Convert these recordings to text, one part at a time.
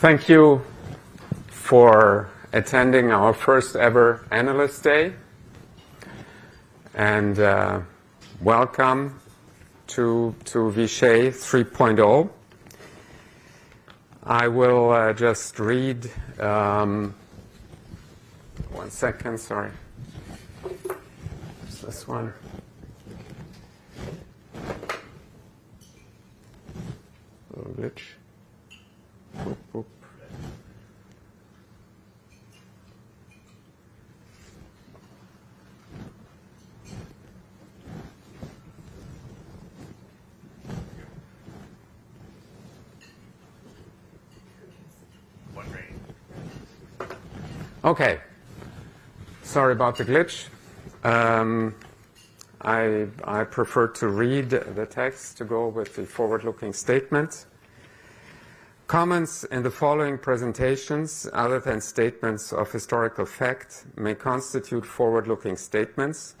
Thank you for attending our first-ever Analyst Day. Welcome to Vishay 3.0. I will just read. One second, sorry. It's this one. Little glitch. Whoop, whoop. One rating. Okay. Sorry about the glitch. I prefer to read the text to go with the forward-looking statements. Comments in the following presentations, other than statements of historical fact, may constitute forward-looking statements.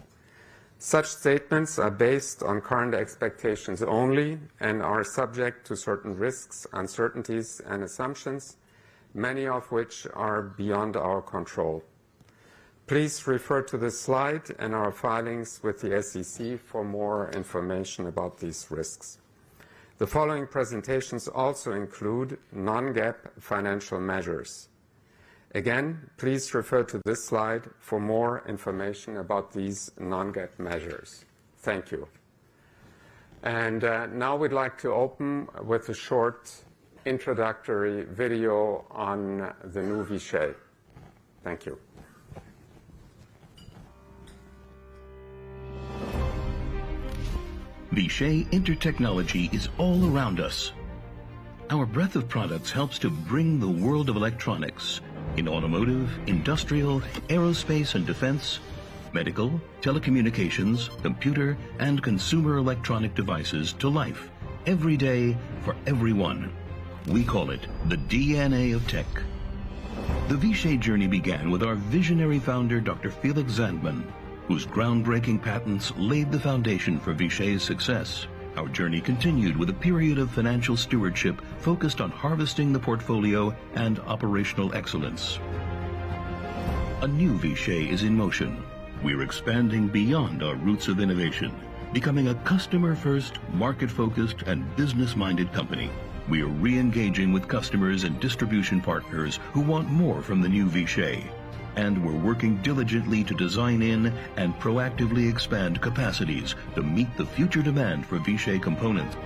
Such statements are based on current expectations only and are subject to certain risks, uncertainties, and assumptions, many of which are beyond our control. Please refer to this slide and our filings with the SEC for more information about these risks. The following presentations also include non-GAAP financial measures. Again, please refer to this slide for more information about these non-GAAP measures. Thank you. And, now we'd like to open with a short introductory video on the new Vishay. Thank you. Vishay Intertechnology is all around us. Our breadth of products helps to bring the world of electronics in automotive, industrial, aerospace, and defense, medical, telecommunications, computer, and consumer electronic devices to life, every day, for everyone. We call it the DNA of tech. The Vishay journey began with our visionary founder, Dr. Felix Zandman, whose groundbreaking patents laid the foundation for Vishay's success. Our journey continued with a period of financial stewardship focused on harvesting the portfolio and operational excellence. A new Vishay is in motion. We're expanding beyond our roots of innovation, becoming a customer-first, market-focused, and business-minded company. We're re-engaging with customers and distribution partners who want more from the new Vishay. And we're working diligently to design-in and proactively expand capacities to meet the future demand for Vishay components.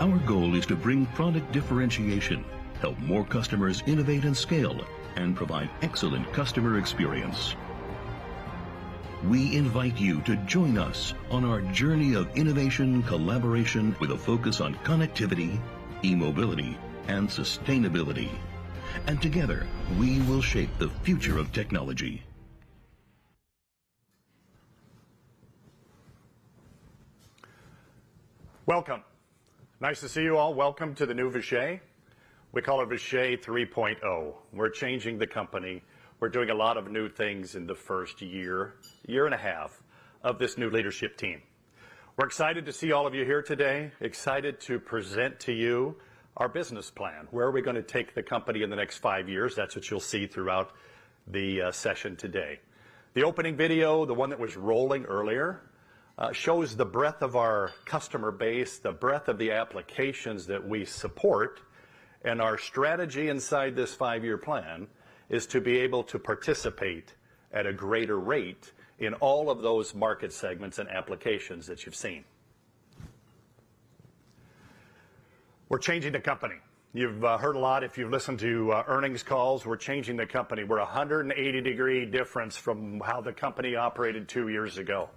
Our goal is to bring product differentiation, help more customers innovate and scale, and provide excellent customer experience. We invite you to join us on our journey of innovation, collaboration, with a focus on connectivity, e-mobility, and sustainability. Together, we will shape the future of technology. Welcome. Nice to see you all. Welcome to the new Vishay. We call it Vishay 3.0. We're changing the company. We're doing a lot of new things in the first year, year and a half, of this new leadership team. We're excited to see all of you here today, excited to present to you our business plan, where we're going to take the company in the next five years. That's what you'll see throughout the session today. The opening video, the one that was rolling earlier, shows the breadth of our customer base, the breadth of the applications that we support. And our strategy inside this five-year plan is to be able to participate at a greater rate in all of those market segments and applications that you've seen. We're changing the company. You've heard a lot if you've listened to earnings calls. We're changing the company. We're 180-degree different from how the company operated two years ago.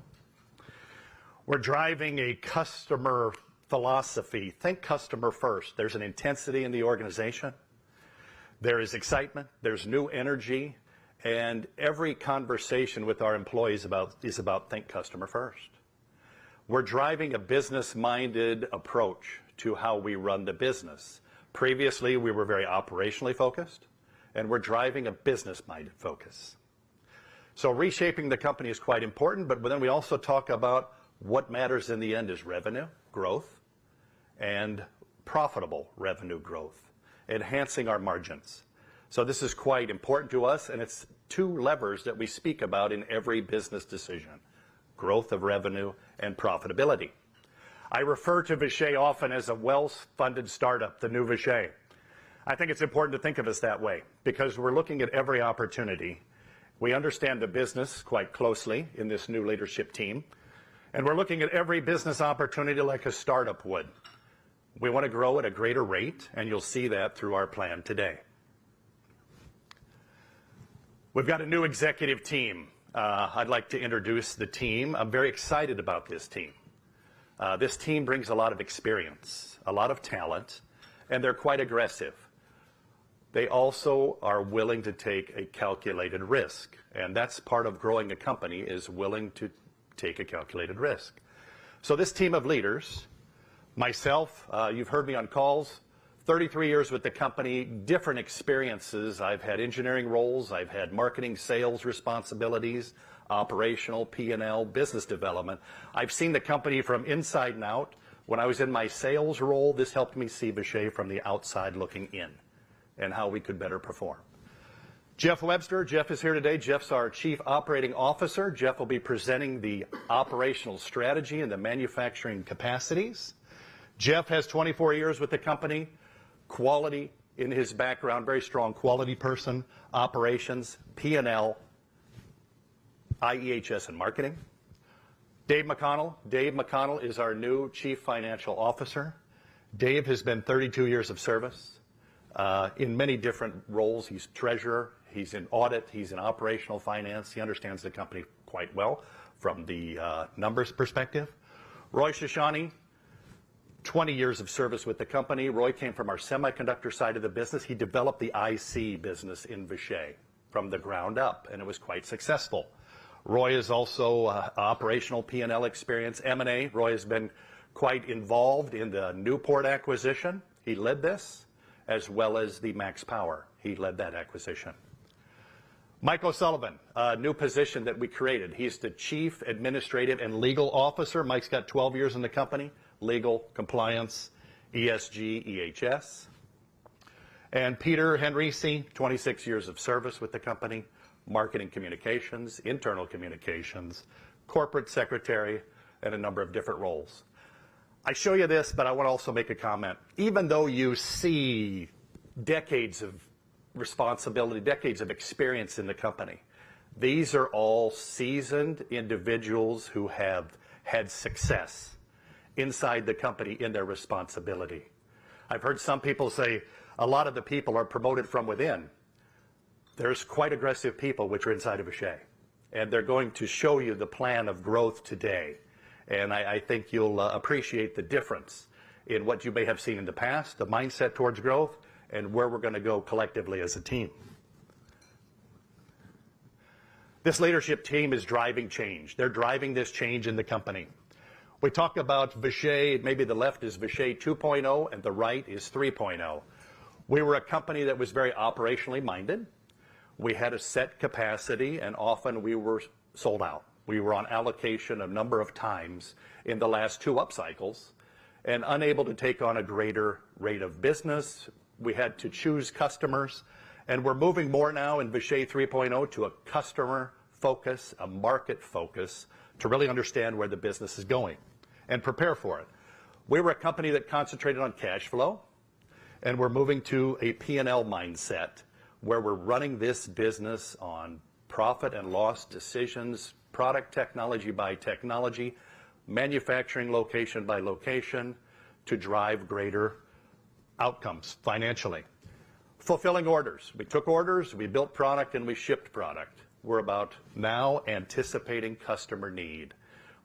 We're driving a customer philosophy. Think customer first. There's an intensity in the organization. There is excitement. There's new energy. And every conversation with our employees about is about think customer first. We're driving a business-minded approach to how we run the business. Previously, we were very operationally focused, and we're driving a business-minded focus. So reshaping the company is quite important. But then we also talk about what matters in the end is revenue growth and profitable revenue growth, enhancing our margins. So this is quite important to us. And it's two levers that we speak about in every business decision: growth of revenue and profitability. I refer to Vishay often as a well-funded startup, the new Vishay. I think it's important to think of us that way because we're looking at every opportunity. We understand the business quite closely in this new leadership team, and we're looking at every business opportunity like a startup would. We want to grow at a greater rate, and you'll see that through our plan today. We've got a new executive team. I'd like to introduce the team. I'm very excited about this team. This team brings a lot of experience, a lot of talent, and they're quite aggressive. They also are willing to take a calculated risk. And that's part of growing a company: is willing to take a calculated risk. So this team of leaders, myself, you've heard me on calls, 33 years with the company, different experiences. I've had engineering roles. I've had marketing, sales responsibilities, operational, P&L, business development. I've seen the company from inside and out. When I was in my sales role, this helped me see Vishay from the outside looking in and how we could better perform. Jeff Webster. Jeff is here today. Jeff's our Chief Operating Officer. Jeff will be presenting the operational strategy and the manufacturing capacities. Jeff has 24 years with the company. Quality in his background, very strong quality person, operations, P&L, IHS, and marketing. Dave McConnell. Dave McConnell is our new Chief Financial Officer. Dave has been 32 years of service, in many different roles. He's treasurer. He's in audit. He's in operational finance. He understands the company quite well from the numbers perspective. Roy Shoshani, 20 years of service with the company. Roy came from our semiconductor side of the business. He developed the IC business in Vishay from the ground up, and it was quite successful. Roy is also, operational P&L experience, M&A. Roy has been quite involved in the Newport acquisition. He led this as well as the MaxPower. He led that acquisition. Michael Sullivan, a new position that we created. He's the Chief Administrative and Legal Officer. Mike's got 12 years in the company: legal, compliance, ESG, EHS. And Peter Henrici, 26 years of service with the company, marketing communications, internal communications, Corporate Secretary, and a number of different roles. I show you this, but I want to also make a comment. Even though you see decades of responsibility, decades of experience in the company, these are all seasoned individuals who have had success inside the company in their responsibility. I've heard some people say a lot of the people are promoted from within. There's quite aggressive people which are inside of Vishay, and they're going to show you the plan of growth today. And I think you'll appreciate the difference in what you may have seen in the past, the mindset towards growth, and where we're going to go collectively as a team. This leadership team is driving change. They're driving this change in the company. We talk about Vishay. Maybe the left is Vishay 2.0 and the right is 3.0. We were a company that was very operationally minded. We had a set capacity, and often we were sold out. We were on allocation a number of times in the last two upcycles and unable to take on a greater rate of business. We had to choose customers. And we're moving more now in Vishay 3.0 to a customer focus, a market focus, to really understand where the business is going and prepare for it. We were a company that concentrated on cash flow, and we're moving to a P&L mindset where we're running this business on profit and loss decisions, product technology by technology, manufacturing location by location, to drive greater outcomes financially. Fulfilling orders. We took orders. We built product, and we shipped product. We're about now anticipating customer need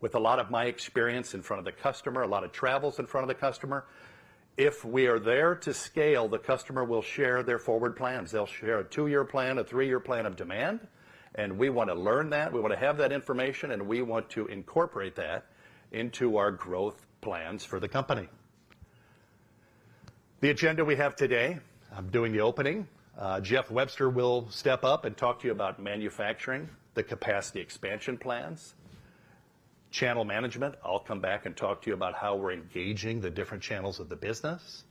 with a lot of my experience in front of the customer, a lot of travels in front of the customer. If we are there to scale, the customer will share their forward plans. They'll share a two-year plan, a three-year plan of demand. And we want to learn that. We want to have that information, and we want to incorporate that into our growth plans for the company. The agenda we have today. I'm doing the opening. Jeff Webster will step up and talk to you about manufacturing, the capacity expansion plans, channel management. I'll come back and talk to you about how we're engaging the different channels of the business.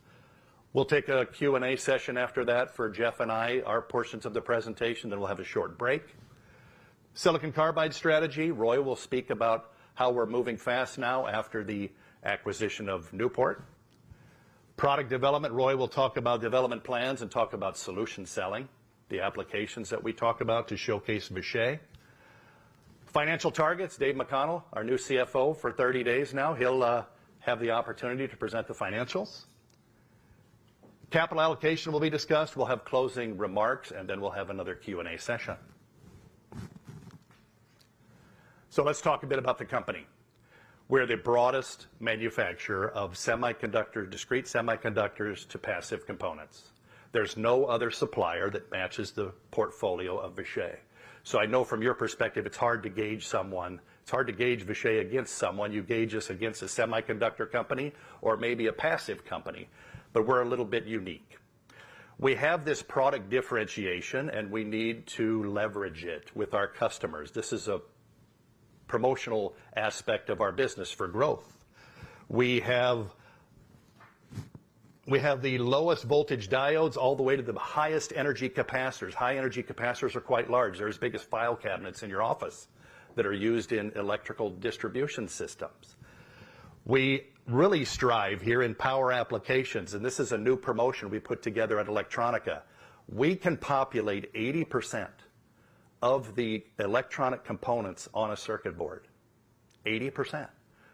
We'll take a Q&A session after that for Jeff and I, our portions of the presentation. Then we'll have a short break. silicon carbide strategy. Roy will speak about how we're moving fast now after the acquisition of Newport. Product development. Roy will talk about development plans and talk about solution selling, the applications that we talk about to showcase Vishay. Financial targets. Dave McConnell, our new CFO for 30 days now, he'll have the opportunity to present the financials. Capital allocation will be discussed. We'll have closing remarks, and then we'll have another Q&A session. So let's talk a bit about the company. We're the broadest manufacturer of semiconductors, discrete semiconductors to passive components. There's no other supplier that matches the portfolio of Vishay. So I know from your perspective, it's hard to gauge someone. It's hard to gauge Vishay against someone. You gauge us against a semiconductor company or maybe a passive company. But we're a little bit unique. We have this product differentiation, and we need to leverage it with our customers. This is a promotional aspect of our business for growth. We have the lowest voltage diodes all the way to the highest energy capacitors. High energy capacitors are quite large. They're as big as file cabinets in your office that are used in electrical distribution systems. We really strive here in power applications. And this is a new promotion we put together at Electronica. We can populate 80% of the electronic components on a circuit board, 80%.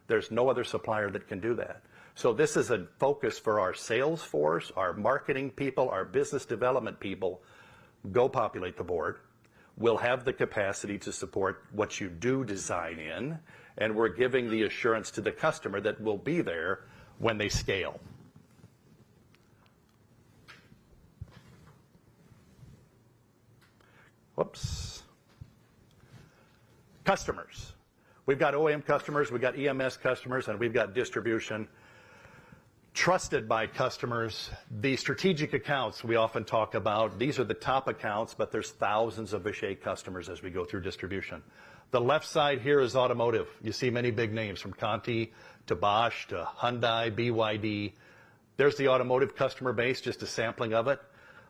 There's no other supplier that can do that. So this is a focus for our sales force, our marketing people, our business development people. Go populate the board. We'll have the capacity to support what you do design in. And we're giving the assurance to the customer that we'll be there when they scale. Oops. Customers. We've got OEM customers. We've got EMS customers, and we've got distribution trusted by customers. The strategic accounts we often talk about, these are the top accounts. But there's thousands of Vishay customers as we go through distribution. The left side here is automotive. You see many big names from Conti to Bosch to Hyundai, BYD. There's the automotive customer base, just a sampling of it.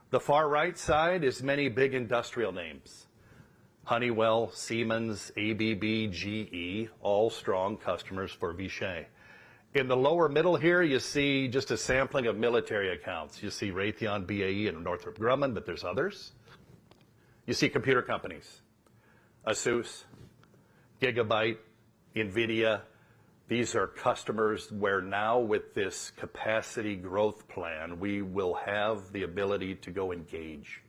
The far right side is many big industrial names: Honeywell, Siemens, ABB, GE, all strong customers for Vishay. In the lower middle here, you see just a sampling of military accounts. You see Raytheon, BAE, and Northrop Grumman. But there's others. You see computer companies: ASUS, Gigabyte, NVIDIA. These are customers where now, with this capacity growth plan, we will have the ability to go engage,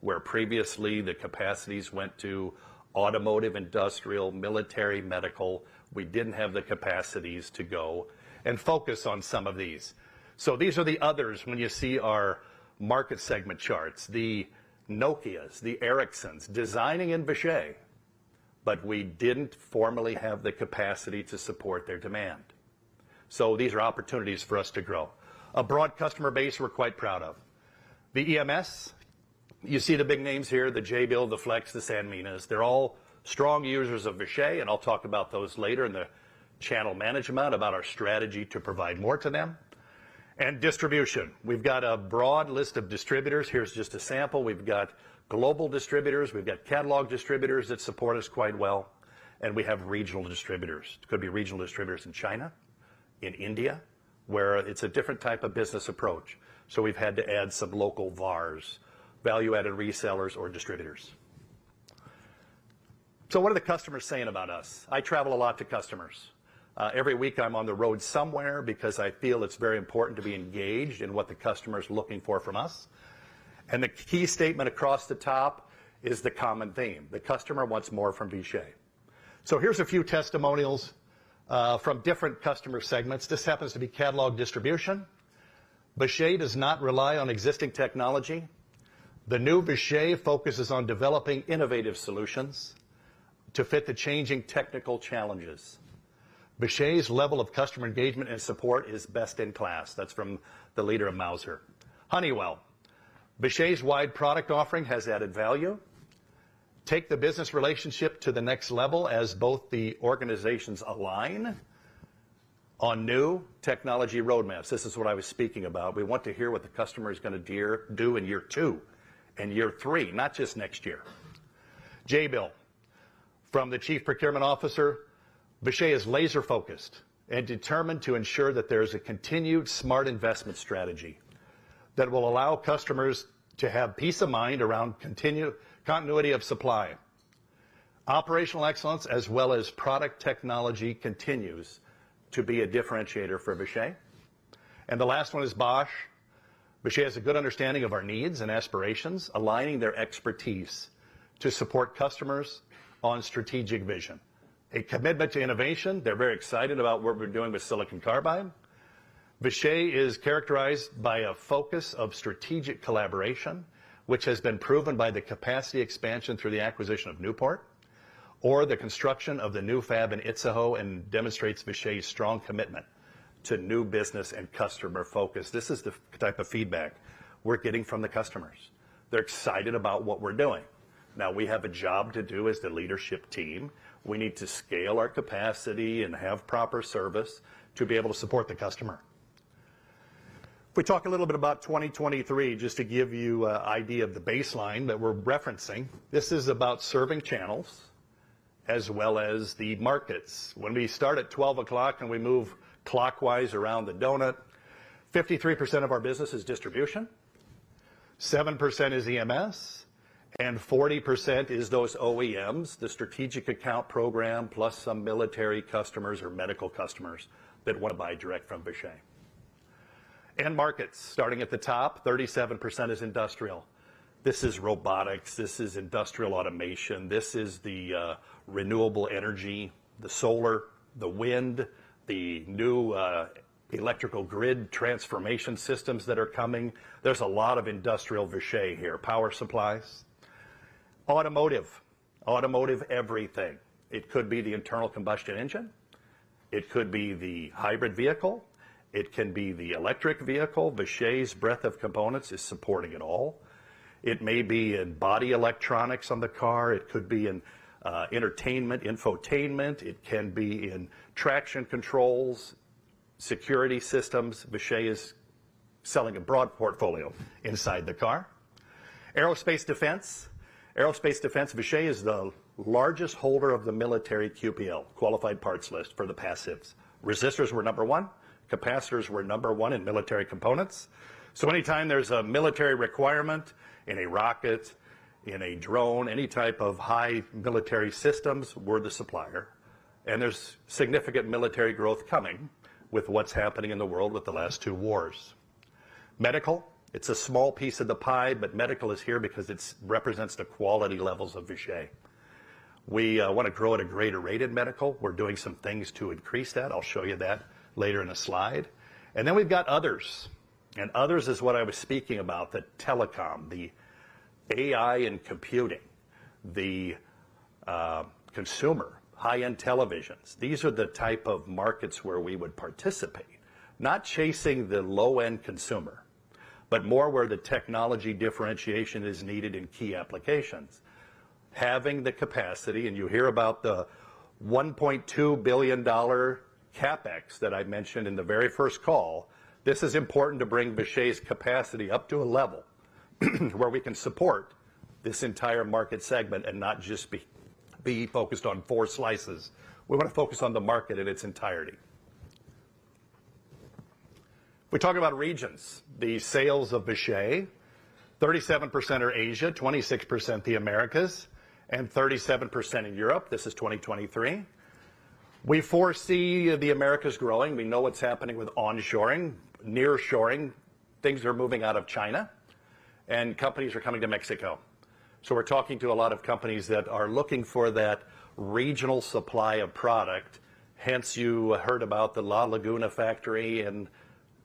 where previously the capacities went to automotive, industrial, military, medical. We didn't have the capacities to go and focus on some of these. So these are the others. When you see our market segment charts, the Nokias, the Ericssons, designing in Vishay, but we didn't formally have the capacity to support their demand. So these are opportunities for us to grow. A broad customer base we're quite proud of: the EMS. You see the big names here: the Jabil, the Flex, the Sanminas. They're all strong users of Vishay. And I'll talk about those later in the channel management, about our strategy to provide more to them and distribution. We've got a broad list of distributors. Here's just a sample. We've got global distributors. We've got catalog distributors that support us quite well. And we have regional distributors. It could be regional distributors in China, in India, where it's a different type of business approach. So we've had to add some local VARs, value-added resellers, or distributors. So what are the customers saying about us? I travel a lot to customers. Every week I'm on the road somewhere because I feel it's very important to be engaged in what the customer is looking for from us. And the key statement across the top is the common theme: the customer wants more from Vishay. So here's a few testimonials, from different customer segments. This happens to be catalog distribution. Vishay does not rely on existing technology. The new Vishay focuses on developing innovative solutions to fit the changing technical challenges. Vishay's level of customer engagement and support is best in class. That's from the leader of Mouser. Honeywell. Vishay's wide product offering has added value. Take the business relationship to the next level as both the organizations align on new technology roadmaps. This is what I was speaking about. We want to hear what the customer is going to do in year two and year three, not just next year. Jabil. From the chief procurement officer, Vishay is laser-focused and determined to ensure that there is a continued smart investment strategy that will allow customers to have peace of mind around continuity of supply. Operational excellence, as well as product technology, continues to be a differentiator for Vishay. And the last one is Bosch. Vishay has a good understanding of our needs and aspirations, aligning their expertise to support customers on strategic vision, a commitment to innovation. They're very excited about what we're doing with silicon carbide. Vishay is characterized by a focus of strategic collaboration, which has been proven by the capacity expansion through the acquisition of Newport or the construction of the new fab in Itzehoe and demonstrates Vishay's strong commitment to new business and customer focus. This is the type of feedback we're getting from the customers. They're excited about what we're doing. Now, we have a job to do as the leadership team. We need to scale our capacity and have proper service to be able to support the customer. If we talk a little bit about 2023, just to give you an idea of the baseline that we're referencing, this is about serving channels as well as the markets. When we start at 12:00 and we move clockwise around the donut, 53% of our business is distribution, 7% is EMS, and 40% is those OEMs, the strategic account program, plus some military customers or medical customers that want to buy direct from Vishay and markets. Starting at the top, 37% is industrial. This is robotics. This is industrial automation. This is the renewable energy, the solar, the wind, the new electrical grid transformation systems that are coming. There's a lot of industrial Vishay here: power supplies, automotive, automotive, everything. It could be the internal combustion engine. It could be the hybrid vehicle. It can be the electric vehicle. Vishay's breadth of components is supporting it all. It may be in body electronics on the car. It could be in entertainment, infotainment. It can be in traction controls, security systems. Vishay is selling a broad portfolio inside the car. Aerospace defense, aerospace defense. Vishay is the largest holder of the military QPL, qualified parts list for the passives. Resistors were number one. Capacitors were number one in military components. So anytime there's a military requirement in a rocket, in a drone, any type of high military systems, we're the supplier. And there's significant military growth coming with what's happening in the world with the last two wars. Medical. It's a small piece of the pie, but medical is here because it represents the quality levels of Vishay. We want to grow at a greater rate in medical. We're doing some things to increase that. I'll show you that later in a slide. And then we've got others. And others is what I was speaking about, the telecom, the AI and computing, the consumer, high-end televisions. These are the type of markets where we would participate, not chasing the low-end consumer, but more where the technology differentiation is needed in key applications, having the capacity. And you hear about the $1.2 billion CapEx that I mentioned in the very first call. This is important to bring Vishay's capacity up to a level where we can support this entire market segment and not just be focused on four slices. We want to focus on the market in its entirety. If we talk about regions, the sales of Vishay, 37% are Asia, 26% the Americas, and 37% in Europe. This is 2023. We foresee the Americas growing. We know what's happening with onshoring, nearshoring. Things are moving out of China, and companies are coming to Mexico. So we're talking to a lot of companies that are looking for that regional supply of product. Hence, you heard about the La Laguna factory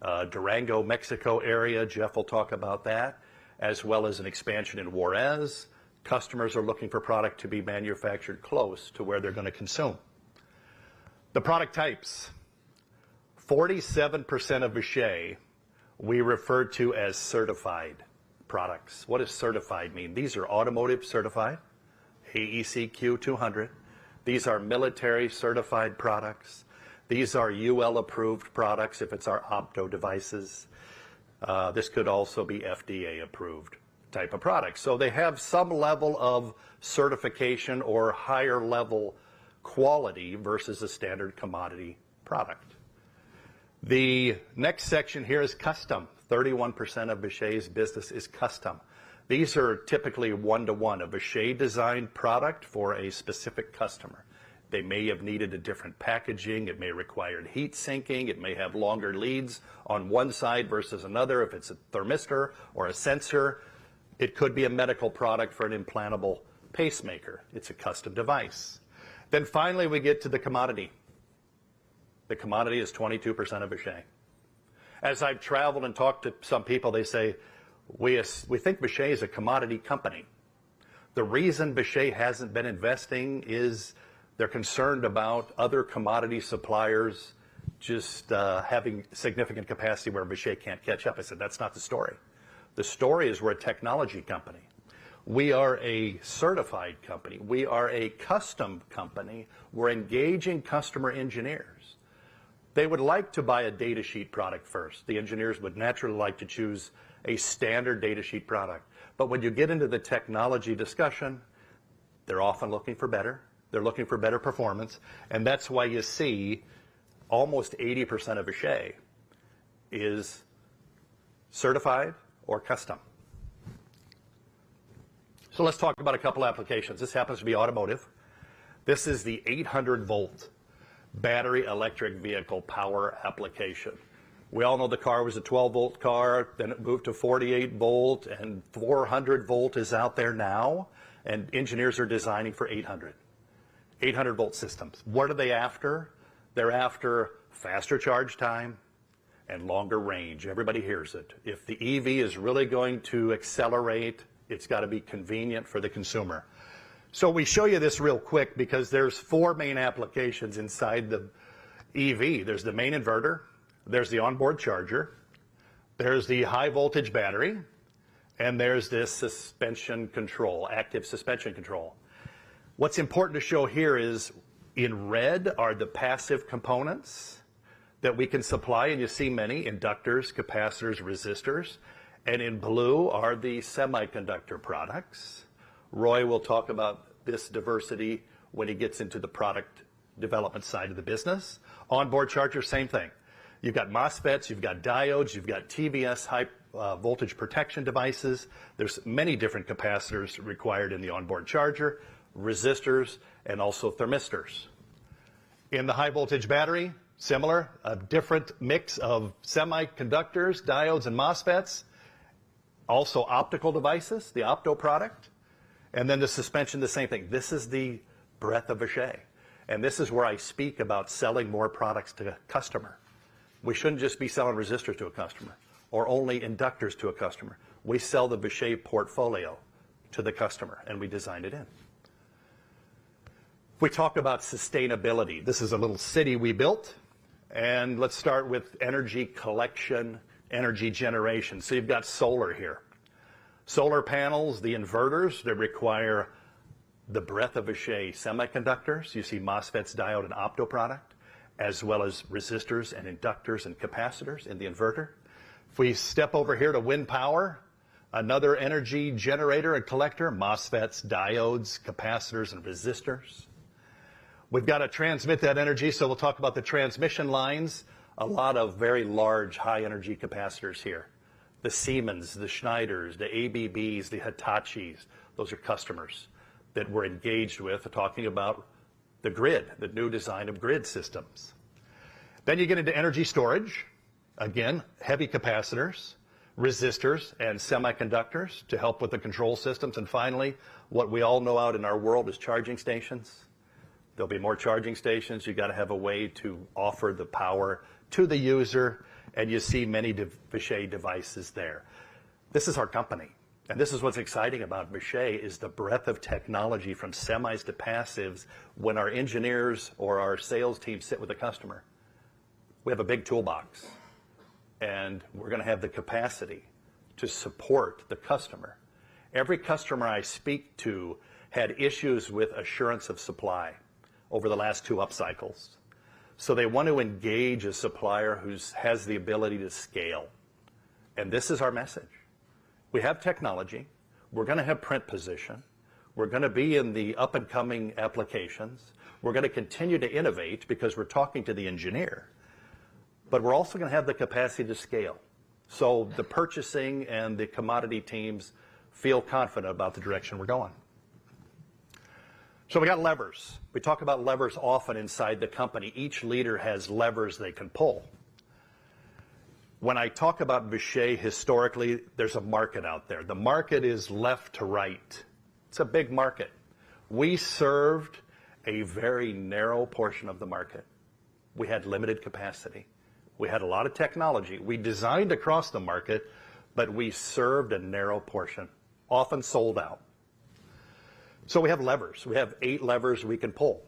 in Durango, Mexico area. Jeff will talk about that, as well as an expansion in Juárez. Customers are looking for product to be manufactured close to where they're going to consume the product types. 47% of Vishay we refer to as certified products. What does certified mean? These are automotive certified AEC-Q200. These are military certified products. These are UL approved products. If it's our Opto devices, this could also be FDA approved type of product. So they have some level of certification or higher level quality versus a standard commodity product. The next section here is custom. 31% of Vishay's business is custom. These are typically one-to-one a Vishay designed product for a specific customer. They may have needed a different packaging. It may require heat sinking. It may have longer leads on one side versus another. If it's a thermistor or a sensor, it could be a medical product for an implantable pacemaker. It's a custom device. Then finally, we get to the commodity. The commodity is 22% of Vishay. As I've traveled and talked to some people, they say, "We think Vishay is a commodity company." The reason Vishay hasn't been investing is they're concerned about other commodity suppliers just, having significant capacity where Vishay can't catch up. I said, "That's not the story." The story is we're a technology company. We are a certified company. We are a custom company. We're engaging customer engineers. They would like to buy a data sheet product first. The engineers would naturally like to choose a standard data sheet product. But when you get into the technology discussion, they're often looking for better. They're looking for better performance. And that's why you see almost 80% of Vishay is certified or custom. So let's talk about a couple of applications. This happens to be automotive. This is the 800-volt battery electric vehicle power application. We all know the car was a 12-volt car. Then it moved to 48-volt, and 400-volt is out there now. And engineers are designing for 800, 800-volt systems. What are they after? They're after faster charge time and longer range. Everybody hears it. If the EV is really going to accelerate, it's got to be convenient for the consumer. So we show you this real quick because there's four main applications inside the EV. There's the main inverter, there's the onboard charger, there's the high-voltage battery, and there's this suspension control, active suspension control. What's important to show here is in red are the passive components that we can supply. You see many inductors, capacitors, resistors. In blue are the semiconductor products. Roy will talk about this diversity when he gets into the product development side of the business. Onboard charger. Same thing. You've got MOSFETs, you've got diodes, you've got TVS high voltage protection devices. There's many different capacitors required in the onboard charger, resistors, and also thermistors in the high voltage battery. Similar, a different mix of semiconductors, diodes, and MOSFETs. Also optical devices, the OPTO product. Then the suspension. The same thing. This is the breadth of Vishay. This is where I speak about selling more products to a customer. We shouldn't just be selling resistors to a customer or only inductors to a customer. We sell the Vishay portfolio to the customer, and we design it in. If we talk about sustainability, this is a little city we built. Let's start with energy collection, energy generation. You've got solar here, solar panels, the inverters that require the breadth of Vishay semiconductors. You see MOSFETs, diodes, and OPTO product, as well as resistors and inductors and capacitors in the inverter. If we step over here to wind power, another energy generator and collector, MOSFETs, diodes, capacitors, and resistors. We've got to transmit that energy. We'll talk about the transmission lines. A lot of very large, high energy capacitors here. The Siemens, the Schneiders, the ABBs, the Hitachis. Those are customers that we're engaged with. We're talking about the grid, the new design of grid systems. You get into energy storage. Again, heavy capacitors, resistors, and semiconductors to help with the control systems. Finally, what we all know out in our world is charging stations. There'll be more charging stations. You got to have a way to offer the power to the user. You see many Vishay devices there. This is our company. This is what's exciting about Vishay, is the breadth of technology from semis to passives. When our engineers or our sales team sit with a customer, we have a big toolbox and we're going to have the capacity to support the customer. Every customer I speak to had issues with assurance of supply over the last two upcycles, so they want to engage a supplier who has the ability to scale. This is our message. We have technology. We're going to have front position. We're going to be in the up-and-coming applications. We're going to continue to innovate because we're talking to the engineer, but we're also going to have the capacity to scale so the purchasing and the commodity teams feel confident about the direction we're going. So we got levers. We talk about levers often inside the company. Each leader has levers they can pull. When I talk about Vishay, historically, there's a market out there. The market is left to right. It's a big market. We served a very narrow portion of the market. We had limited capacity. We had a lot of technology. We designed across the market, but we served a narrow portion, often sold out. So we have levers. We have eight levers we can pull.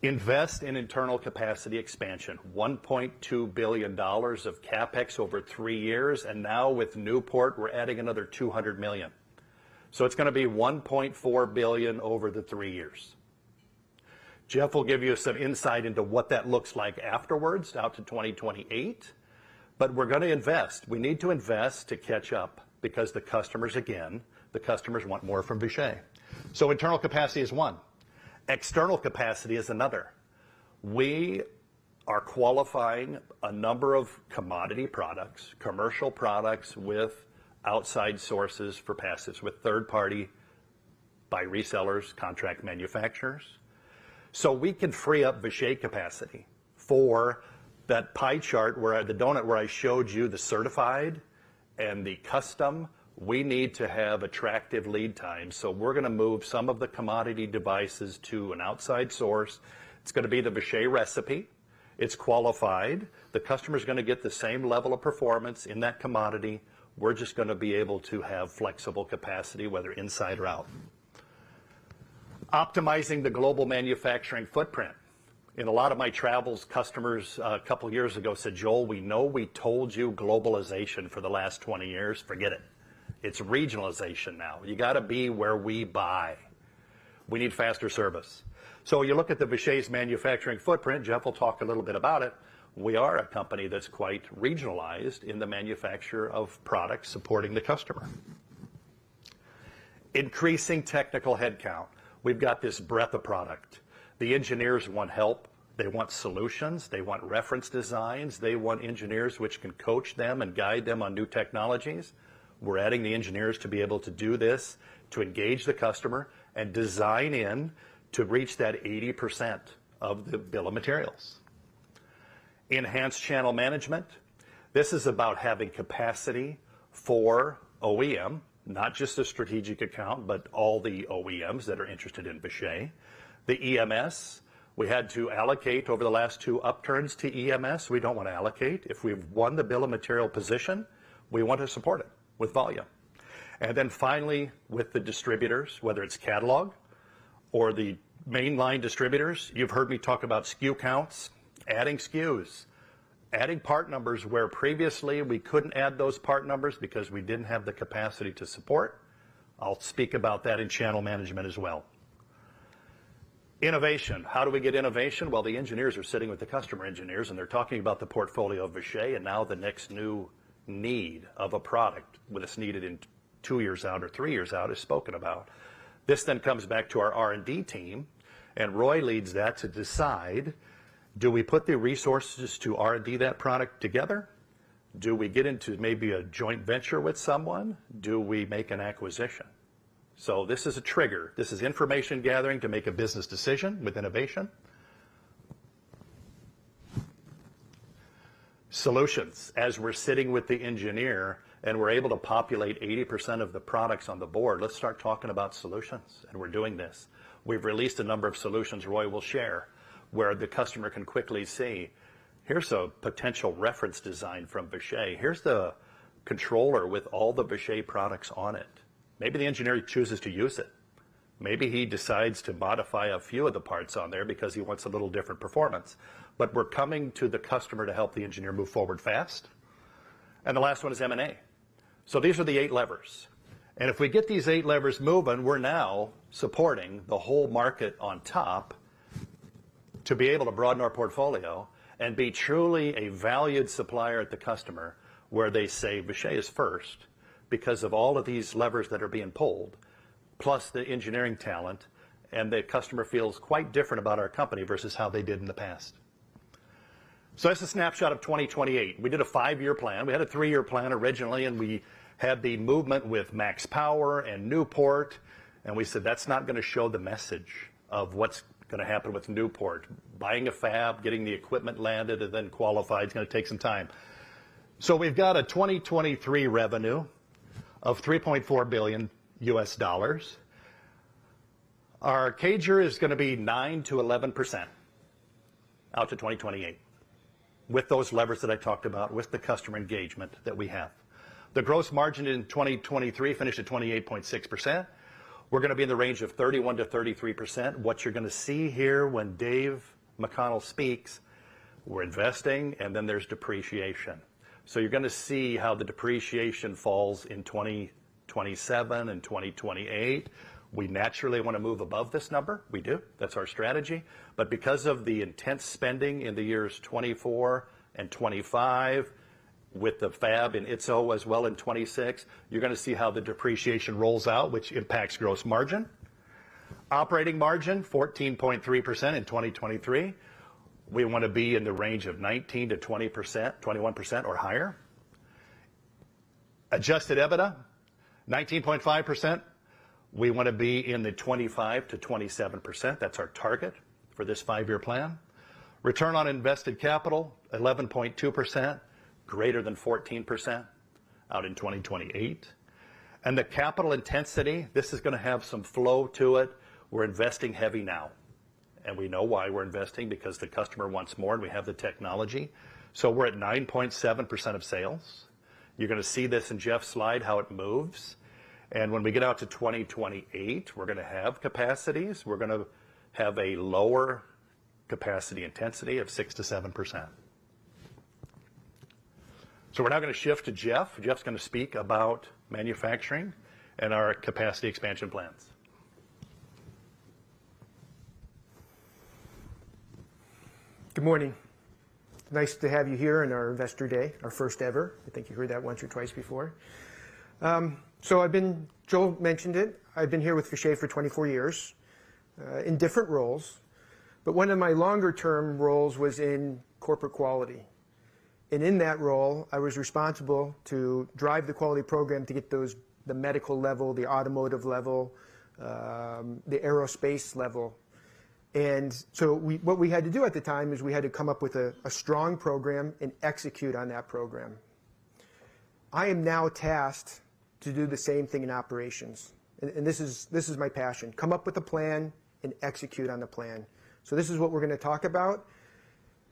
Invest in internal capacity expansion, $1.2 billion of CapEx over three years. And now with Newport, we're adding another $200 million. So it's going to be $1.4 billion over the three years. Jeff will give you some insight into what that looks like afterwards, out to 2028. But we're going to invest. We need to invest to catch up because the customers, again, the customers want more from Vishay. So internal capacity is one. External capacity is another. We are qualifying a number of commodity products, commercial products with outside sources for passives, with third-party resellers, contract manufacturers, so we can free up Vishay capacity for that pie chart where the donut where I showed you the certified and the custom. We need to have attractive lead times. So we're going to move some of the commodity devices to an outside source. It's going to be the Vishay recipe. It's qualified. The customer is going to get the same level of performance in that commodity. We're just going to be able to have flexible capacity, whether inside or out, optimizing the global manufacturing footprint. In a lot of my travels, customers a couple of years ago said, "Joel, we know we told you globalization for the last 20 years. Forget it. It's regionalization now. You got to be where we buy. We need faster service." So you look at the Vishay's manufacturing footprint. Jeff will talk a little bit about it. We are a company that's quite regionalized in the manufacture of products supporting the customer. Increasing technical headcount. We've got this breadth of product. The engineers want help. They want solutions. They want reference designs. They want engineers which can coach them and guide them on new technologies. We're adding the engineers to be able to do this, to engage the customer and design in to reach that 80% of the bill of materials. Enhanced channel management. This is about having capacity for OEM, not just a strategic account, but all the OEMs that are interested in Vishay, the EMS. We had to allocate over the last two upturns to EMS. We don't want to allocate. If we've won the bill of material position, we want to support it with volume. And then finally, with the distributors, whether it's catalog or the mainline distributors. You've heard me talk about SKU counts, adding SKUs, adding part numbers where previously we couldn't add those part numbers because we didn't have the capacity to support. I'll speak about that in channel management as well. Innovation. How do we get innovation? Well, the engineers are sitting with the customer engineers and they're talking about the portfolio of Vishay and now the next new need of a product that's needed in two years out or three years out is spoken about. This then comes back to our R&D team, and Roy leads that to decide, do we put the resources to R&D that product together? Do we get into maybe a joint venture with someone? Do we make an acquisition? So this is a trigger. This is information gathering to make a business decision with innovation. Solutions. As we're sitting with the engineer and we're able to populate 80% of the products on the board, let's start talking about solutions. And we're doing this. We've released a number of solutions Roy will share where the customer can quickly see, here's a potential reference design from Vishay. Here's the controller with all the Vishay products on it. Maybe the engineer chooses to use it. Maybe he decides to modify a few of the parts on there because he wants a little different performance. But we're coming to the customer to help the engineer move forward fast. And the last one is M&A. So these are the eight levers. And if we get these eight levers moving, we're now supporting the whole market on top to be able to broaden our portfolio and be truly a valued supplier at the customer where they say Vishay is first because of all of these levers that are being pulled, plus the engineering talent, and the customer feels quite different about our company versus how they did in the past. So that's a snapshot of 2028. We did a five-year plan. We had a three-year plan originally, and we had the movement with MaxPower and Newport, and we said, "That's not going to show the message of what's going to happen with Newport. Buying a fab, getting the equipment landed, and then qualified is going to take some time." So we've got a 2023 revenue of $3.4 billion. Our CAGR is going to be 9%-11% out to 2028 with those levers that I talked about, with the customer engagement that we have. The gross margin in 2023 finished at 28.6%. We're going to be in the range of 31%-33%. What you're going to see here when Dave McConnell speaks, we're investing, and then there's depreciation. So you're going to see how the depreciation falls in 2027 and 2028. We naturally want to move above this number. We do. That's our strategy. But because of the intense spending in the years 2024 and 2025 with the fab in itself as well in 2026, you're going to see how the depreciation rolls out, which impacts gross margin. Operating margin 14.3% in 2023. We want to be in the range of 19%-20%, 21% or higher. Adjusted EBITDA 19.5%. We want to be in the 25%-27%. That's our target for this five-year plan. Return on invested capital 11.2%, greater than 14% out in 2028. And the capital intensity, this is going to have some flow to it. We're investing heavy now, and we know why we're investing because the customer wants more and we have the technology. So we're at 9.7% of sales. You're going to see this in Jeff's slide, how it moves. And when we get out to 2028, we're going to have capacities. We're going to have a lower capacity intensity of 6%-7%. So we're now going to shift to Jeff. Jeff's going to speak about manufacturing and our capacity expansion plans. Good morning. Nice to have you here on our investor day, our first ever. I think you heard that once or twice before. So as Joel mentioned it. I've been here with Vishay for 24 years in different roles. But one of my longer term roles was in corporate quality. And in that role, I was responsible to drive the quality program to get to the medical level, the automotive level, the aerospace level. And so what we had to do at the time is we had to come up with a strong program and execute on that program. I am now tasked to do the same thing in operations. And this is my passion. Come up with a plan and execute on the plan. So this is what we're going to talk about.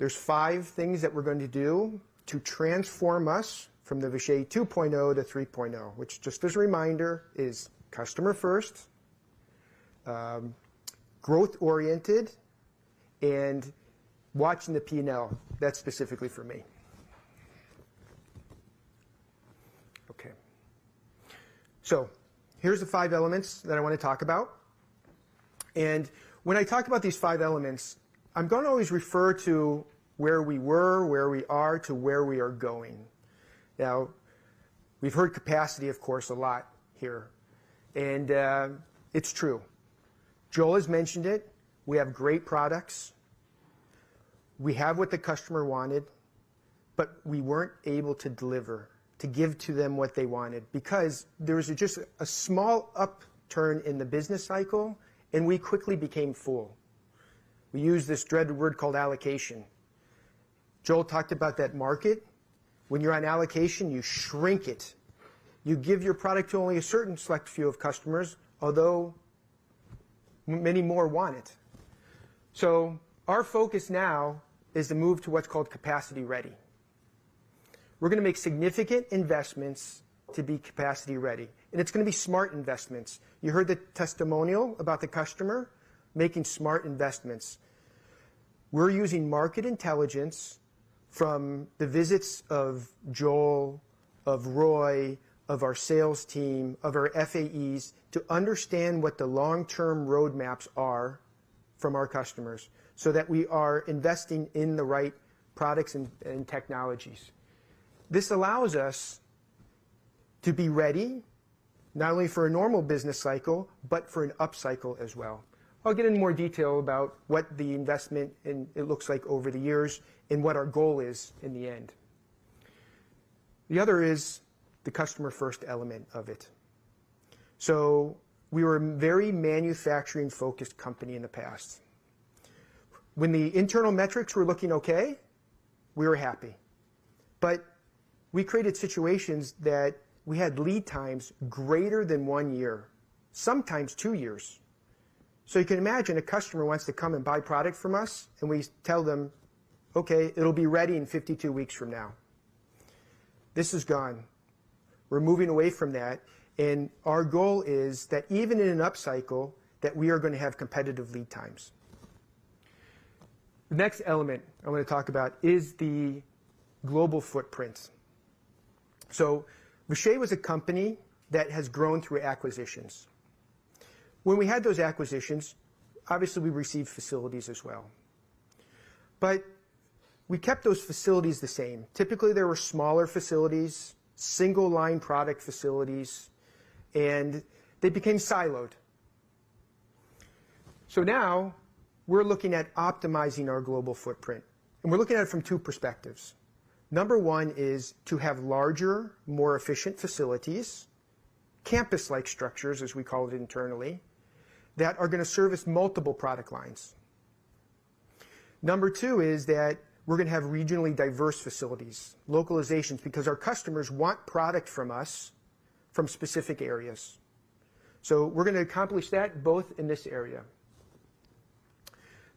are five things that we're going to do to transform us from the Vishay 2.0 to 3.0, which just as a reminder is customer first, growth oriented, and watching the P&L. That's specifically for me. Okay. So here's the five elements that I want to talk about. And when I talk about these five elements, I'm going to always refer to where we were, where we are, to where we are going. Now, we've heard capacity, of course, a lot here, and it's true. Joel has mentioned it. We have great products. We have what the customer wanted, but we weren't able to deliver, to give to them what they wanted because there was just a small upturn in the business cycle and we quickly became full. We use this dreaded word called allocation. Joel talked about that market. When you're on allocation, you shrink it. You give your product to only a certain select few of customers, although many more want it. So our focus now is to move to what's called capacity ready. We're going to make significant investments to be capacity ready, and it's going to be smart investments. You heard the testimonial about the customer making smart investments. We're using market intelligence from the visits of Joel, of Roy, of our sales team, of our FAEs to understand what the long term roadmaps are from our customers so that we are investing in the right products and technologies. This allows us to be ready not only for a normal business cycle, but for an upcycle as well. I'll get in more detail about what the investment looks like over the years and what our goal is in the end. The other is the customer first element of it. So we were a very manufacturing-focused company in the past. When the internal metrics were looking okay, we were happy. But we created situations that we had lead times greater than one year, sometimes two years. So you can imagine a customer wants to come and buy product from us and we tell them, okay, it'll be ready in 52 weeks from now. This is gone. We're moving away from that. Our goal is that even in an upcycle that we are going to have competitive lead times. The next element I want to talk about is the global footprints. So Vishay was a company that has grown through acquisitions. When we had those acquisitions, obviously we received facilities as well, but we kept those facilities the same. Typically there were smaller facilities, single line product facilities, and they became siloed. So now we're looking at optimizing our global footprint and we're looking at it from two perspectives. Number one is to have larger, more efficient facilities, campus-like structures as we call it internally, that are going to service multiple product lines. Number two is that we're going to have regionally diverse facilities, localizations, because our customers want product from us from specific areas. So we're going to accomplish that both in this area.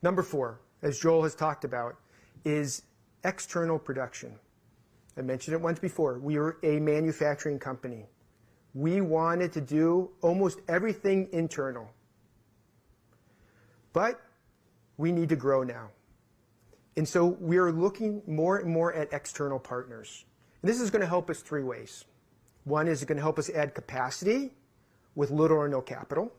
Number four, as Joel has talked about, is external production. I mentioned it once before. We were a manufacturing company. We wanted to do almost everything internal, but we need to grow now. And so we are looking more and more at external partners. And this is going to help us three ways. one is it's going to help us add capacity with little or no capital.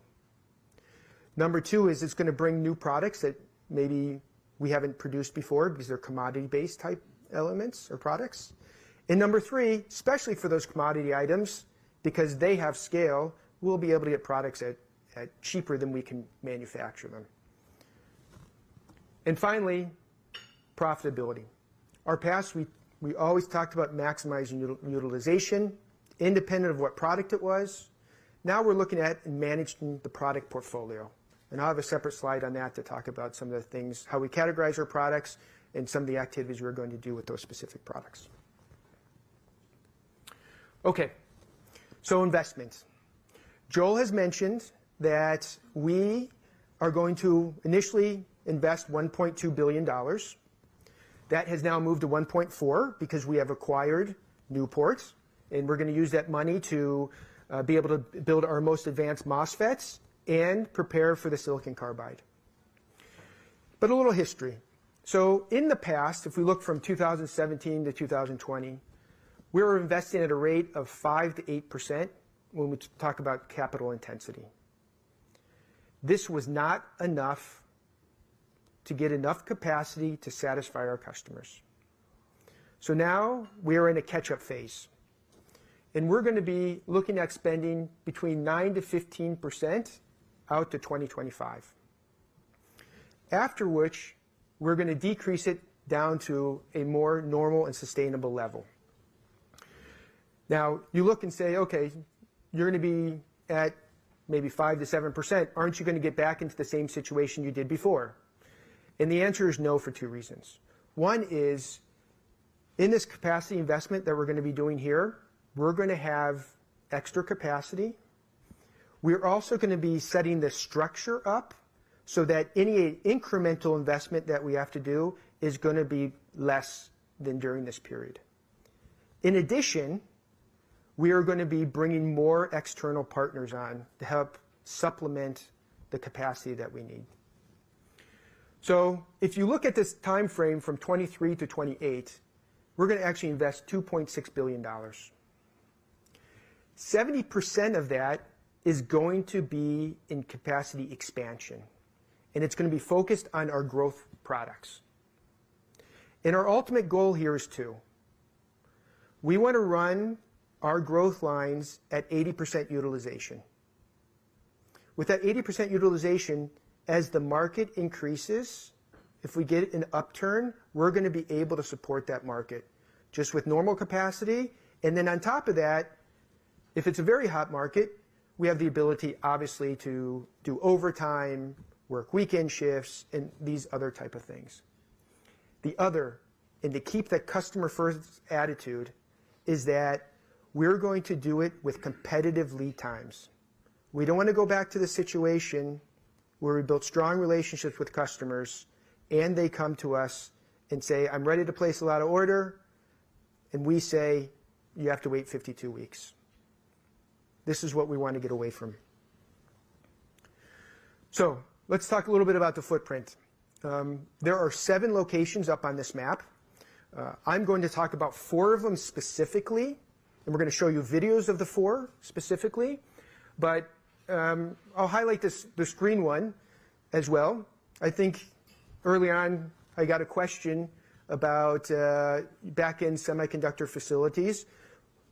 Number two is it's going to bring new products that maybe we haven't produced before because they're commodity based type elements or products. And number three, especially for those commodity items, because they have scale, we'll be able to get products at cheaper than we can manufacture them. And finally, profitability. Our past, we always talked about maximizing utilization independent of what product it was. Now we're looking at managing the product portfolio. And I'll have a separate slide on that to talk about some of the things, how we categorize our products and some of the activities we're going to do with those specific products. Okay. So investments. Joel has mentioned that we are going to initially invest $1.2 billion. That has now moved to $1.4 billion because we have acquired Newport and we're going to use that money to be able to build our most advanced MOSFETs and prepare for the silicon carbide. But a little history. So in the past, if we look from 2017 to 2020, we were investing at a rate of 5%-8% when we talk about capital intensity. This was not enough to get enough capacity to satisfy our customers. So now we are in a catch up phase and we're going to be looking at spending between 9%-15% out to 2025, after which we're going to decrease it down to a more normal and sustainable level. Now you look and say, okay, you're going to be at maybe 5%-7%. Aren't you going to get back into the same situation you did before? The answer is no for two reasons. One is in this capacity investment that we're going to be doing here, we're going to have extra capacity. We're also going to be setting the structure up so that any incremental investment that we have to do is going to be less than during this period. In addition, we are going to be bringing more external partners on to help supplement the capacity that we need. So if you look at this time frame from 2023 to 2028, we're going to actually invest $2.6 billion. 70% of that is going to be in capacity expansion and it's going to be focused on our growth products. And our ultimate goal here is two. We want to run our growth lines at 80% utilization. With that 80% utilization, as the market increases, if we get an upturn, we're going to be able to support that market just with normal capacity. And then on top of that, if it's a very hot market, we have the ability, obviously, to do overtime, work weekend shifts, and these other type of things. The other, and to keep that customer first attitude, is that we're going to do it with competitive lead times. We don't want to go back to the situation where we built strong relationships with customers and they come to us and say, I'm ready to place a lot of order. And we say, you have to wait 52 weeks. This is what we want to get away from. So let's talk a little bit about the footprint. There are seven locations up on this map. I'm going to talk about four of them specifically and we're going to show you videos of the four specifically. But I'll highlight the screen one as well. I think early on I got a question about back end semiconductor facilities.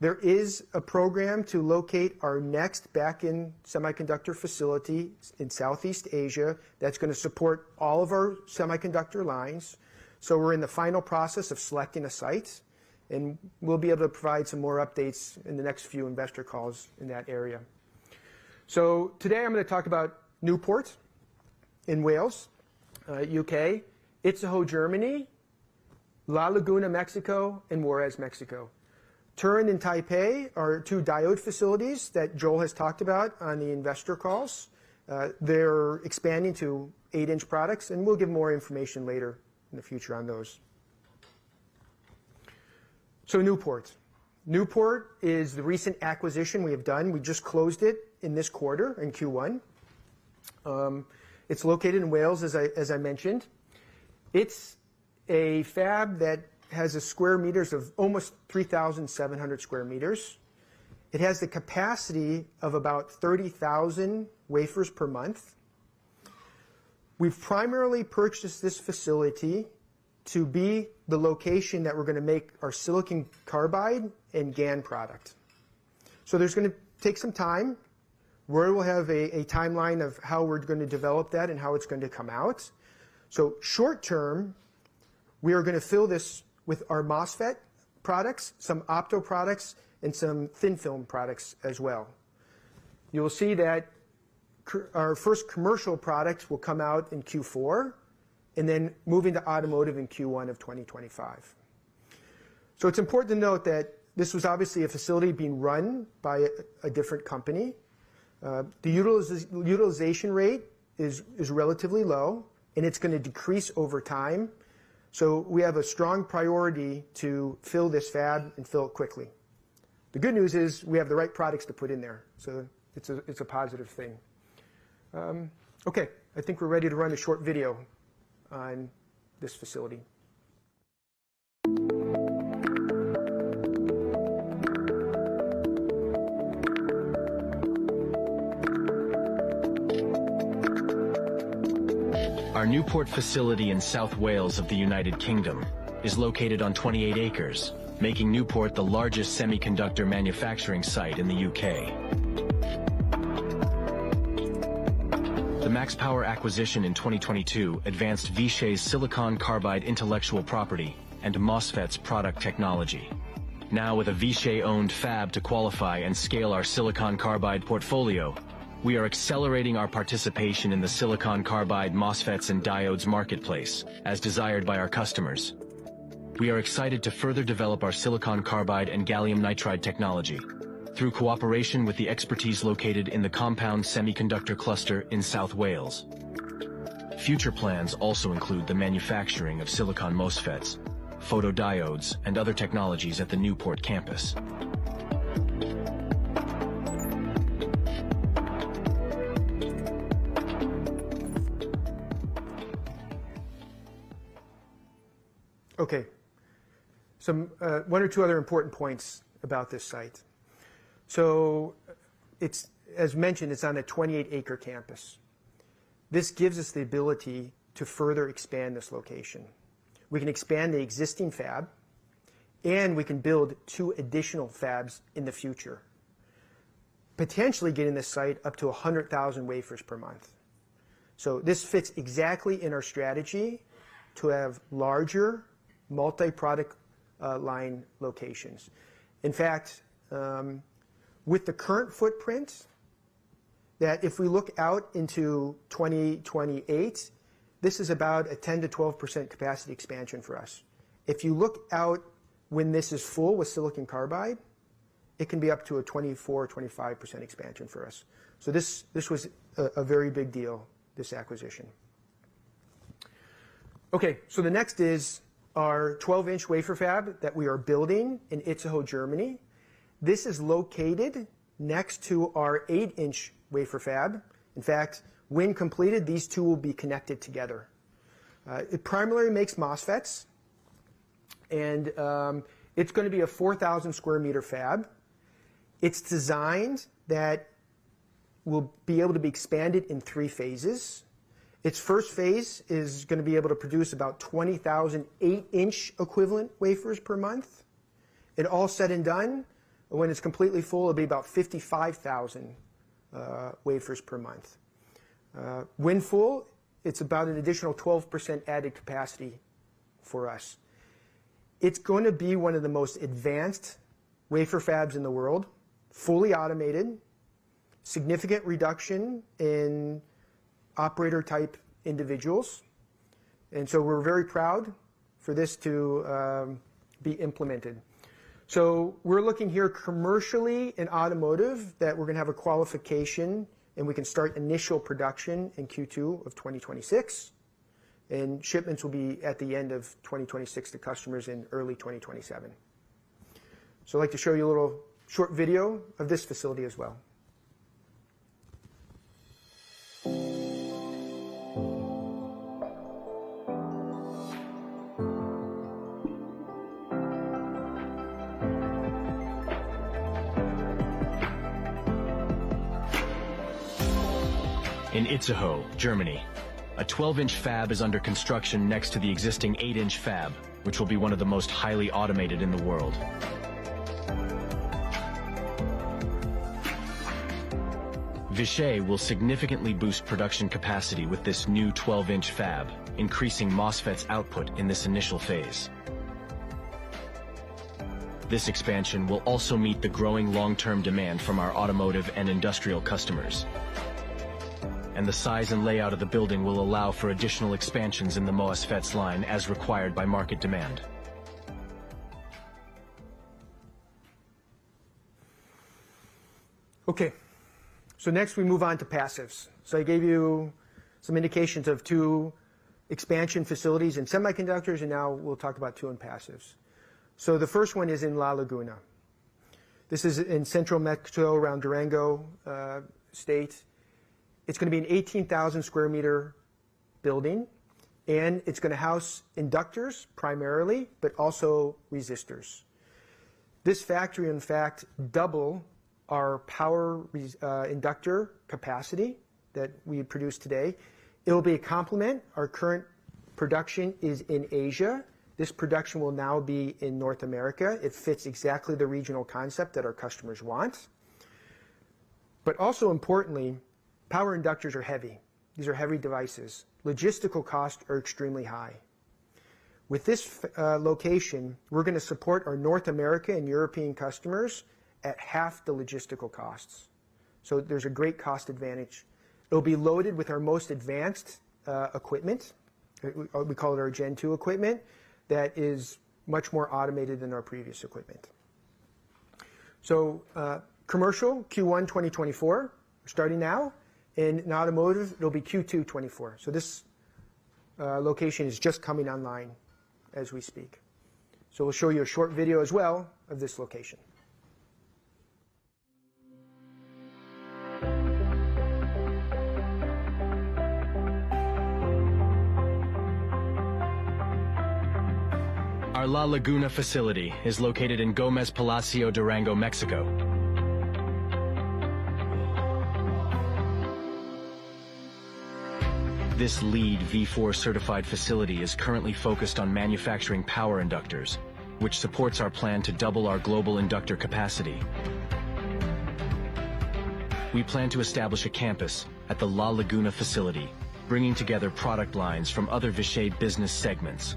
There is a program to locate our next back end semiconductor facility in Southeast Asia that's going to support all of our semiconductor lines. So we're in the final process of selecting a site and we'll be able to provide some more updates in the next few investor calls in that area. So today I'm going to talk about Newport in Wales, UK, Itzehoe, Germany, La Laguna, Mexico, and Juárez, Mexico. Taipei, Tianjin are two diode facilities that Joel has talked about on the investor calls. They're expanding to 8-inch products and we'll give more information later in the future on those. So Newport. Newport is the recent acquisition we have done. We just closed it in this quarter in Q1. It's located in Wales, as I mentioned. It's a fab that has almost 3,700 square meters. It has the capacity of about 30,000 wafers per month. We've primarily purchased this facility to be the location that we're going to make our silicon carbide and GaN product. So there's going to take some time. Roy will have a timeline of how we're going to develop that and how it's going to come out. So short term, we are going to fill this with our MOSFET products, some opto products, and some thin film products as well. You will see that our first commercial products will come out in Q4 and then moving to automotive in Q1 of 2025. So it's important to note that this was obviously a facility being run by a different company. The utilization rate is relatively low and it's going to decrease over time. So we have a strong priority to fill this fab and fill it quickly. The good news is we have the right products to put in there. So it's a positive thing. Okay. I think we're ready to run a short video on this facility. Our Newport facility in South Wales, United Kingdom is located on 28 acres, making Newport the largest semiconductor manufacturing site in the U.K. The MaxPower acquisition in 2022 advanced Vishay's silicon carbide intellectual property and MOSFETs product technology. Now with a Vishay owned fab to qualify and scale our silicon carbide portfolio, we are accelerating our participation in the silicon carbide MOSFETs and diodes marketplace as desired by our customers. We are excited to further develop our silicon carbide and gallium nitride technology through cooperation with the expertise located in the Compound Semiconductor Cluster in South Wales. Future plans also include the manufacturing of silicon MOSFETs, photodiodes, and other technologies at the Newport campus. Okay. So one or two other important points about this site. So as mentioned, it's on a 28-acre campus. This gives us the ability to further expand this location. We can expand the existing fab and we can build two additional fabs in the future, potentially getting this site up to 100,000 wafers per month. So this fits exactly in our strategy to have larger multi-product line locations. In fact, with the current footprint, that if we look out into 2028, this is about a 10%-12% capacity expansion for us. If you look out when this is full with silicon carbide, it can be up to a 24%-25% expansion for us. So this was a very big deal, this acquisition. Okay. So the next is our 12-inch wafer fab that we are building in Itzehoe, Germany. This is located next to our 8-inch wafer fab. In fact, when completed, these two will be connected together. It primarily makes MOSFETs and it's going to be a 4,000 square meter fab. It's designed that we'll be able to be expanded in three phases. Its first phase is going to be able to produce about 20,000 8-inch equivalent wafers per month. And all said and done, when it's completely full, it'll be about 55,000 wafers per month. When full, it's about an additional 12% added capacity for us. It's going to be one of the most advanced wafer fabs in the world, fully automated, significant reduction in operator-type individuals. So we're very proud for this to be implemented. So we're looking here commercially and automotive that we're going to have a qualification and we can start initial production in Q2 2026 and shipments will be at the end of 2026 to customers in early 2027. So I'd like to show you a little short video of this facility as well. In Itzehoe, Germany, a 12-inch fab is under construction next to the existing 8-inch fab, which will be one of the most highly automated in the world. Vishay will significantly boost production capacity with this new 12-inch fab, increasing MOSFETs output in this initial phase. This expansion will also meet the growing long-term demand from our automotive and industrial customers. And the size and layout of the building will allow for additional expansions in the MOSFETs line as required by market demand. Okay. Next we move on to passives. I gave you some indications of two expansion facilities in semiconductors and now we'll talk about two in passives. The first one is in La Laguna. This is in central Mexico around Durango state. It's going to be an 18,000-square meter building and it's going to house inductors primarily, but also resistors. This factory, in fact, double our power inductor capacity that we produce today. It'll be a complement. Our current production is in Asia. This production will now be in North America. It fits exactly the regional concept that our customers want. But also importantly, power inductors are heavy. These are heavy devices. Logistical costs are extremely high. With this location, we're going to support our North America and European customers at half the logistical costs. So there's a great cost advantage. It'll be loaded with our most advanced equipment. We call it our Gen 2 equipment that is much more automated than our previous equipment. So commercial Q1 2024, we're starting now. And in automotive, it'll be Q2 2024. So this location is just coming online as we speak. So we'll show you a short video as well of this location. Our La Laguna facility is located in Gómez Palacio, Durango, Mexico. This LEED v4 certified facility is currently focused on manufacturing power inductors, which supports our plan to double our global inductor capacity. We plan to establish a campus at the La Laguna facility, bringing together product lines from other Vishay business segments.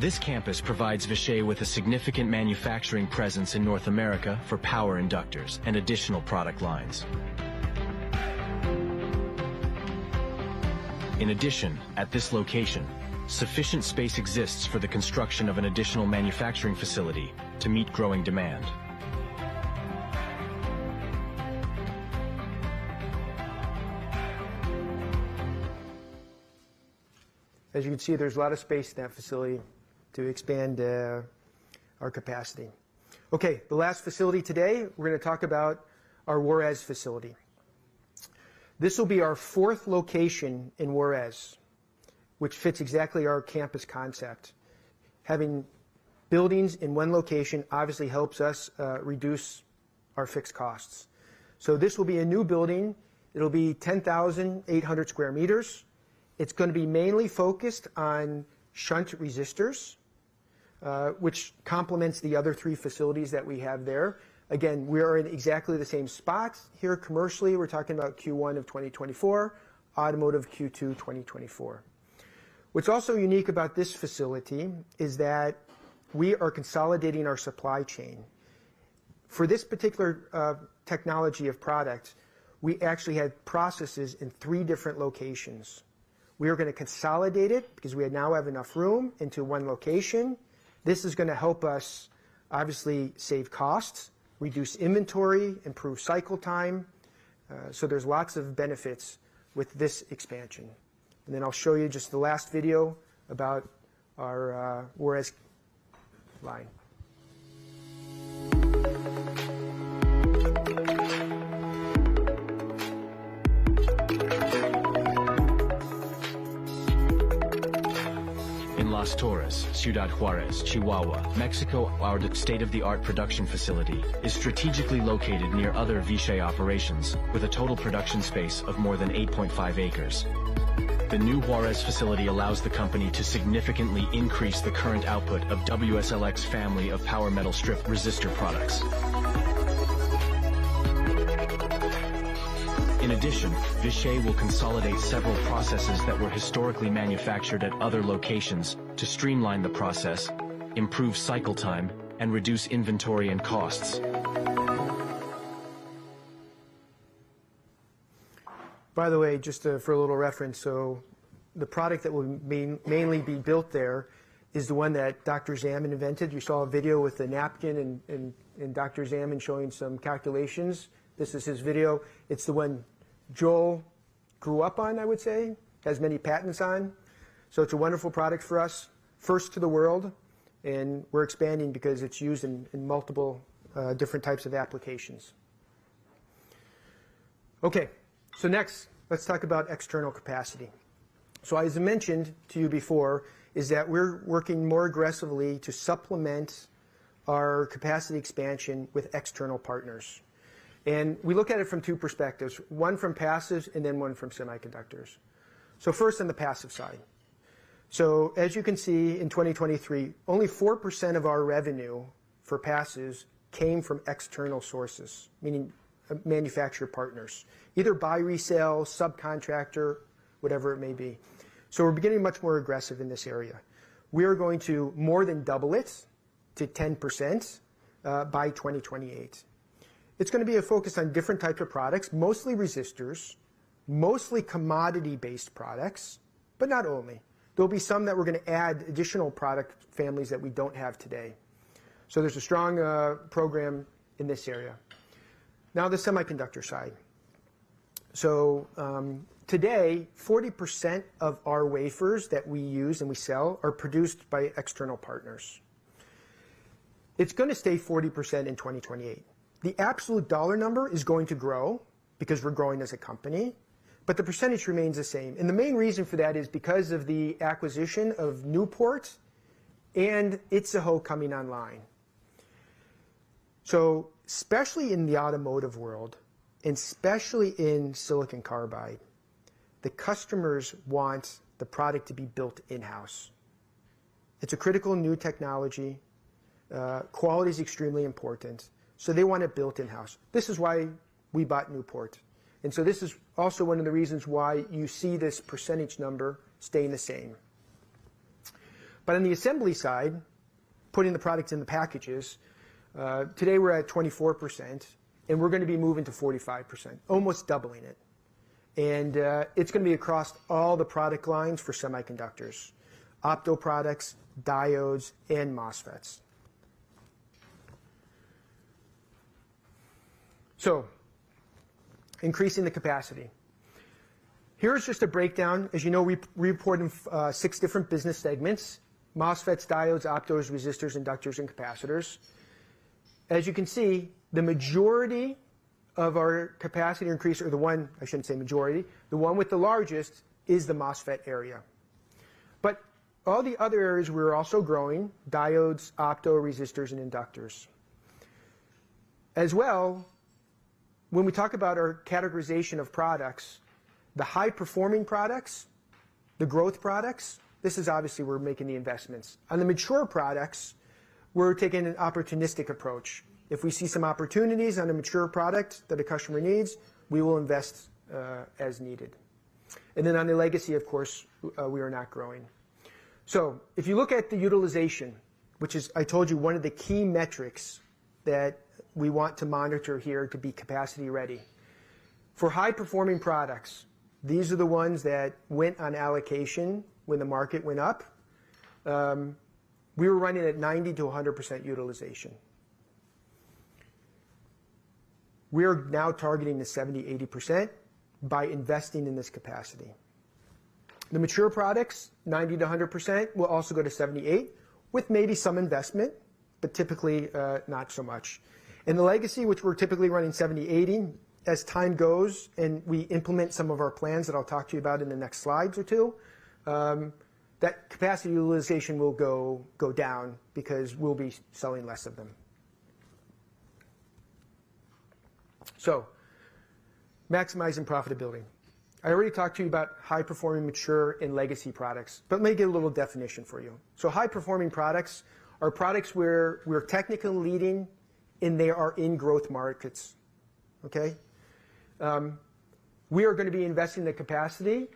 This campus provides Vishay with a significant manufacturing presence in North America for power inductors and additional product lines. In addition, at this location, sufficient space exists for the construction of an additional manufacturing facility to meet growing demand. As you can see, there's a lot of space in that facility to expand our capacity. Okay. The last facility today, we're going to talk about our Juárez facility. This will be our fourth location in Juárez, which fits exactly our campus concept. Having buildings in one location obviously helps us reduce our fixed costs. So this will be a new building. It'll be 10,800 square meters. It's going to be mainly focused on shunt resistors, which complements the other three facilities that we have there. Again, we are in exactly the same spot here. Commercially, we're talking about Q1 of 2024, automotive Q2 2024. What's also unique about this facility is that we are consolidating our supply chain. For this particular technology of product, we actually had processes in three different locations. We are going to consolidate it because we now have enough room into one location. This is going to help us obviously save costs, reduce inventory, improve cycle time. There's lots of benefits with this expansion. Then I'll show you just the last video about our Juárez line. In Las Torres, Ciudad Juárez, Chihuahua, Mexico, our state-of-the-art production facility is strategically located near other Vishay operations with a total production space of more than 8.5 acres. The new Juárez facility allows the company to significantly increase the current output of WSLX family of Power Metal Strip resistor products. In addition, Vishay will consolidate several processes that were historically manufactured at other locations to streamline the process, improve cycle time, and reduce inventory and costs. By the way, just for a little reference, so the product that will mainly be built there is the one that Dr. Zandman invented. You saw a video with the napkin and Dr. Zandman showing some calculations. This is his video. It's the one Joel grew up on, I would say, has many patents on. So it's a wonderful product for us, first to the world. And we're expanding because it's used in multiple different types of applications. Okay. So next, let's talk about external capacity. So as I mentioned to you before, is that we're working more aggressively to supplement our capacity expansion with external partners. And we look at it from two perspectives, one from passives and then one from semiconductors. So first on the passive side. So as you can see, in 2023, only 4% of our revenue for passives came from external sources, meaning manufacturer partners, either buy resale, subcontractor, whatever it may be. So we're beginning much more aggressive in this area. We are going to more than double it to 10% by 2028. It's going to be a focus on different types of products, mostly resistors, mostly commodity based products, but not only. There'll be some that we're going to add additional product families that we don't have today. So there's a strong program in this area. Now the semiconductor side. So today, 40% of our wafers that we use and we sell are produced by external partners. It's going to stay 40% in 2028. The absolute dollar number is going to grow because we're growing as a company, but the percentage remains the same. The main reason for that is because of the acquisition of Newport and Itzehoe coming online. Especially in the automotive world and especially in silicon carbide, the customers want the product to be built in-house. It's a critical new technology. Quality is extremely important. They want it built in-house. This is why we bought Newport. This is also one of the reasons why you see this percentage number staying the same. On the assembly side, putting the products in the packages, today we're at 24% and we're going to be moving to 45%, almost doubling it. It's going to be across all the product lines for semiconductors, opto products, diodes, and MOSFETs. Increasing the capacity. Here's just a breakdown. As you know, we report in six different business segments, MOSFETs, diodes, optos, resistors, inductors, and capacitors. As you can see, the majority of our capacity increase or the one I shouldn't say majority. The one with the largest is the MOSFET area. But all the other areas we're also growing, diodes, opto, resistors, and inductors. As well, when we talk about our categorization of products, the high performing products, the growth products, this is obviously we're making the investments. On the mature products, we're taking an opportunistic approach. If we see some opportunities on a mature product that a customer needs, we will invest as needed. And then on the legacy, of course, we are not growing. So if you look at the utilization, which is, I told you, one of the key metrics that we want to monitor here to be capacity ready. For high performing products, these are the ones that went on allocation when the market went up. We were running at 90%-100% utilization. We are now targeting the 70%-80% by investing in this capacity. The mature products, 90%-100%, will also go to 78% with maybe some investment, but typically not so much. The legacy, which we're typically running 70%-80%, as time goes and we implement some of our plans that I'll talk to you about in the next slides or two, that capacity utilization will go down because we'll be selling less of them. Maximizing profitability. I already talked to you about high performing, mature, and legacy products, but let me get a little definition for you. High performing products are products where we're technically leading and they are in growth markets. Okay. We are going to be investing the capacity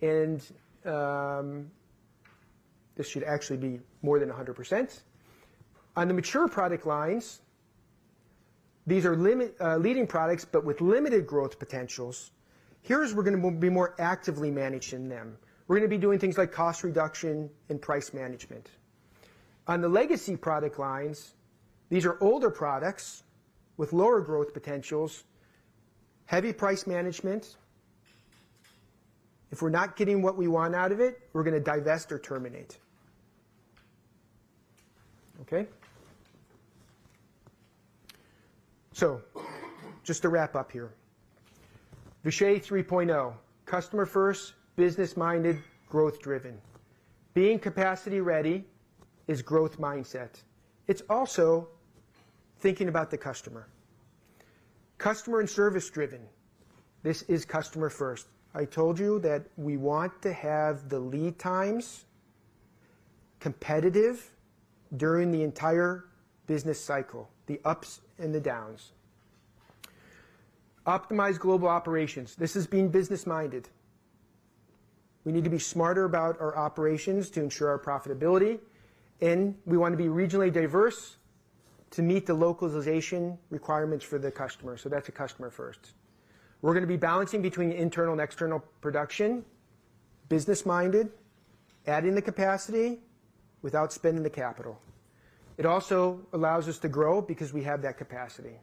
and this should actually be more than 100%. On the mature product lines, these are leading products, but with limited growth potentials. Here, we're going to be more actively managing them. We're going to be doing things like cost reduction and price management. On the legacy product lines, these are older products with lower growth potentials, heavy price management. If we're not getting what we want out of it, we're going to divest or terminate. Okay. So just to wrap up here, Vishay 3.0, customer first, business minded, growth driven. Being capacity ready is growth mindset. It's also thinking about the customer. Customer and service driven. This is customer first. I told you that we want to have the lead times competitive during the entire business cycle, the ups and the downs. Optimize global operations. This is being business minded. We need to be smarter about our operations to ensure our profitability. We want to be regionally diverse to meet the localization requirements for the customer. That's a customer first. We're going to be balancing between internal and external production, business minded, adding the capacity without spending the capital. It also allows us to grow because we have that capacity.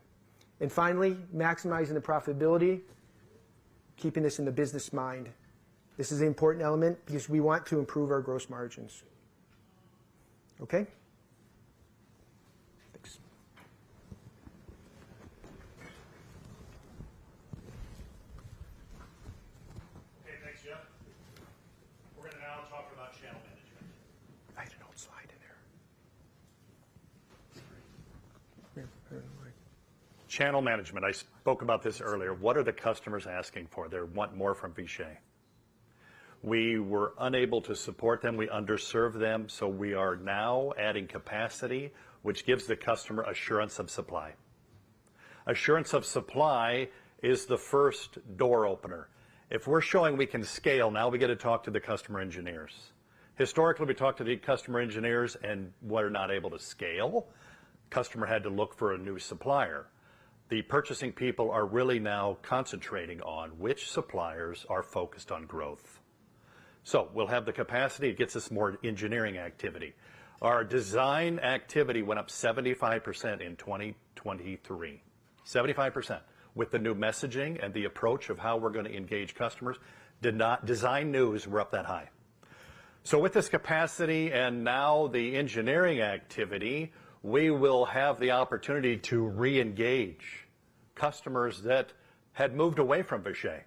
And finally, maximizing the profitability, keeping this in the business mind. This is an important element because we want to improve our gross margins. Okay. Thanks. Okay. Thanks, Jeff. We're going to now talk about channel management. I had an old slide in there. Channel management. I spoke about this earlier. What are the customers asking for? They want more from Vishay. We were unable to support them. We underserved them. So we are now adding capacity, which gives the customer assurance of supply. Assurance of supply is the first door opener. If we're showing we can scale, now we get to talk to the customer engineers. Historically, we talked to the customer engineers and were not able to scale. Customer had to look for a new supplier. The purchasing people are really now concentrating on which suppliers are focused on growth. So we'll have the capacity. It gets us more engineering activity. Our design activity went up 75% in 2023, 75% with the new messaging and the approach of how we're going to engage customers. Design wins were up that high. So with this capacity and now the engineering activity, we will have the opportunity to reengage customers that had moved away from Vishay.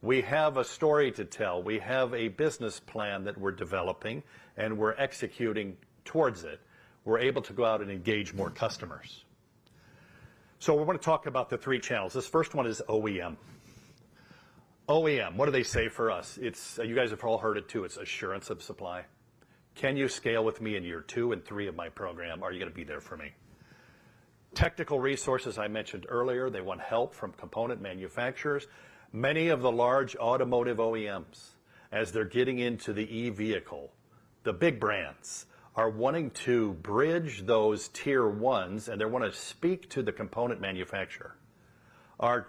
We have a story to tell. We have a business plan that we're developing and we're executing towards it. We're able to go out and engage more customers. So we want to talk about the three channels. This first one is OEM. OEM, what do they say for us? You guys have all heard it too. It's assurance of supply. Can you scale with me in year two and three of my program? Are you going to be there for me? Technical resources, I mentioned earlier, they want help from component manufacturers. Many of the large automotive OEMs, as they're getting into the E vehicle, the big brands are wanting to bridge those tier ones and they want to speak to the component manufacturer. Our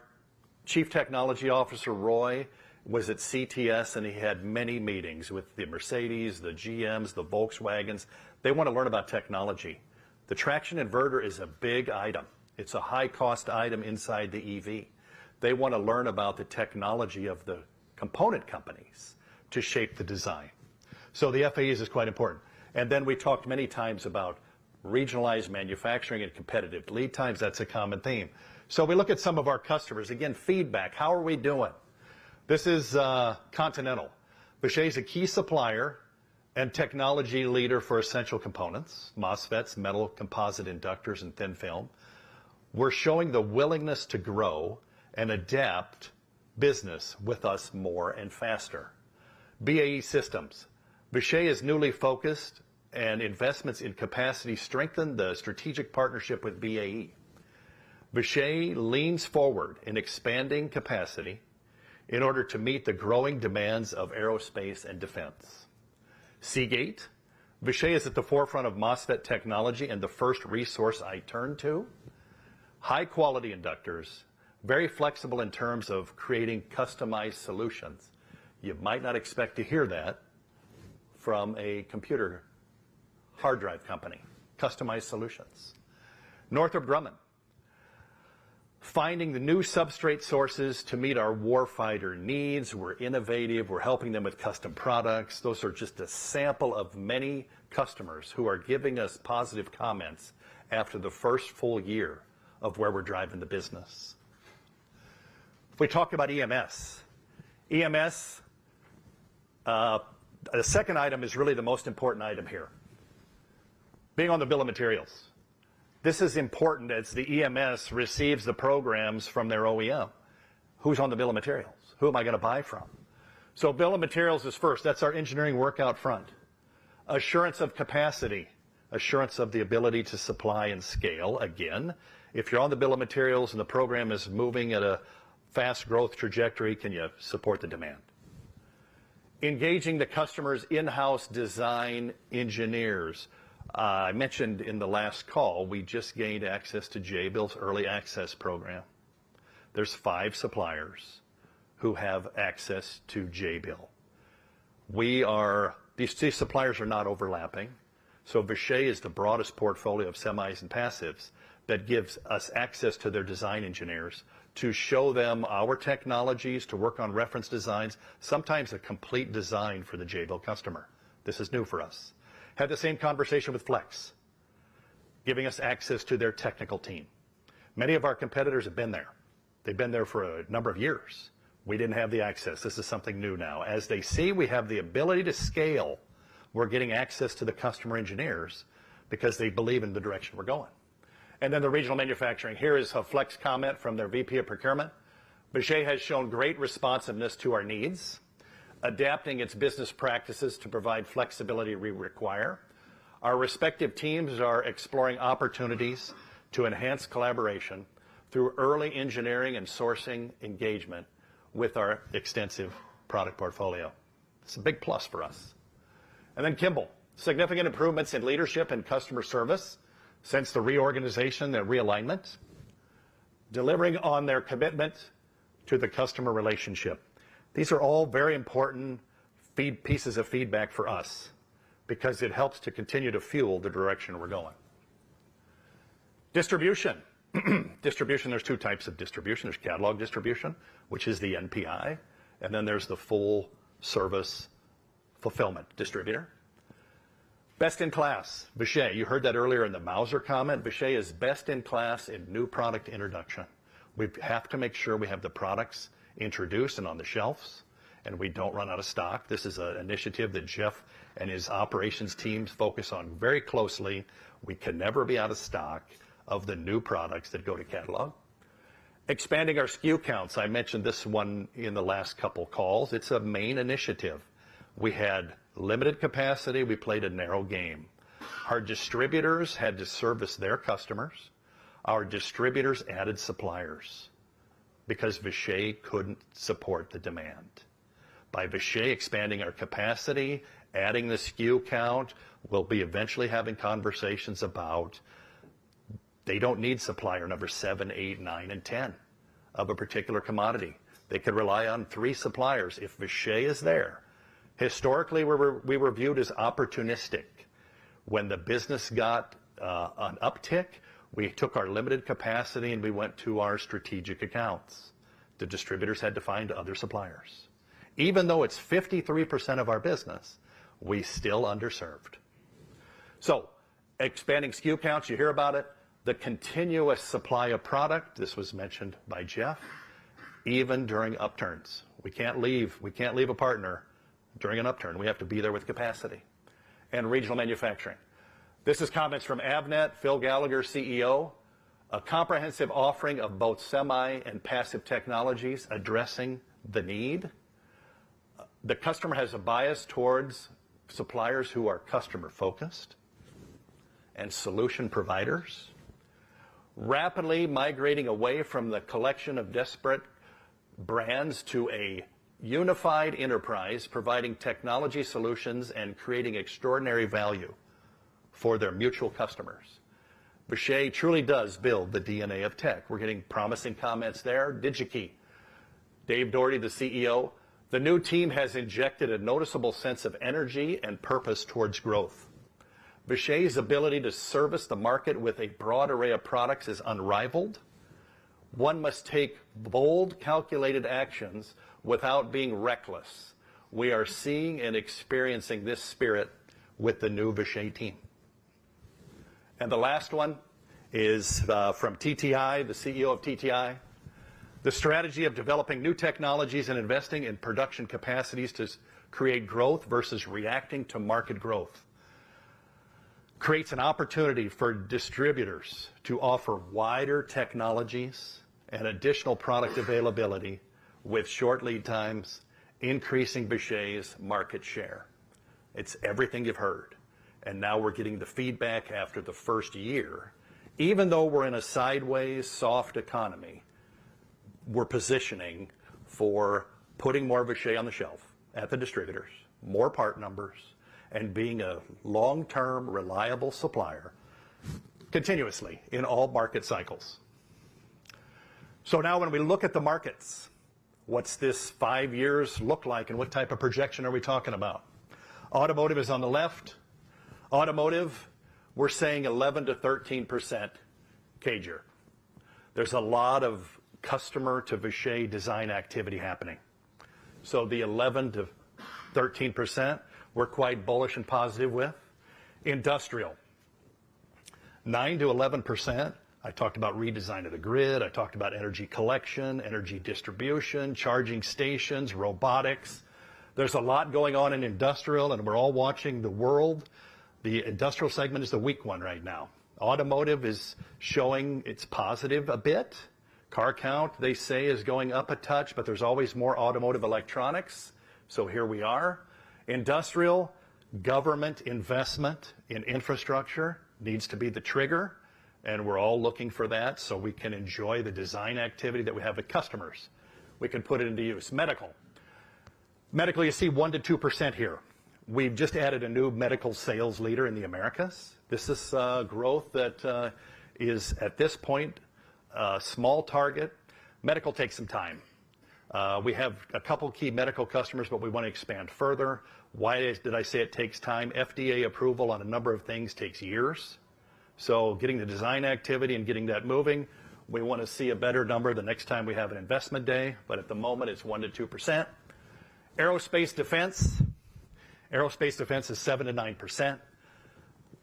Chief Technology Officer, Roy, was at CTS and he had many meetings with the Mercedes, the GMs, the Volkswagens. They want to learn about technology. The traction inverter is a big item. It's a high cost item inside the EV. They want to learn about the technology of the component companies to shape the design. So the FAEs is quite important. And then we talked many times about regionalized manufacturing and competitive lead times. That's a common theme. So we look at some of our customers. Again, feedback, how are we doing? This is Continental. Vishay is a key supplier and technology leader for essential components, MOSFETs, metal composite inductors, and thin film. We're showing the willingness to grow and adapt business with us more and faster. BAE Systems, Vishay is newly focused and investments in capacity strengthen the strategic partnership with BAE. Vishay leans forward in expanding capacity in order to meet the growing demands of aerospace and defense. Seagate, Vishay is at the forefront of MOSFET technology and the first resource I turn to. High quality inductors, very flexible in terms of creating customized solutions. You might not expect to hear that from a computer hard drive company, customized solutions. Northrop Grumman, finding the new substrate sources to meet our war fighter needs. We're innovative. We're helping them with custom products. Those are just a sample of many customers who are giving us positive comments after the first full year of where we're driving the business. If we talk about EMS, EMS, the second item is really the most important item here, being on the bill of materials. This is important as the EMS receives the programs from their OEM. Who's on the bill of materials? Who am I going to buy from? So bill of materials is first. That's our engineering work out front, assurance of capacity, assurance of the ability to supply and scale. Again, if you're on the bill of materials and the program is moving at a fast growth trajectory, can you support the demand? Engaging the customers in house design engineers. I mentioned in the last call, we just gained access to Jabil's early access program. There's five suppliers who have access to Jabil. These suppliers are not overlapping. So Vishay is the broadest portfolio of semis and passives that gives us access to their design engineers to show them our technologies, to work on reference designs, sometimes a complete design for the Jabil customer. This is new for us. Had the same conversation with Flex, giving us access to their technical team. Many of our competitors have been there. They've been there for a number of years. We didn't have the access. This is something new now. As they see we have the ability to scale, we're getting access to the customer engineers because they believe in the direction we're going. And then the regional manufacturing. Here is a Flex comment from their VP of procurement. Vishay has shown great responsiveness to our needs, adapting its business practices to provide flexibility we require. Our respective teams are exploring opportunities to enhance collaboration through early engineering and sourcing engagement with our extensive product portfolio. It's a big plus for us. And then Kimball, significant improvements in leadership and customer service since the reorganization, the realignment, delivering on their commitment to the customer relationship. These are all very important pieces of feedback for us because it helps to continue to fuel the direction we're going. Distribution. Distribution. There's two types of distribution. There's catalog distribution, which is the NPI, and then there's the full service fulfillment distributor. Best in class, Vishay. You heard that earlier in the Mouser comment. Vishay is best in class in new product introduction. We have to make sure we have the products introduced and on the shelves and we don't run out of stock. This is an initiative that Jeff and his operations teams focus on very closely. We can never be out of stock of the new products that go to catalog. Expanding our SKU counts. I mentioned this one in the last couple calls. It's a main initiative. We had limited capacity. We played a narrow game. Our distributors had to service their customers. Our distributors added suppliers because Vishay couldn't support the demand. By Vishay expanding our capacity, adding the SKU count, we'll be eventually having conversations about they don't need supplier number seven, eight, nine, and ten of a particular commodity. They could rely on 3 suppliers if Vishay is there. Historically, we were viewed as opportunistic. When the business got an uptick, we took our limited capacity and we went to our strategic accounts. The distributors had to find other suppliers. Even though it's 53% of our business, we still underserved. So expanding SKU counts, you hear about it, the continuous supply of product. This was mentioned by Jeff, even during upturns. We can't leave. We can't leave a partner during an upturn. We have to be there with capacity and regional manufacturing. This is comments from Avnet, Phil Gallagher, CEO, a comprehensive offering of both semi and passive technologies addressing the need. The customer has a bias towards suppliers who are customer focused and solution providers, rapidly migrating away from the collection of desperate brands to a unified enterprise, providing technology solutions and creating extraordinary value for their mutual customers. Vishay truly does build the DNA of tech. We're getting promising comments there. Digi-Key, Dave Doherty, the CEO, the new team has injected a noticeable sense of energy and purpose towards growth. Vishay's ability to service the market with a broad array of products is unrivaled. One must take bold, calculated actions without being reckless. We are seeing and experiencing this spirit with the new Vishay team. The last one is from TTI, the CEO of TTI, the strategy of developing new technologies and investing in production capacities to create growth versus reacting to market growth creates an opportunity for distributors to offer wider technologies and additional product availability with short lead times, increasing Vishay's market share. It's everything you've heard. Now we're getting the feedback after the first year, even though we're in a sideways soft economy, we're positioning for putting more Vishay on the shelf at the distributors, more part numbers, and being a long term, reliable supplier continuously in all market cycles. So now when we look at the markets, what's this five years look like and what type of projection are we talking about? Automotive is on the left. Automotive, we're saying 11%-13% CAGR. There's a lot of customer to Vishay design activity happening. So the 11%-13% we're quite bullish and positive with. Industrial, 9%-11%. I talked about redesign of the grid. I talked about energy collection, energy distribution, charging stations, robotics. There's a lot going on in industrial and we're all watching the world. The industrial segment is the weak one right now. Automotive is showing it's positive a bit. Car count, they say, is going up a touch, but there's always more automotive electronics. So here we are. Industrial, government investment in infrastructure needs to be the trigger and we're all looking for that so we can enjoy the design activity that we have with customers. We can put it into use. Medical, medically, you see 1%-2% here. We've just added a new medical sales leader in the Americas. This is growth that is at this point a small target. Medical takes some time. We have a couple of key medical customers, but we want to expand further. Why did I say it takes time? FDA approval on a number of things takes years. So getting the design activity and getting that moving, we want to see a better number the next time we have an investment day. But at the moment, it's 1%-2%. Aerospace defense, aerospace defense is 7%-9%.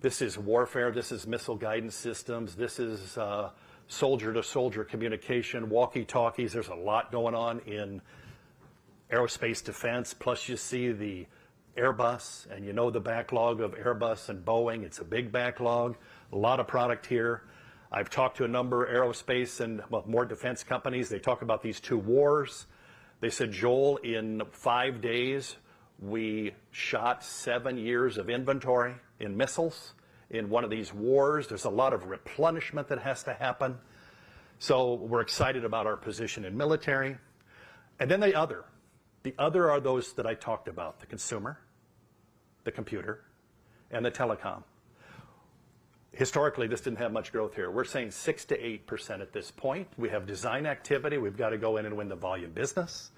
This is warfare. This is missile guidance systems. This is soldier to soldier communication, walkie talkies. There's a lot going on in aerospace defense. Plus, you see the Airbus and you know the backlog of Airbus and Boeing. It's a big backlog. A lot of product here. I've talked to a number of aerospace and more defense companies. They talk about these two wars. They said, Joel, in five days we shot seven years of inventory in missiles in one of these wars. There's a lot of replenishment that has to happen. So we're excited about our position in military. And then the other, the other are those that I talked about, the consumer, the computer, and the telecom. Historically, this didn't have much growth here. We're saying 6%-8% at this point. We have design activity. We've got to go in and win the volume business.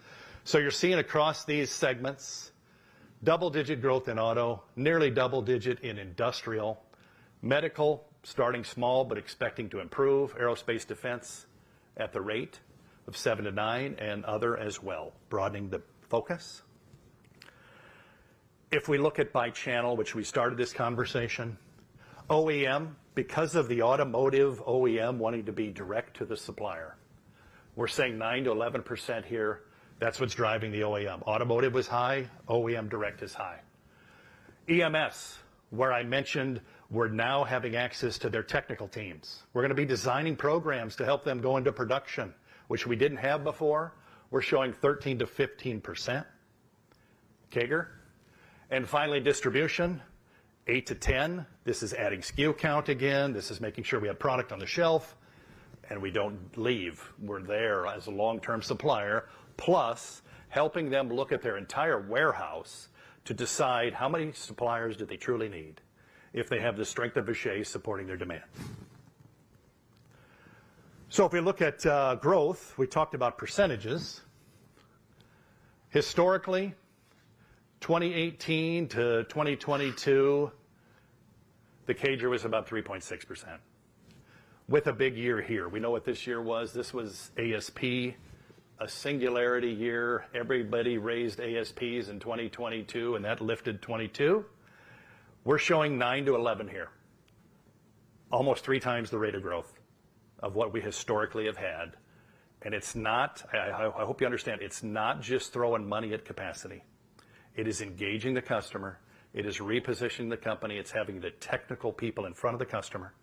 So you're seeing across these segments, double-digit growth in auto, nearly double-digit in industrial, medical starting small but expecting to improve, aerospace defense at the rate of 7%-9% and other as well, broadening the focus. If we look at by channel, which we started this conversation, OEM, because of the automotive OEM wanting to be direct to the supplier, we're saying 9%-11% here. That's what's driving the OEM. Automotive was high. OEM direct is high. EMS, where I mentioned we're now having access to their technical teams, we're going to be designing programs to help them go into production, which we didn't have before. We're showing 13%-15%. CAGR. And finally, distribution, 8%-10%. This is adding SKU count again. This is making sure we have product on the shelf and we don't leave. We're there as a long-term supplier, plus helping them look at their entire warehouse to decide how many suppliers do they truly need if they have the strength of Vishay supporting their demand? So if we look at growth, we talked about percentages. Historically, 2018 to 2022, the CAGR was about 3.6% with a big year here. We know what this year was. This was ASP, a singularity year. Everybody raised ASPs in 2022 and that lifted 22. We're showing 9%-11% here, almost three times the rate of growth of what we historically have had. It's not I hope you understand, it's not just throwing money at capacity. It is engaging the customer. It is repositioning the company. It's having the technical people in front of the customer.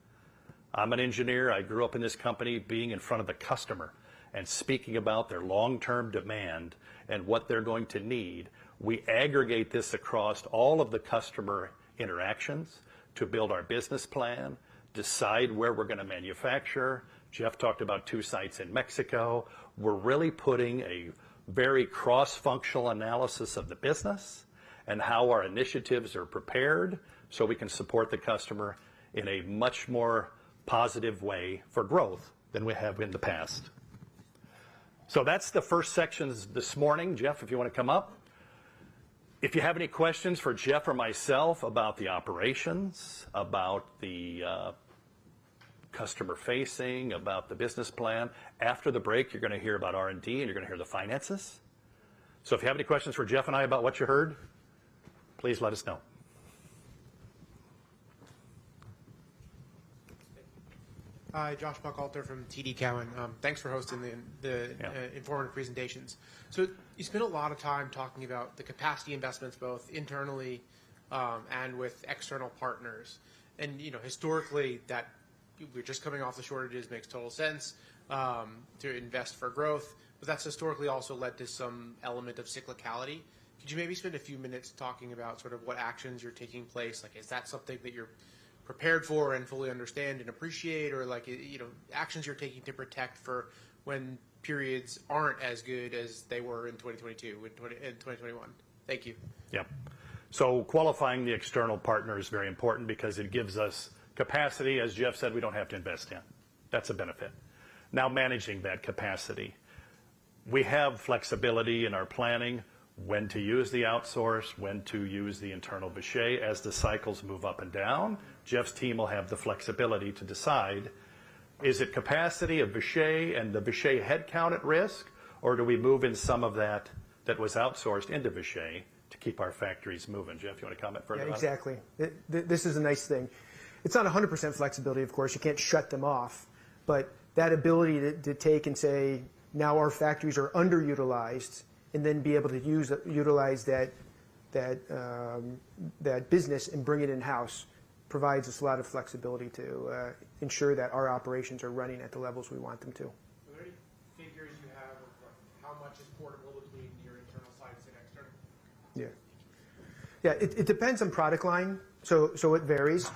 I'm an engineer. I grew up in this company being in front of the customer and speaking about their long term demand and what they're going to need. We aggregate this across all of the customer interactions to build our business plan, decide where we're going to manufacture. Jeff talked about two sites in Mexico. We're really putting a very cross functional analysis of the business and how our initiatives are prepared so we can support the customer in a much more positive way for growth than we have in the past. So that's the first sections this morning. Jeff, if you want to come up. If you have any questions for Jeff or myself about the operations, about the customer facing, about the business plan, after the break, you're going to hear about R&D and you're going to hear the finances. So if you have any questions for Jeff and I about what you heard, please let us know. Hi, Josh Buchalter from TD Cowen. Thanks for hosting the informative presentations. So you spend a lot of time talking about the capacity investments, both internally and with external partners. Historically, that we're just coming off the shortages makes total sense to invest for growth. But that's historically also led to some element of cyclicality. Could you maybe spend a few minutes talking about sort of what actions you're taking place? Is that something that you're prepared for and fully understand and appreciate, or actions you're taking to protect for when periods aren't as good as they were in 2022 and 2021? Thank you. Yeah. So qualifying the external partner is very important because it gives us capacity. As Jeff said, we don't have to invest in. That's a benefit. Now managing that capacity, we have flexibility in our planning, when to use the outsource, when to use the internal Vishay. As the cycles move up and down, Jeff's team will have the flexibility to decide, is it capacity of Vishay and the Vishay headcount at risk, or do we move in some of that was outsourced into Vishay to keep our factories moving? Jeff, you want to comment further on that? Yeah, exactly. This is a nice thing. It's not 100% flexibility. Of course, you can't shut them off, but that ability to take and say, now our factories are underutilized, and then be able to utilize that business and bring it in-house provides us a lot of flexibility to ensure that our operations are running at the levels we want them to. Are there any figures you have of how much is portable between your internal sites and external? Yeah. Yeah, it depends on product line, so it varies.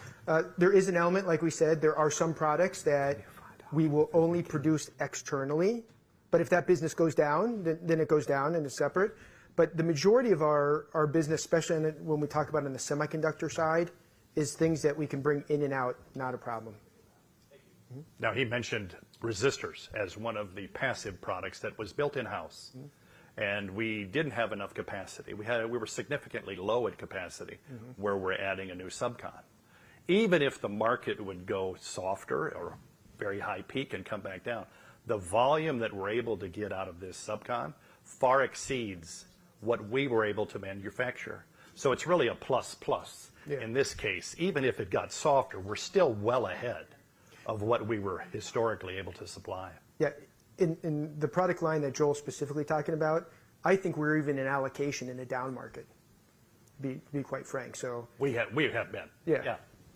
There is an element, like we said, there are some products that we will only produce externally, but if that business goes down, then it goes down and it's separate. But the majority of our business, especially when we talk about in the semiconductor side, is things that we can bring in and out, not a problem. Thank you. Now, he mentioned resistors as one of the passive products that was built in-house, and we didn't have enough capacity. We were significantly low at capacity, where we're adding a new subcon, even if the market would go softer or very high peak and come back down. The volume that we're able to get out of this subcon far exceeds what we were able to manufacture. So it's really a plus plus in this case, even if it got softer, we're still well ahead of what we were historically able to supply. Yeah. In the product line that Joel is specifically talking about, I think we're even in allocation in a down market, to be quite frank. So we have been. Yeah.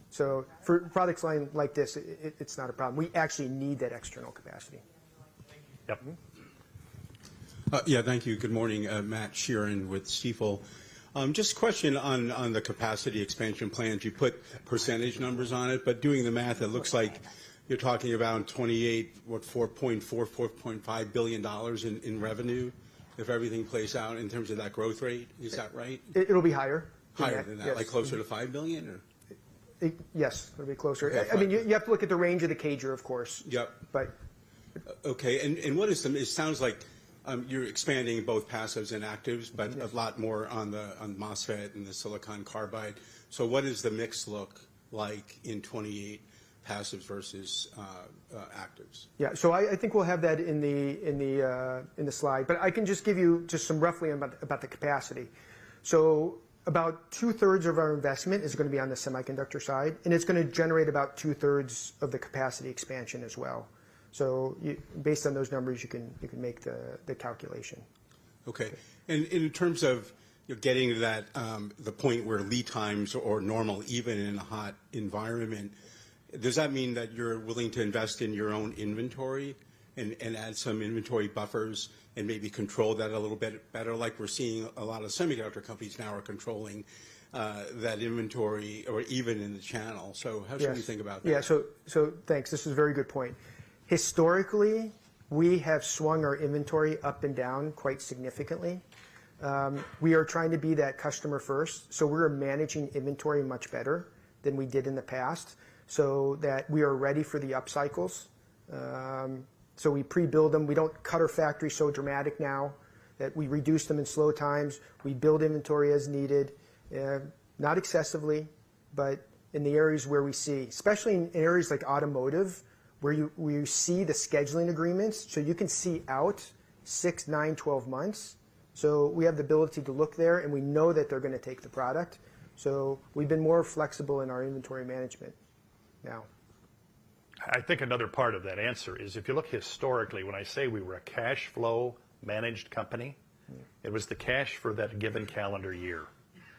So for products line like this, it's not a problem. We actually need that external capacity. Thank you. Yep. Yeah, thank you. Good morning, Matt Sheerin with Stifel. Just a question on the capacity expansion plans. You put percentage numbers on it, but doing the math, it looks like you're talking about 2.8, what, $4.4 billion-$4.5 billion in revenue if everything plays out in terms of that growth rate. Is that right? It'll be higher. Higher than that. Closer to $5 billion, or? Yes, it'll be closer. I mean, you have to look at the range of the CAGR, of course, but. Okay. And what is it? It sounds like you're expanding both passives and actives, but a lot more on the MOSFET and the silicon carbide. So what does the mix look like in 2028 passives versus actives? Yeah. So I think we'll have that in the slide, but I can just give you just some roughly about the capacity. So about two thirds of our investment is going to be on the semiconductor side, and it's going to generate about two thirds of the capacity expansion as well. So based on those numbers, you can make the calculation. Okay. In terms of getting to that point where lead times are normal, even in a hot environment, does that mean that you're willing to invest in your own inventory and add some inventory buffers and maybe control that a little bit better? Like we're seeing a lot of semiconductor companies now are controlling that inventory or even in the channel. So how should we think about that? Yeah. So thanks. This is a very good point. Historically, we have swung our inventory up and down quite significantly. We are trying to be that customer first. So we're managing inventory much better than we did in the past so that we are ready for the upcycles, so we prebuild them. We don't cut our factory so dramatic now that we reduce them in slow times. We build inventory as needed, not excessively, but in the areas where we see, especially in areas like automotive where we see the scheduling agreements, so you can see out six, nine, 12 months. So we have the ability to look there and we know that they're going to take the product. So we've been more flexible in our inventory management now. I think another part of that answer is if you look historically, when I say we were a cash flow managed company, it was the cash for that given calendar year.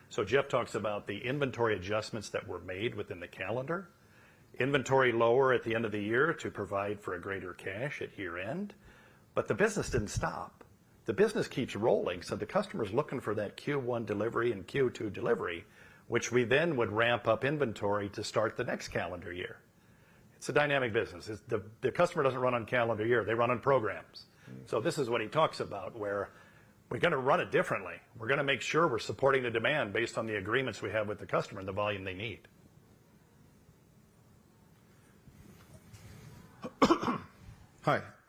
So Jeff talks about the inventory adjustments that were made within the calendar, inventory lower at the end of the year to provide for a greater cash at year end. But the business didn't stop. The business keeps rolling. So the customer is looking for that Q1 delivery and Q2 delivery, which we then would ramp up inventory to start the next calendar year. It's a dynamic business. The customer doesn't run on calendar year. They run on programs. So this is what he talks about, where we're going to run it differently. We're going to make sure we're supporting the demand based on the agreements we have with the customer and the volume they need.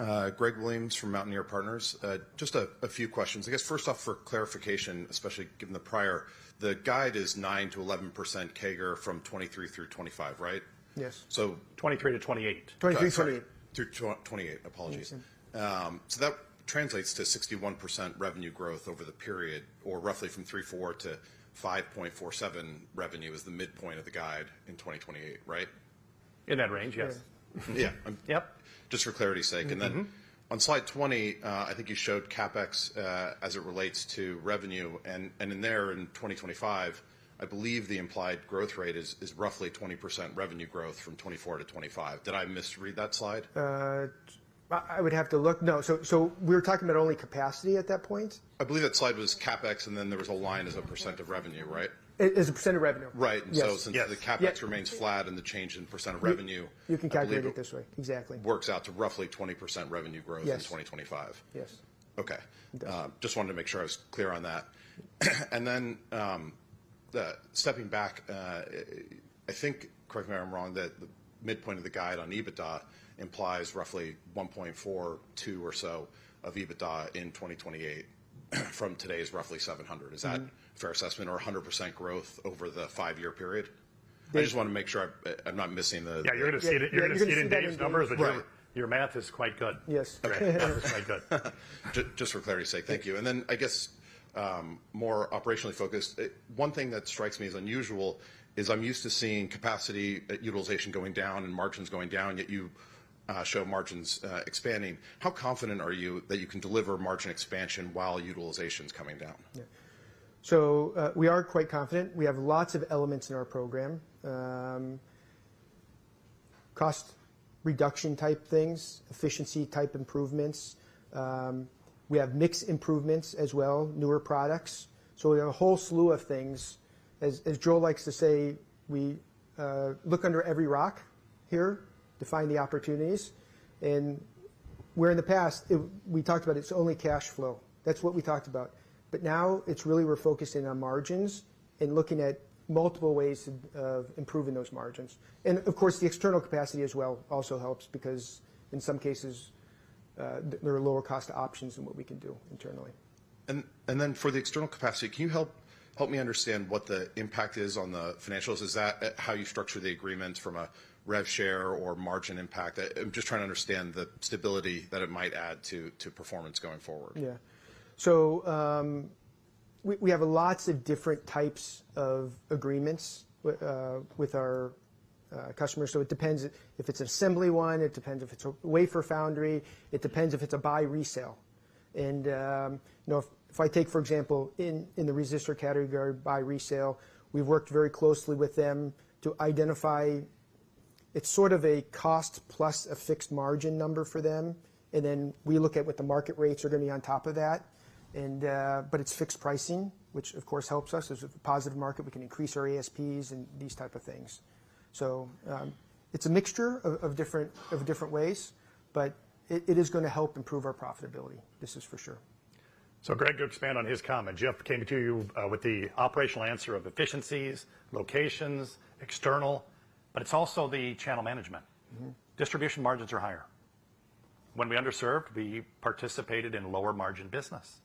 Hi, Greg Williams from Mountaineer Partners. Just a few questions. I guess first off, for clarification, especially given the prior, the guide is 9%-11% CAGR from 2023 through 2025, right? Yes. So 2023 to 2028. 2023 to 2028. Through 2028. Apologies. So that translates to 61% revenue growth over the period, or roughly from $3.4 to $5.47 revenue is the midpoint of the guide in 2028, right? In that range, yes. Yeah. Just for clarity's sake. And then on slide 20, I think you showed CapEx as it relates to revenue. And in there, in 2025, I believe the implied growth rate is roughly 20% revenue growth from 2024 to 2025. Did I misread that slide? I would have to look. No. So we were talking about only capacity at that point? I believe that slide was CapEx, and then there was a line as a percent of revenue, right? As a percent of revenue. Right. And so since the CapEx remains flat and the change in percent of revenue, I believe it works out to roughly 20% revenue growth in 2025. Yes. Okay. Just wanted to make sure I was clear on that. And then stepping back, I think, correct me if I'm wrong, that the midpoint of the guide on EBITDA implies roughly 1.42 or so of EBITDA in 2028 from today's roughly 700. Is that a fair assessment or 100% growth over the five year period? I just want to make sure I'm not missing the. Yeah, you're going to see it in these numbers, but your math is quite good. Yes. Your math is quite good. Just for clarity's sake, thank you. And then I guess more operationally focused, one thing that strikes me as unusual is I'm used to seeing capacity utilization going down and margins going down, yet you show margins expanding. How confident are you that you can deliver margin expansion while utilization is coming down? Yeah. So we are quite confident. We have lots of elements in our program, cost reduction type things, efficiency type improvements. We have mixed improvements as well, newer products. So we have a whole slew of things. As Joel likes to say, we look under every rock here to find the opportunities. And where in the past we talked about it's only cash flow. That's what we talked about. But now it's really we're focusing on margins and looking at multiple ways of improving those margins. And of course, the external capacity as well also helps because in some cases, there are lower cost options than what we can do internally. And then for the external capacity, can you help me understand what the impact is on the financials? Is that how you structure the agreements from a rev share or margin impact? I'm just trying to understand the stability that it might add to performance going forward. Yeah. So we have lots of different types of agreements with our customers. So it depends if it's an assembly one, it depends if it's a wafer foundry, it depends if it's a buy resale. And if I take, for example, in the resistor category, buy resale, we've worked very closely with them to identify it's sort of a cost plus a fixed margin number for them. And then we look at what the market rates are going to be on top of that. But it's fixed pricing, which of course helps us. It's a positive market. We can increase our ASPs and these type of things. So it's a mixture of different ways, but it is going to help improve our profitability. This is for sure. So Greg, go expand on his comment. Jeff came to you with the operational answer of efficiencies, locations, external, but it's also the channel management. Distribution margins are higher. When we were underserved, we participated in lower margin business.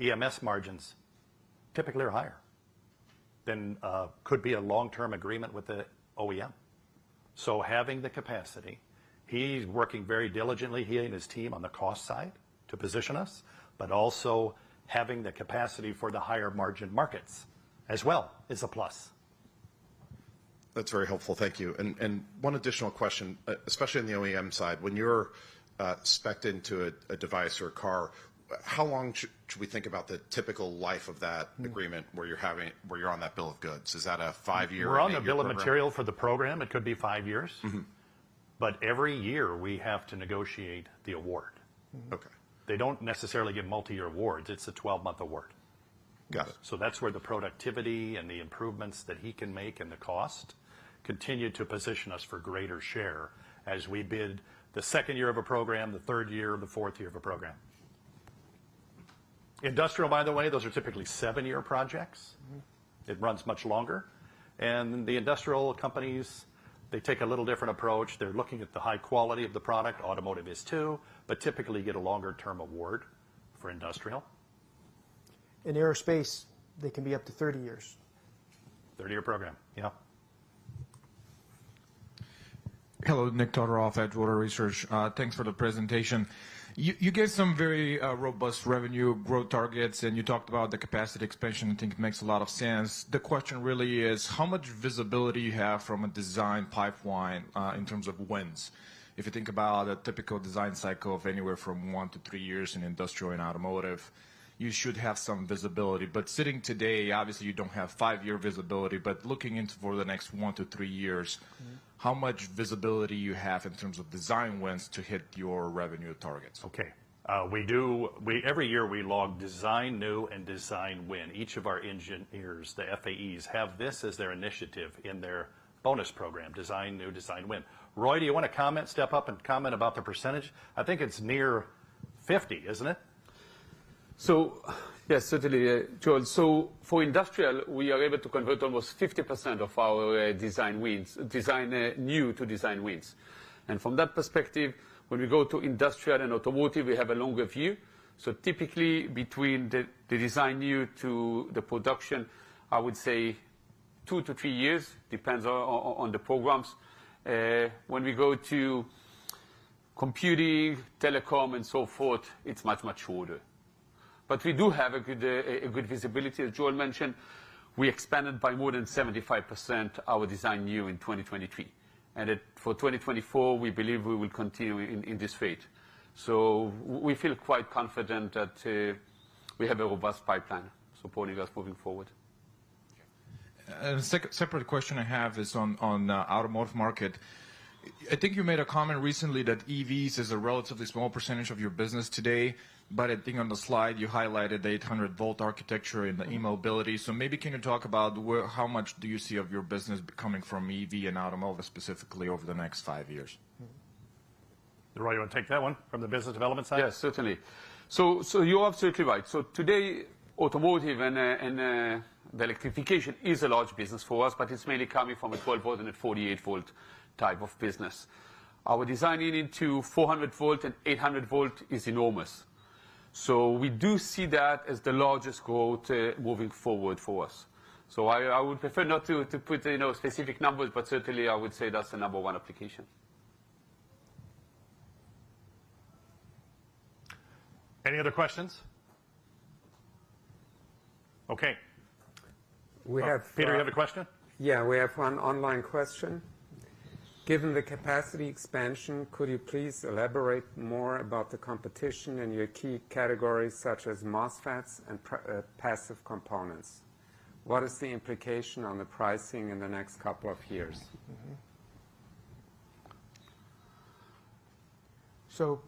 EMS margins typically are higher than could be a long-term agreement with the OEM. So having the capacity, he's working very diligently, he and his team on the cost side to position us, but also having the capacity for the higher margin markets as well is a plus. That's very helpful. Thank you. And one additional question, especially in the OEM side, when you're spec'd into a device or a car, how long should we think about the typical life of that agreement where you're on that bill of goods? Is that a five-year? We're on the bill of material for the program. It could be five years. But every year we have to negotiate the award. They don't necessarily get multi-year awards. It's a 12-month award. So that's where the productivity and the improvements that he can make and the cost continue to position us for greater share as we bid the second year of a program, the third year, the fourth year of a program. Industrial, by the way, those are typically seven-year projects. It runs much longer. And the industrial companies, they take a little different approach. They're looking at the high quality of the product. Automotive is too, but typically get a longer term award for industrial. In aerospace, they can be up to 30 years. 30-year program. Yeah. Hello, Nick Todorov at Jefferies. Thanks for the presentation. You gave some very robust revenue growth targets, and you talked about the capacity expansion. I think it makes a lot of sense. The question really is how much visibility you have from a design pipeline in terms of whens. If you think about a typical design cycle of anywhere from 1-3 years in industrial and automotive, you should have some visibility. But sitting today, obviously you don't have 5-year visibility. But looking into for the next 1-3 years, how much visibility you have in terms of design wins to hit your revenue targets? Okay. Every year we log design new and design win. Each of our engineers, the FAEs, have this as their initiative in their bonus program, design new, design win. Roy, do you want to comment, step up and comment about the percentage? I think it's near 50, isn't it? So yes, certainly, Joel. So for industrial, we are able to convert almost 50% of our design wins, design new to design wins. And from that perspective, when we go to industrial and automotive, we have a longer view. So typically between the design new to the production, I would say 2-3 years, depends on the programs. When we go to computing, telecom, and so forth, it's much, much shorter. But we do have a good visibility. As Joel mentioned, we expanded by more than 75% our design new in 2023. For 2024, we believe we will continue in this rate. So we feel quite confident that we have a robust pipeline supporting us moving forward. Okay. A separate question I have is on automotive market. I think you made a comment recently that EVs is a relatively small percentage of your business today. But I think on the slide you highlighted the 800-volt architecture in the e-mobility. So maybe can you talk about how much do you see of your business coming from EV and automotive specifically over the next 5 years? Do you want to take that one from the business development side? Yes, certainly. So you're absolutely right. So today, automotive and the electrification is a large business for us, but it's mainly coming from a 12-volt and a 48-volt type of business. Our designing into 400-volt and 800-volt is enormous. So we do see that as the largest growth moving forward for us. So I would prefer not to put specific numbers, but certainly I would say that's the number one application. Any other questions? Okay. Peter, you have a question? Yeah, we have one online question. Given the capacity expansion, could you please elaborate more about the competition in your key categories such as MOSFETs and passive components? What is the implication on the pricing in the next couple of years? So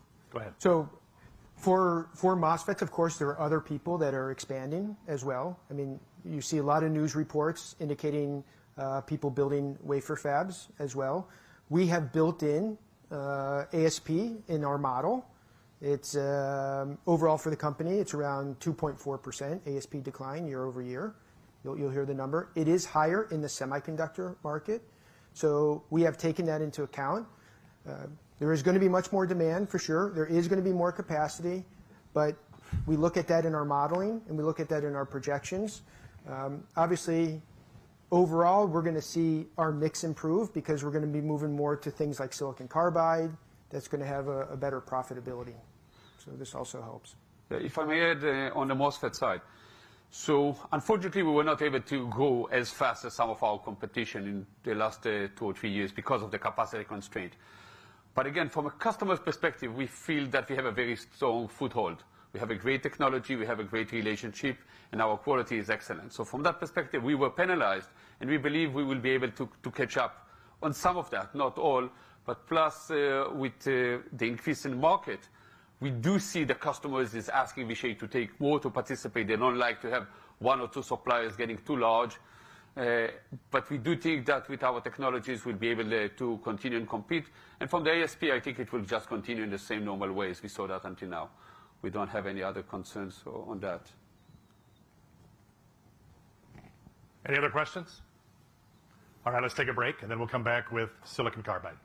for MOSFETs, of course, there are other people that are expanding as well. I mean, you see a lot of news reports indicating people building wafer fabs as well. We have built in ASP in our model. Overall for the company, it's around 2.4% ASP decline year-over-year. You'll hear the number. It is higher in the semiconductor market. So we have taken that into account. There is going to be much more demand for sure. There is going to be more capacity. But we look at that in our modeling and we look at that in our projections. Obviously, overall, we're going to see our mix improve because we're going to be moving more to things like silicon carbide that's going to have a better profitability. So this also helps. If I may add on the MOSFET side. So unfortunately, we were not able to go as fast as some of our competition in the last two or three years because of the capacity constraint. But again, from a customer's perspective, we feel that we have a very strong foothold. We have a great technology. We have a great relationship and our quality is excellent. So from that perspective, we were penalized and we believe we will be able to catch up on some of that, not all. But plus with the increase in market, we do see the customers is asking Vishay to take more to participate. They don't like to have one or two suppliers getting too large. But we do think that with our technologies, we'll be able to continue and compete. And from the ASP, I think it will just continue in the same normal way as we saw that until now. We don't have any other concerns on that. Any other questions? All right, let's take a break and then we'll come back with silicon carbide.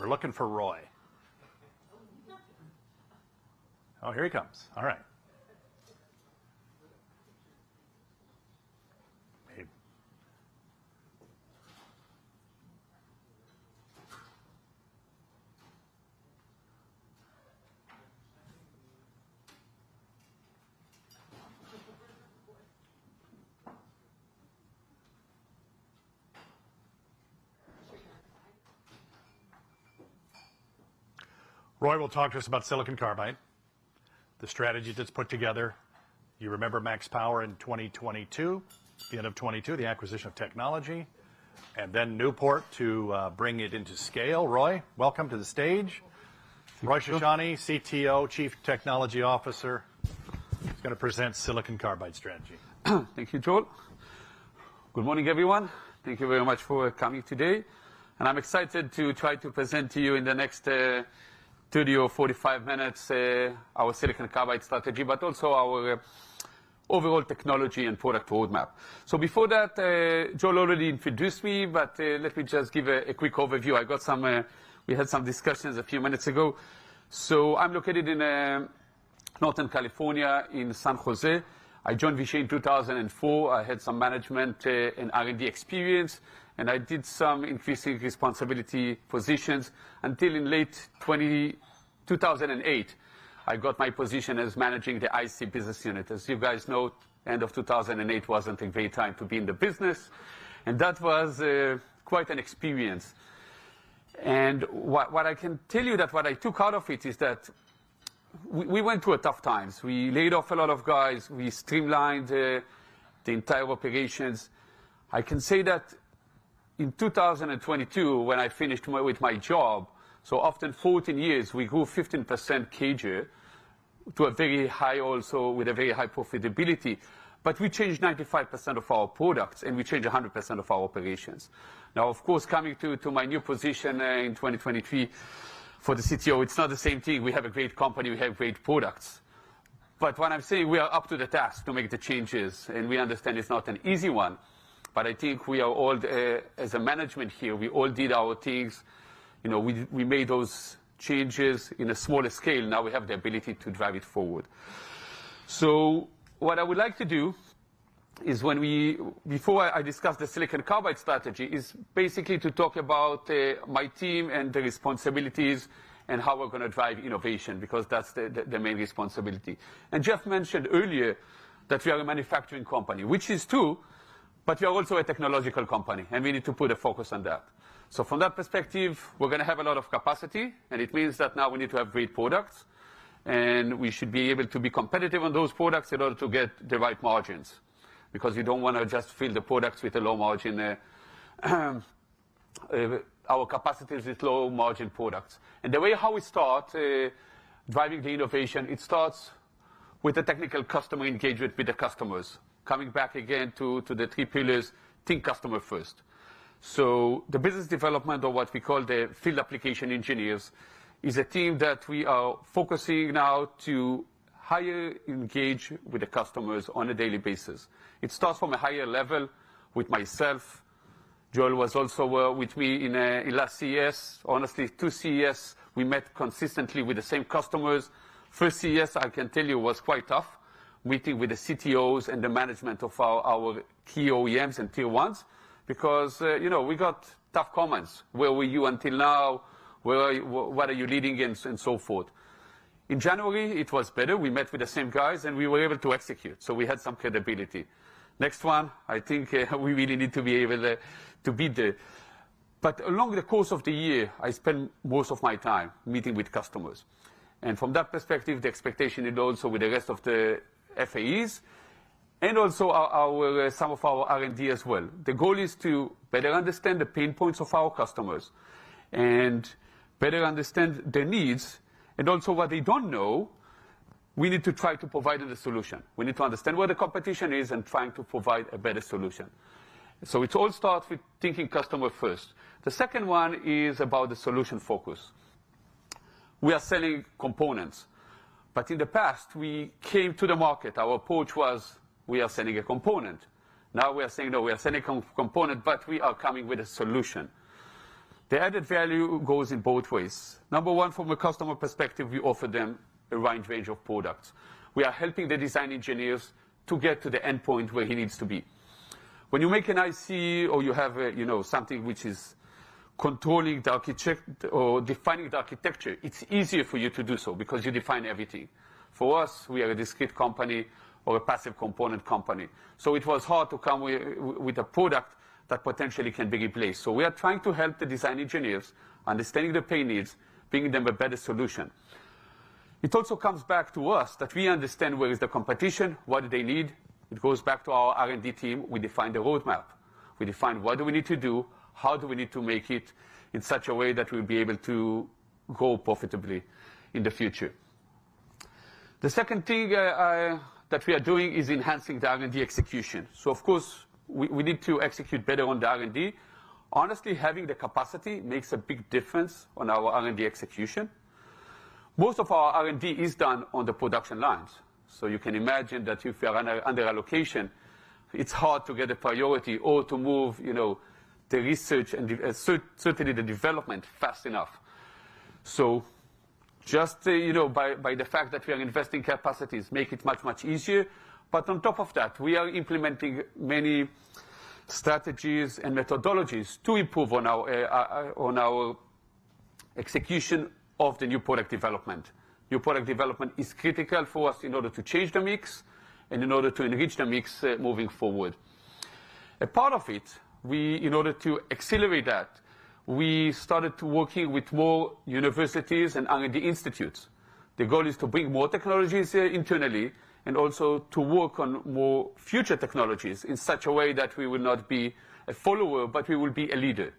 We're looking for Roy. Oh, here he comes. All right. Roy will talk to us about silicon carbide, the strategy that's put together. You remember MaxPower in 2022, the end of 2022, the acquisition of technology, and then Newport to bring it into scale. Roy, welcome to the stage. Roy Shoshani, CTO, Chief Technology Officer, is going to present silicon carbide strategy. Thank you, Joel. Good morning, everyone. Thank you very much for coming today. And I'm excited to try to present to you in the next 30 or 45 minutes, our silicon carbide strategy, but also our overall technology and product roadmap. So before that, Joel already introduced me, but let me just give a quick overview. We had some discussions a few minutes ago. So I'm located in Northern California, in San Jose. I joined Vishay in 2004. I had some management and R&D experience, and I did some increasing responsibility positions until in late 2008. I got my position as managing the IC business unit. As you guys know, the end of 2008 wasn't a great time to be in the business, and that was quite an experience. What I can tell you is that what I took out of it is that we went through tough times. We laid off a lot of guys. We streamlined the entire operations. I can say that in 2022, when I finished with my job, after 14 years, we grew 15% CAGR to a very high, also with a very high profitability. But we changed 95% of our products, and we changed 100% of our operations. Now, of course, coming to my new position in 2023 for the CTO, it's not the same thing. We have a great company. We have great products. But what I'm saying, we are up to the task to make the changes, and we understand it's not an easy one. But I think we are all, as a management here, we all did our things. You know, we made those changes in a smaller scale. Now we have the ability to drive it forward. So what I would like to do is, when we, before I discuss the silicon carbide strategy, is basically to talk about my team and the responsibilities and how we're going to drive innovation, because that's the main responsibility. Jeff mentioned earlier that we are a manufacturing company, which is true, but we are also a technological company, and we need to put a focus on that. From that perspective, we're going to have a lot of capacity. It means that now we need to have great products, and we should be able to be competitive on those products in order to get the right margins, because you don't want to just fill the products with a low margin. Our capacity is with low margin products. The way how we start, driving the innovation, it starts with the technical customer engagement with the customers. Coming back again to the three pillars, think customer first. The business development, or what we call the field application engineers, is a team that we are focusing now to higher engage with the customers on a daily basis. It starts from a higher level with myself. Joel was also with me in last CES. Honestly, two CES, we met consistently with the same customers. First CES, I can tell you, was quite tough, meeting with the CTOs and the management of our key OEMs and tier ones, because, you know, we got tough comments. Where were you until now? What are you leading in? And so forth. In January, it was better. We met with the same guys, and we were able to execute. So we had some credibility. Next one, I think we really need to be able to beat the. But along the course of the year, I spend most of my time meeting with customers. And from that perspective, the expectation is also with the rest of the FAEs and also some of our R&D as well. The goal is to better understand the pain points of our customers and better understand their needs. Also what they don't know, we need to try to provide them the solution. We need to understand where the competition is and trying to provide a better solution. It all starts with thinking customer first. The second one is about the solution focus. We are selling components, but in the past, we came to the market. Our approach was we are selling a component. Now we are saying, no, we are selling a component, but we are coming with a solution. The added value goes in both ways. Number one, from a customer perspective, we offer them a wide range of products. We are helping the design engineers to get to the end point where he needs to be. When you make an IC or you have something which is controlling the architect or defining the architecture, it's easier for you to do so because you define everything. For us, we are a discrete company or a passive component company. So it was hard to come with a product that potentially can be replaced. So we are trying to help the design engineers understanding the pain needs, bringing them a better solution. It also comes back to us that we understand where is the competition, what do they need. It goes back to our R&D team. We define the roadmap. We define what do we need to do? How do we need to make it in such a way that we'll be able to grow profitably in the future? The second thing that we are doing is enhancing the R&D execution. So, of course, we need to execute better on the R&D. Honestly, having the capacity makes a big difference on our R&D execution. Most of our R&D is done on the production lines. So you can imagine that if you're under allocation, it's hard to get a priority or to move, you know, the research and certainly the development fast enough. So just, you know, by the fact that we are investing capacities, make it much, much easier. But on top of that, we are implementing many strategies and methodologies to improve on our execution of the new product development. New product development is critical for us in order to change the mix and in order to enrich the mix moving forward. A part of it, in order to accelerate that, we started working with more universities and R&D institutes. The goal is to bring more technologies internally and also to work on more future technologies in such a way that we will not be a follower, but we will be a leader.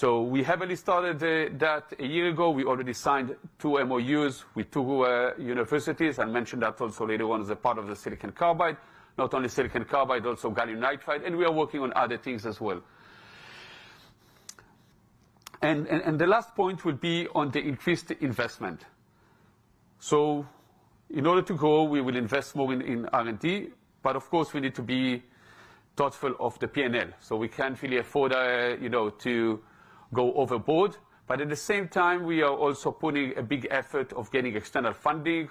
We heavily started that a year ago. We already signed two MOUs with two universities and mentioned that also later on as a part of the silicon carbide, not only silicon carbide, also gallium nitride. We are working on other things as well. The last point will be on the increased investment. In order to grow, we will invest more in R&D. But of course, we need to be thoughtful of the P&L so we can really afford to go overboard. But at the same time, we are also putting a big effort of getting external funding.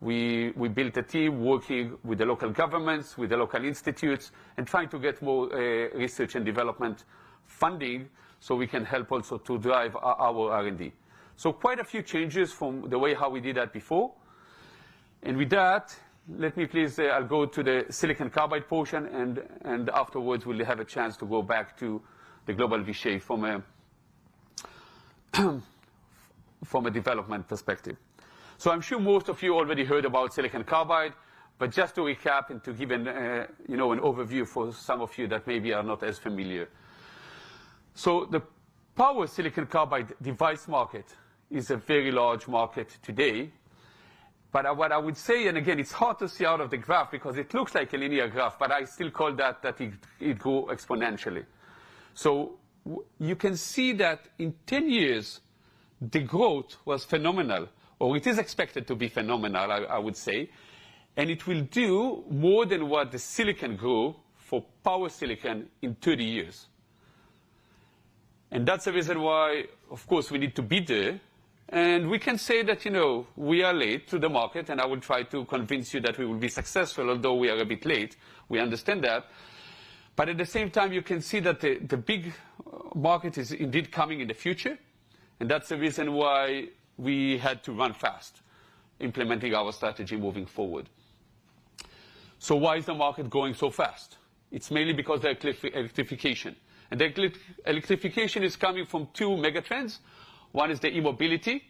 We built a team working with the local governments, with the local institutes, and trying to get more research and development funding so we can help also to drive our R&D. So quite a few changes from the way how we did that before. And with that, let me, please, I'll go to the silicon carbide portion, and afterwards we'll have a chance to go back to the global Vishay from a development perspective. So I'm sure most of you already heard about silicon carbide. But just to recap and to give an overview for some of you that maybe are not as familiar. So the power silicon carbide device market is a very large market today. But what I would say, and again, it's hard to see out of the graph because it looks like a linear graph, but I still call that that it grew exponentially. So you can see that in 10 years, the growth was phenomenal, or it is expected to be phenomenal, I would say. It will do more than what the silicon grew for power silicon in 30 years. That's the reason why, of course, we need to be there. We can say that, you know, we are late to the market, and I will try to convince you that we will be successful, although we are a bit late. We understand that. But at the same time, you can see that the big market is indeed coming in the future. That's the reason why we had to run fast implementing our strategy moving forward. So why is the market going so fast? It's mainly because of electrification. Electrification is coming from two megatrends. One is the e-mobility,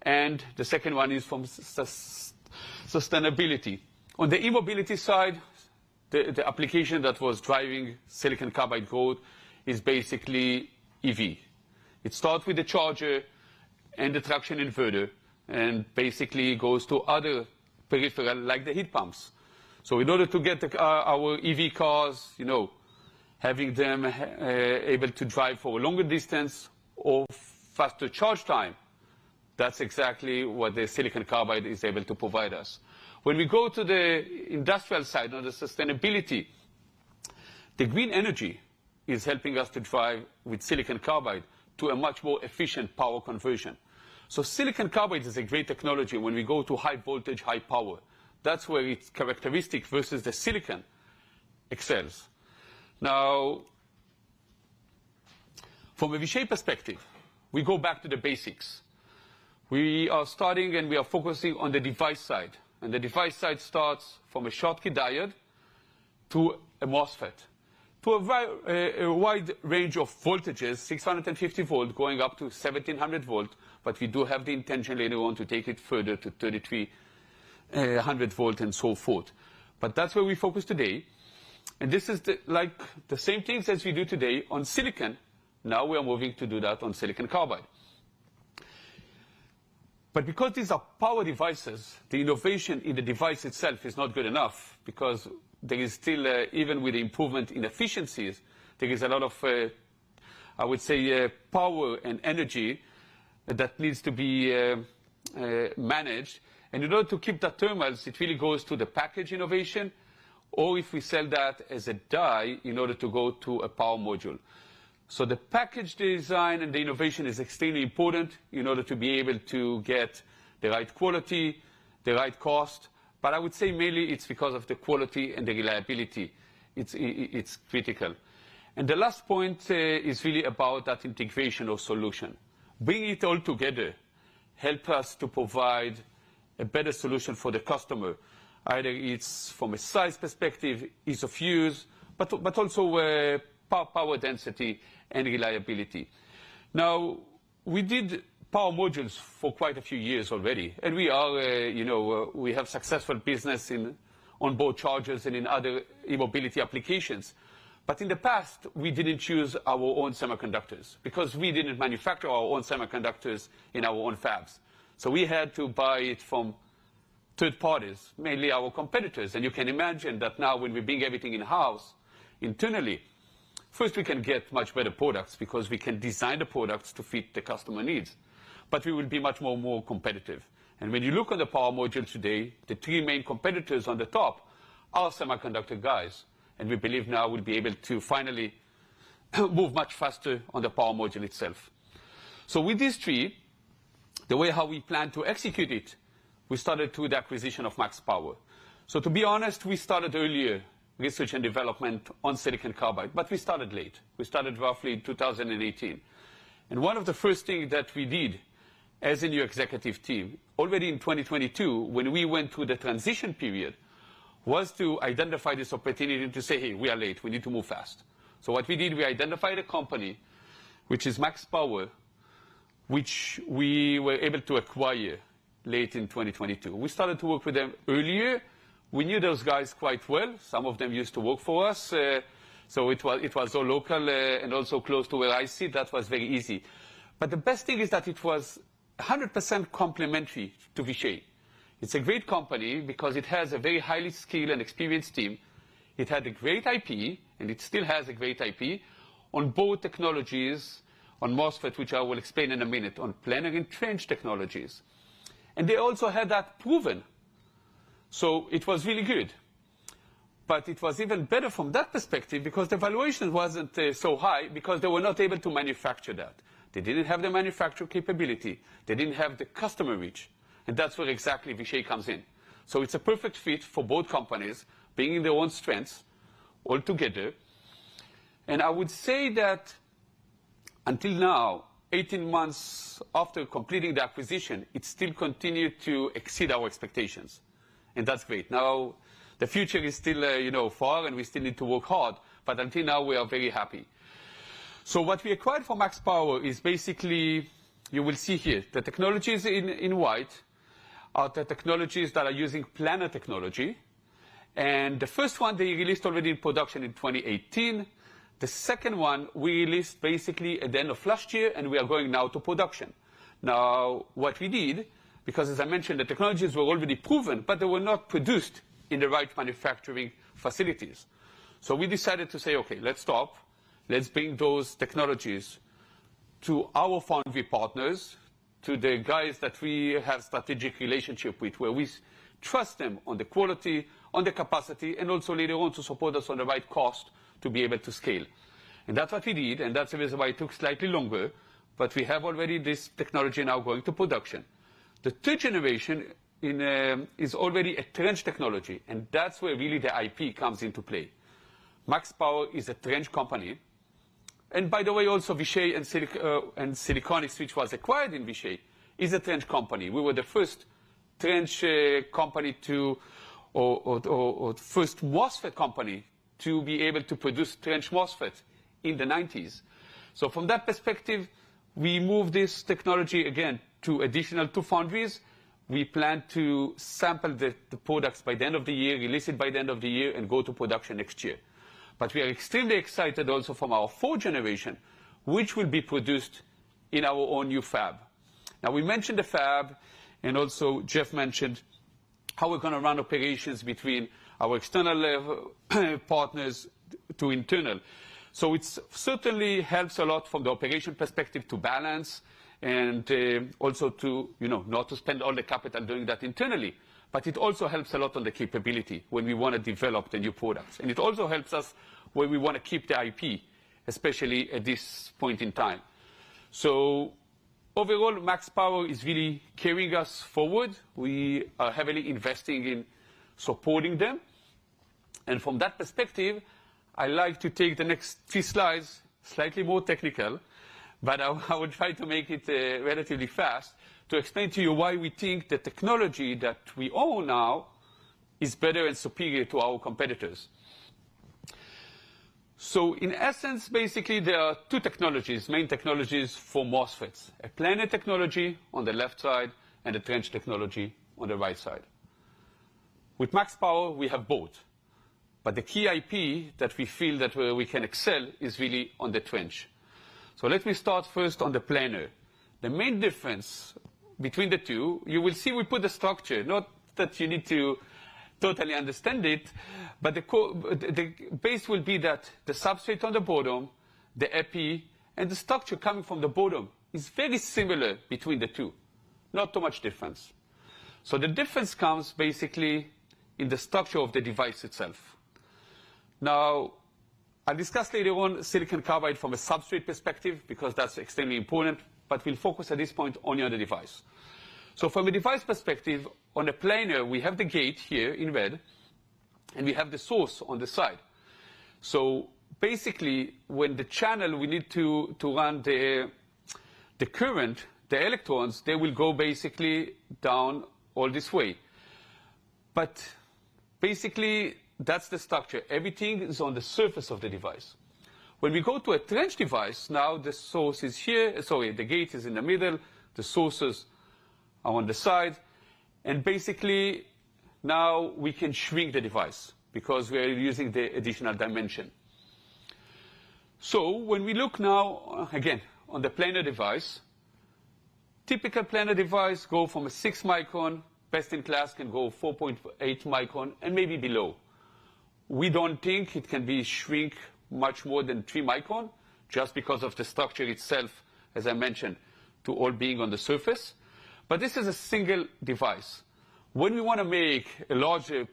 and the second one is from sustainability. On the e-mobility side, the application that was driving silicon carbide growth is basically EV. It starts with the charger and the traction inverter and basically goes to other peripheral like the heat pumps. So in order to get our EV cars, you know, having them able to drive for a longer distance or faster charge time, that's exactly what the silicon carbide is able to provide us. When we go to the industrial side on the sustainability, the green energy is helping us to drive with silicon carbide to a much more efficient power conversion. So silicon carbide is a great technology when we go to high voltage, high power. That's where its characteristic versus the silicon excels. Now, from a Vishay perspective, we go back to the basics. We are starting and we are focusing on the device side. The device side starts from a Schottky diode to a MOSFET to a wide range of voltages, 650-volt going up to 1700-volt. We do have the intention later on to take it further to 3300-volt and so forth. That's where we focus today. This is like the same things as we do today on silicon. Now we are moving to do that on silicon carbide. Because these are power devices, the innovation in the device itself is not good enough because there is still, even with the improvement in efficiencies, there is a lot of, I would say, power and energy that needs to be managed. In order to keep the thermals, it really goes to the package innovation, or if we sell that as a die in order to go to a power module. So the package design and the innovation is extremely important in order to be able to get the right quality, the right cost. But I would say mainly it's because of the quality and the reliability. It's critical. The last point is really about that integration or solution. Bringing it all together helps us to provide a better solution for the customer. Either it's from a size perspective, ease of use, but also power density and reliability. Now, we did power modules for quite a few years already, and we are, you know, we have successful business on both chargers and in other e-mobility applications. But in the past, we didn't use our own semiconductors because we didn't manufacture our own semiconductors in our own fabs. We had to buy it from third parties, mainly our competitors. And you can imagine that now when we bring everything in-house internally, first we can get much better products because we can design the products to fit the customer needs, but we will be much more competitive. And when you look on the power module today, the three main competitors on the top are semiconductor guys. And we believe now we'll be able to finally move much faster on the power module itself. So with these three, the way how we plan to execute it, we started through the acquisition of MaxPower. So to be honest, we started earlier research and development on silicon carbide, but we started late. We started roughly in 2018. One of the first things that we did as a new executive team already in 2022, when we went through the transition period, was to identify this opportunity to say, hey, we are late, we need to move fast. So what we did, we identified a company which is MaxPower, which we were able to acquire late in 2022. We started to work with them earlier. We knew those guys quite well. Some of them used to work for us. So it was all local and also close to where I sit. That was very easy. But the best thing is that it was 100% complementary to Vishay. It's a great company because it has a very highly skilled and experienced team. It had a great IP and it still has a great IP on both technologies, on MOSFET, which I will explain in a minute, on planar trench technologies. And they also had that proven. So it was really good. But it was even better from that perspective because the valuation wasn't so high because they were not able to manufacture that. They didn't have the manufacturing capability. They didn't have the customer reach. And that's where exactly Vishay comes in. So it's a perfect fit for both companies, bringing their own strengths altogether. And I would say that until now, 18 months after completing the acquisition, it still continued to exceed our expectations. And that's great. Now the future is still far and we still need to work hard. But until now, we are very happy. So what we acquired from MaxPower is basically you will see here the technologies in white are the technologies that are using planar technology. And the first one they released already in production in 2018. The second one we released basically at the end of last year and we are going now to production. Now what we did, because as I mentioned, the technologies were already proven, but they were not produced in the right manufacturing facilities. So we decided to say, okay, let's stop. Let's bring those technologies to our foundry partners, to the guys that we have a strategic relationship with, where we trust them on the quality, on the capacity, and also later on to support us on the right cost to be able to scale. And that's what we did. And that's the reason why it took slightly longer. But we have already this technology now going to production. The third generation is already a trench technology. And that's where really the IP comes into play. MaxPower is a trench company. And by the way, also Vishay and Siliconix, which was acquired by Vishay, is a trench company. We were the first trench company to or first MOSFET company to be able to produce trench MOSFETs in the 1990s. So from that perspective, we move this technology again to additional two foundries. We plan to sample the products by the end of the year, release it by the end of the year and go to production next year. But we are extremely excited also from our fourth generation, which will be produced in our own new fab. Now we mentioned the fab and also Jeff mentioned how we're going to run operations between our external partners to internal. So it certainly helps a lot from the operation perspective to balance and also to not to spend all the capital doing that internally. But it also helps a lot on the capability when we want to develop the new products. And it also helps us when we want to keep the IP, especially at this point in time. So overall, MaxPower is really carrying us forward. We are heavily investing in supporting them. And from that perspective, I like to take the next few slides slightly more technical, but I will try to make it relatively fast to explain to you why we think the technology that we own now is better and superior to our competitors. So in essence, basically there are two technologies, main technologies for MOSFETs, a Planar Technology on the left side and a Trench Technology on the right side. With MaxPower, we have both. But the key IP that we feel that we can excel is really on the trench. So let me start first on the planar. The main difference between the two, you will see we put the structure, not that you need to totally understand it, but the base will be that the substrate on the bottom, the epi and the structure coming from the bottom is very similar between the two. Not too much difference. So the difference comes basically in the structure of the device itself. Now I'll discuss later on Silicon Carbide from a substrate perspective because that's extremely important, but we'll focus at this point only on the device. So from a device perspective, on a planar, we have the gate here in red and we have the source on the side. So basically when the channel we need to run the current, the electrons, they will go basically down all this way. But basically that's the structure. Everything is on the surface of the device. When we go to a trench device, now the source is here. Sorry, the gate is in the middle. The sources are on the side. And basically now we can shrink the device because we are using the additional dimension. So when we look now again on the planar device, typical planar device go from a 6 micron best in class can go 4.8 micron and maybe below. We don't think it can be shrink much more than 3 micron just because of the structure itself, as I mentioned, to all being on the surface. But this is a single device. When we want to make a larger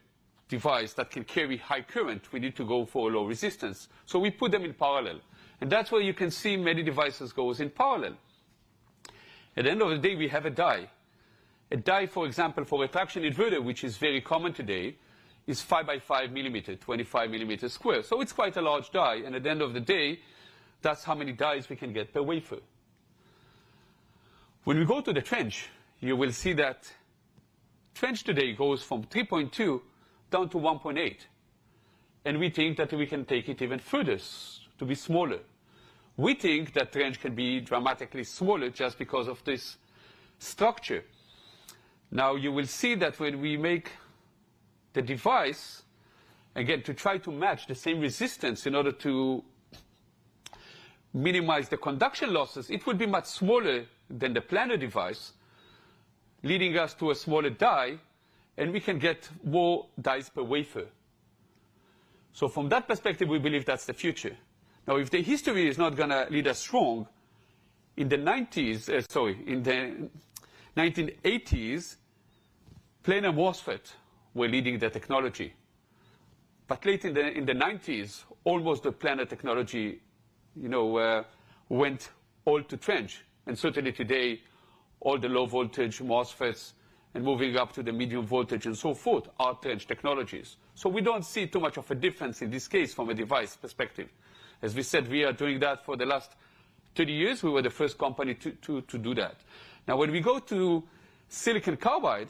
device that can carry high current, we need to go for a low resistance. So we put them in parallel. And that's where you can see many devices go in parallel. At the end of the day, we have a die, a die, for example, for a traction inverter, which is very common today, is 5 by 5 mm, 25 mm square. So it's quite a large die. And at the end of the day, that's how many dies we can get per wafer. When we go to the Trench, you will see that Trench today goes from 3.2-1.8. And we think that we can take it even further to be smaller. We think that Trench can be dramatically smaller just because of this structure. Now you will see that when we make the device again to try to match the same resistance in order to minimize the conduction losses, it will be much smaller than the planar device, leading us to a smaller die and we can get more dies per wafer. So from that perspective, we believe that's the future. Now, if the history is not going to lead us strong in the nineties, sorry, in the 1980s, planar MOSFETs were leading the technology. But late in the nineties, almost the planar technology, you know, went all to trench. And certainly today, all the low voltage MOSFETs and moving up to the medium voltage and so forth are trench technologies. So we don't see too much of a difference in this case from a device perspective. As we said, we are doing that for the last 30 years. We were the first company to do that. Now when we go to Silicon Carbide,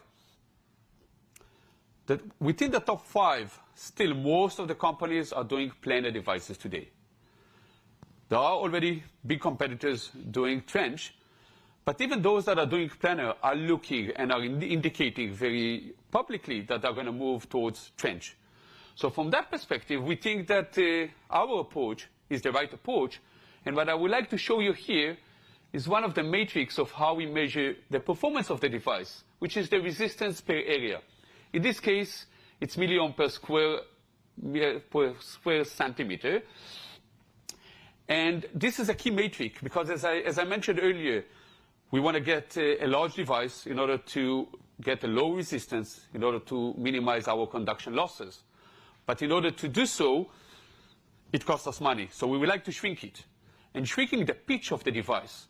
within the top five, still most of the companies are doing Planar devices today. There are already big competitors doing Trench, but even those that are doing Planar are looking and are indicating very publicly that they're going to move towards Trench. So from that perspective, we think that our approach is the right approach. And what I would like to show you here is one of the metrics of how we measure the performance of the device, which is the resistance per area. In this case, it's milliohms per square centimeter. And this is a key metric because as I mentioned earlier, we want to get a large device in order to get a low resistance in order to minimize our conduction losses. But in order to do so, it costs us money. So we would like to shrink it. And shrinking the pitch of the device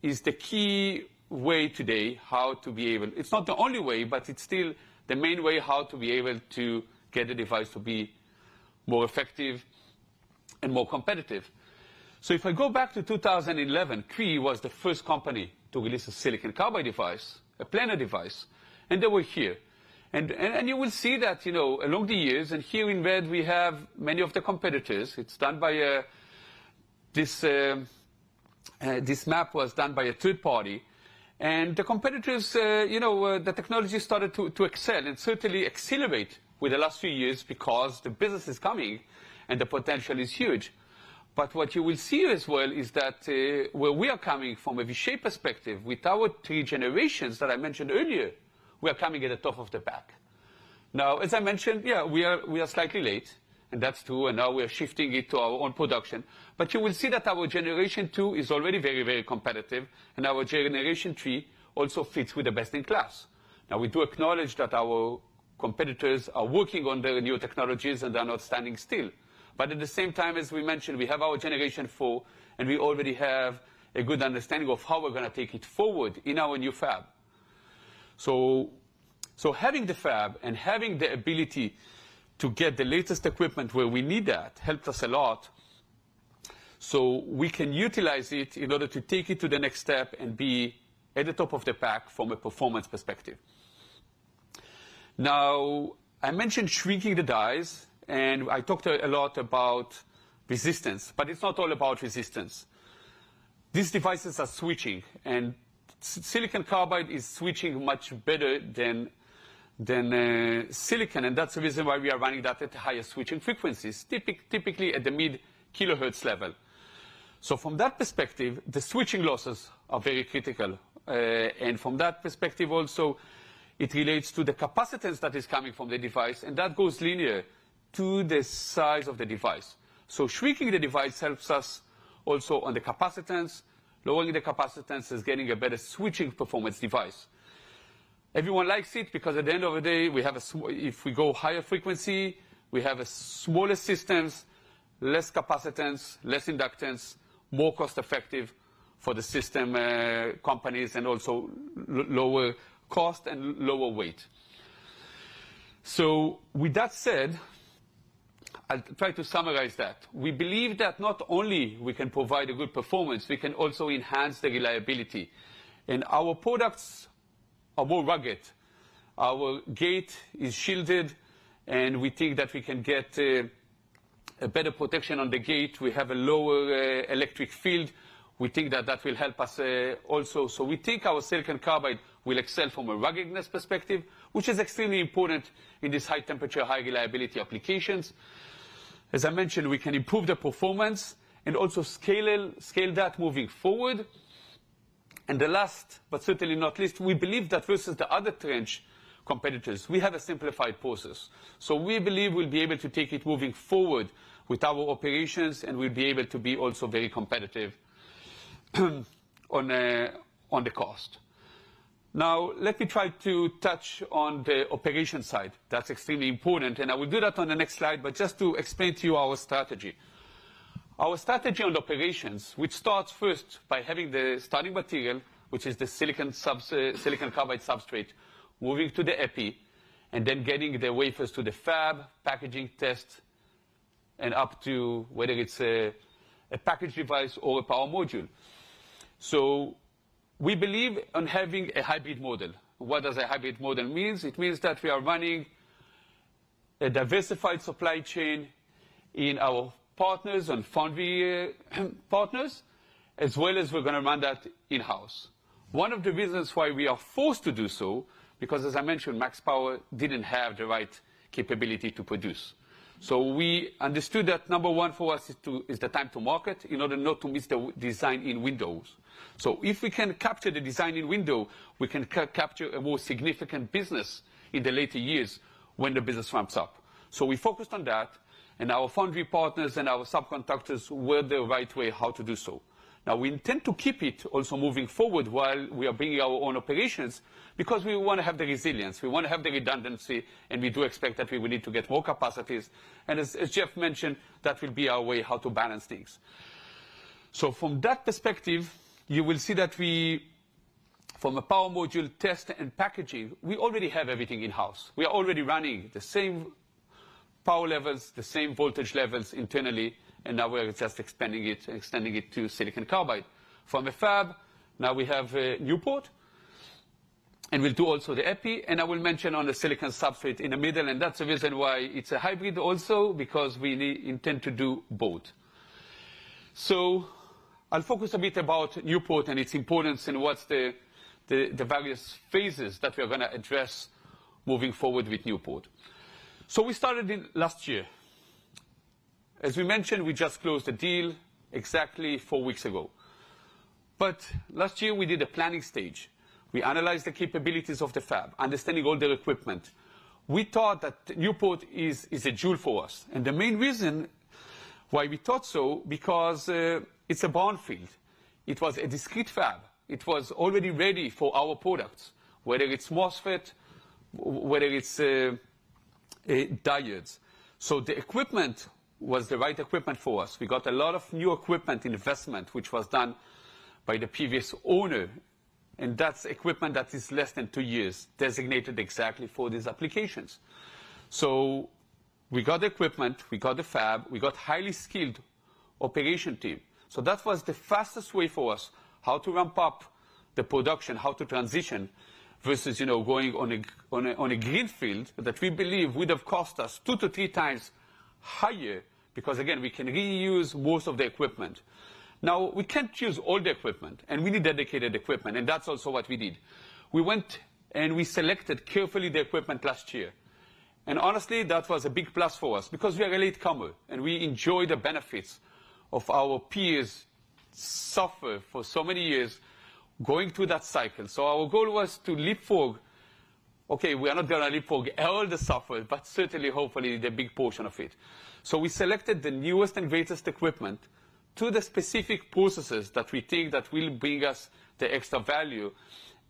is the key way today how to be able. It's not the only way, but it's still the main way how to be able to get a device to be more effective and more competitive. So if I go back to 2011, Cree was the first company to release a silicon carbide device, a planar device, and they were here. And you will see that along the years and here in red, we have many of the competitors. It's done by this. This map was done by a third party and the competitors, you know, the technology started to excel and certainly accelerate with the last few years because the business is coming and the potential is huge. But what you will see as well is that where we are coming from a Vishay perspective, with our three generations that I mentioned earlier, we are coming at the top of the back. Now, as I mentioned, yeah, we are slightly late and that's true. Now we are shifting it to our own production. But you will see that our generation two is already very, very competitive and our generation three also fits with the best in class. Now we do acknowledge that our competitors are working on their new technologies and they're not standing still. But at the same time, as we mentioned, we have our generation four and we already have a good understanding of how we're going to take it forward in our new fab. So, having the fab and having the ability to get the latest equipment where we need that helps us a lot, so we can utilize it in order to take it to the next step and be at the top of the pack from a performance perspective. Now, I mentioned shrinking the dies and I talked a lot about resistance, but it's not all about resistance. These devices are switching and silicon carbide is switching much better than silicon. And that's the reason why we are running that at higher switching frequencies, typically at the mid-kilohertz level. So, from that perspective, the switching losses are very critical. And from that perspective, also it relates to the capacitance that is coming from the device and that goes linear to the size of the device. So shrinking the device helps us also on the capacitance, lowering the capacitance is getting a better switching performance device. Everyone likes it because at the end of the day we have a if we go higher frequency, we have a smaller systems, less capacitance, less inductance, more cost effective for the system companies and also lower cost and lower weight. So with that said, I'll try to summarize that. We believe that not only we can provide a good performance, we can also enhance the reliability and our products are more rugged. Our gate is shielded and we think that we can get a better protection on the gate. We have a lower electric field. We think that that will help us also. So we think our silicon carbide will excel from a ruggedness perspective, which is extremely important in these high temperature, high reliability applications. As I mentioned, we can improve the performance and also scale that moving forward. And the last but certainly not least, we believe that versus the other trench competitors, we have a simplified process. So we believe we'll be able to take it moving forward with our operations and we'll be able to be also very competitive on the cost. Now let me try to touch on the operation side. That's extremely important. And I will do that on the next slide. But just to explain to you our strategy, our strategy on operations, which starts first by having the starting material, which is the silicon or silicon carbide substrate, moving to the EPI and then getting the wafers to the fab, packaging test and up to whether it's a package device or a power module. So we believe on having a hybrid model. What does a hybrid model mean? It means that we are running a diversified supply chain in our partners and foundry partners, as well as we're going to run that in-house. One of the reasons why we are forced to do so, because as I mentioned, MaxPower didn't have the right capability to produce. So we understood that number one for us is to the time to market in order not to miss the design in windows. So if we can capture the design in window, we can capture a more significant business in the later years when the business ramps up. So we focused on that and our foundry partners and our subcontractors were the right way how to do so. Now we intend to keep it also moving forward while we are bringing our own operations because we want to have the resilience, we want to have the redundancy and we do expect that we will need to get more capacities. And as Jeff mentioned, that will be our way how to balance things. So from that perspective, you will see that we from a power module test and packaging, we already have everything in-house. We are already running the same power levels, the same voltage levels internally. And now we're just expanding it and extending it to silicon carbide from a fab. Now we have a Newport and we'll do also the EPI. And I will mention on the silicon substrate in the middle. And that's the reason why it's a hybrid. Also because we intend to do both. So I'll focus a bit about Newport and its importance and what's the various phases that we are going to address moving forward with Newport. So we started in last year. As we mentioned, we just closed the deal exactly four weeks ago. But last year we did a planning stage. We analyzed the capabilities of the fab, understanding all their equipment. We thought that Newport is a jewel for us. And the main reason why we thought so, because it's a brownfield, it was a discrete fab. It was already ready for our products, whether it's MOSFET, whether it's diodes. So the equipment was the right equipment for us. We got a lot of new equipment investment, which was done by the previous owner. And that's equipment that is less than two years designated exactly for these applications. So we got the equipment, we got the fab, we got a highly skilled operation team. That was the fastest way for us how to ramp up the production, how to transition versus, you know, going on a greenfield that we believe would have cost us 2-3 times higher. Because again, we can reuse most of the equipment. Now we can't use all the equipment and we need dedicated equipment. And that's also what we did. We went and we selected carefully the equipment last year. And honestly, that was a big plus for us because we are a latecomer and we enjoy the benefits of our peers suffer for so many years going through that cycle. So our goal was to leapfrog. Okay, we are not going to leapfrog all the suffer, but certainly hopefully the big portion of it. So we selected the newest and greatest equipment to the specific processes that we think that will bring us the extra value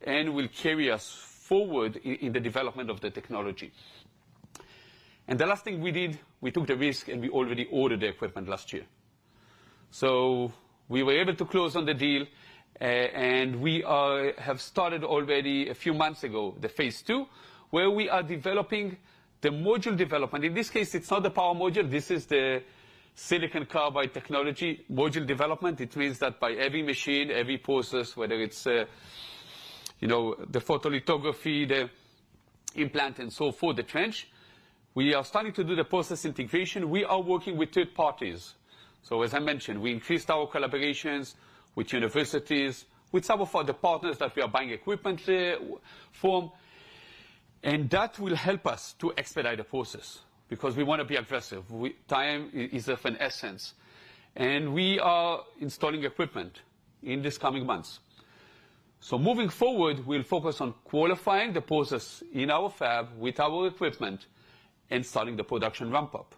and will carry us forward in the development of the technology. And the last thing we did, we took the risk and we already ordered the equipment last year. So we were able to close on the deal and we have started already a few months ago the phase two where we are developing the module development. In this case, it's not the power module. This is the silicon carbide technology module development. It means that by every machine, every process, whether it's, you know, the photolithography, the implant and so forth, the trench, we are starting to do the process integration. We are working with third parties. So as I mentioned, we increased our collaborations with universities, with some of our departments that we are buying equipment there from. That will help us to expedite the process because we want to be aggressive. Time is of an essence and we are installing equipment in these coming months. So moving forward, we'll focus on qualifying the process in our fab with our equipment and starting the production ramp up.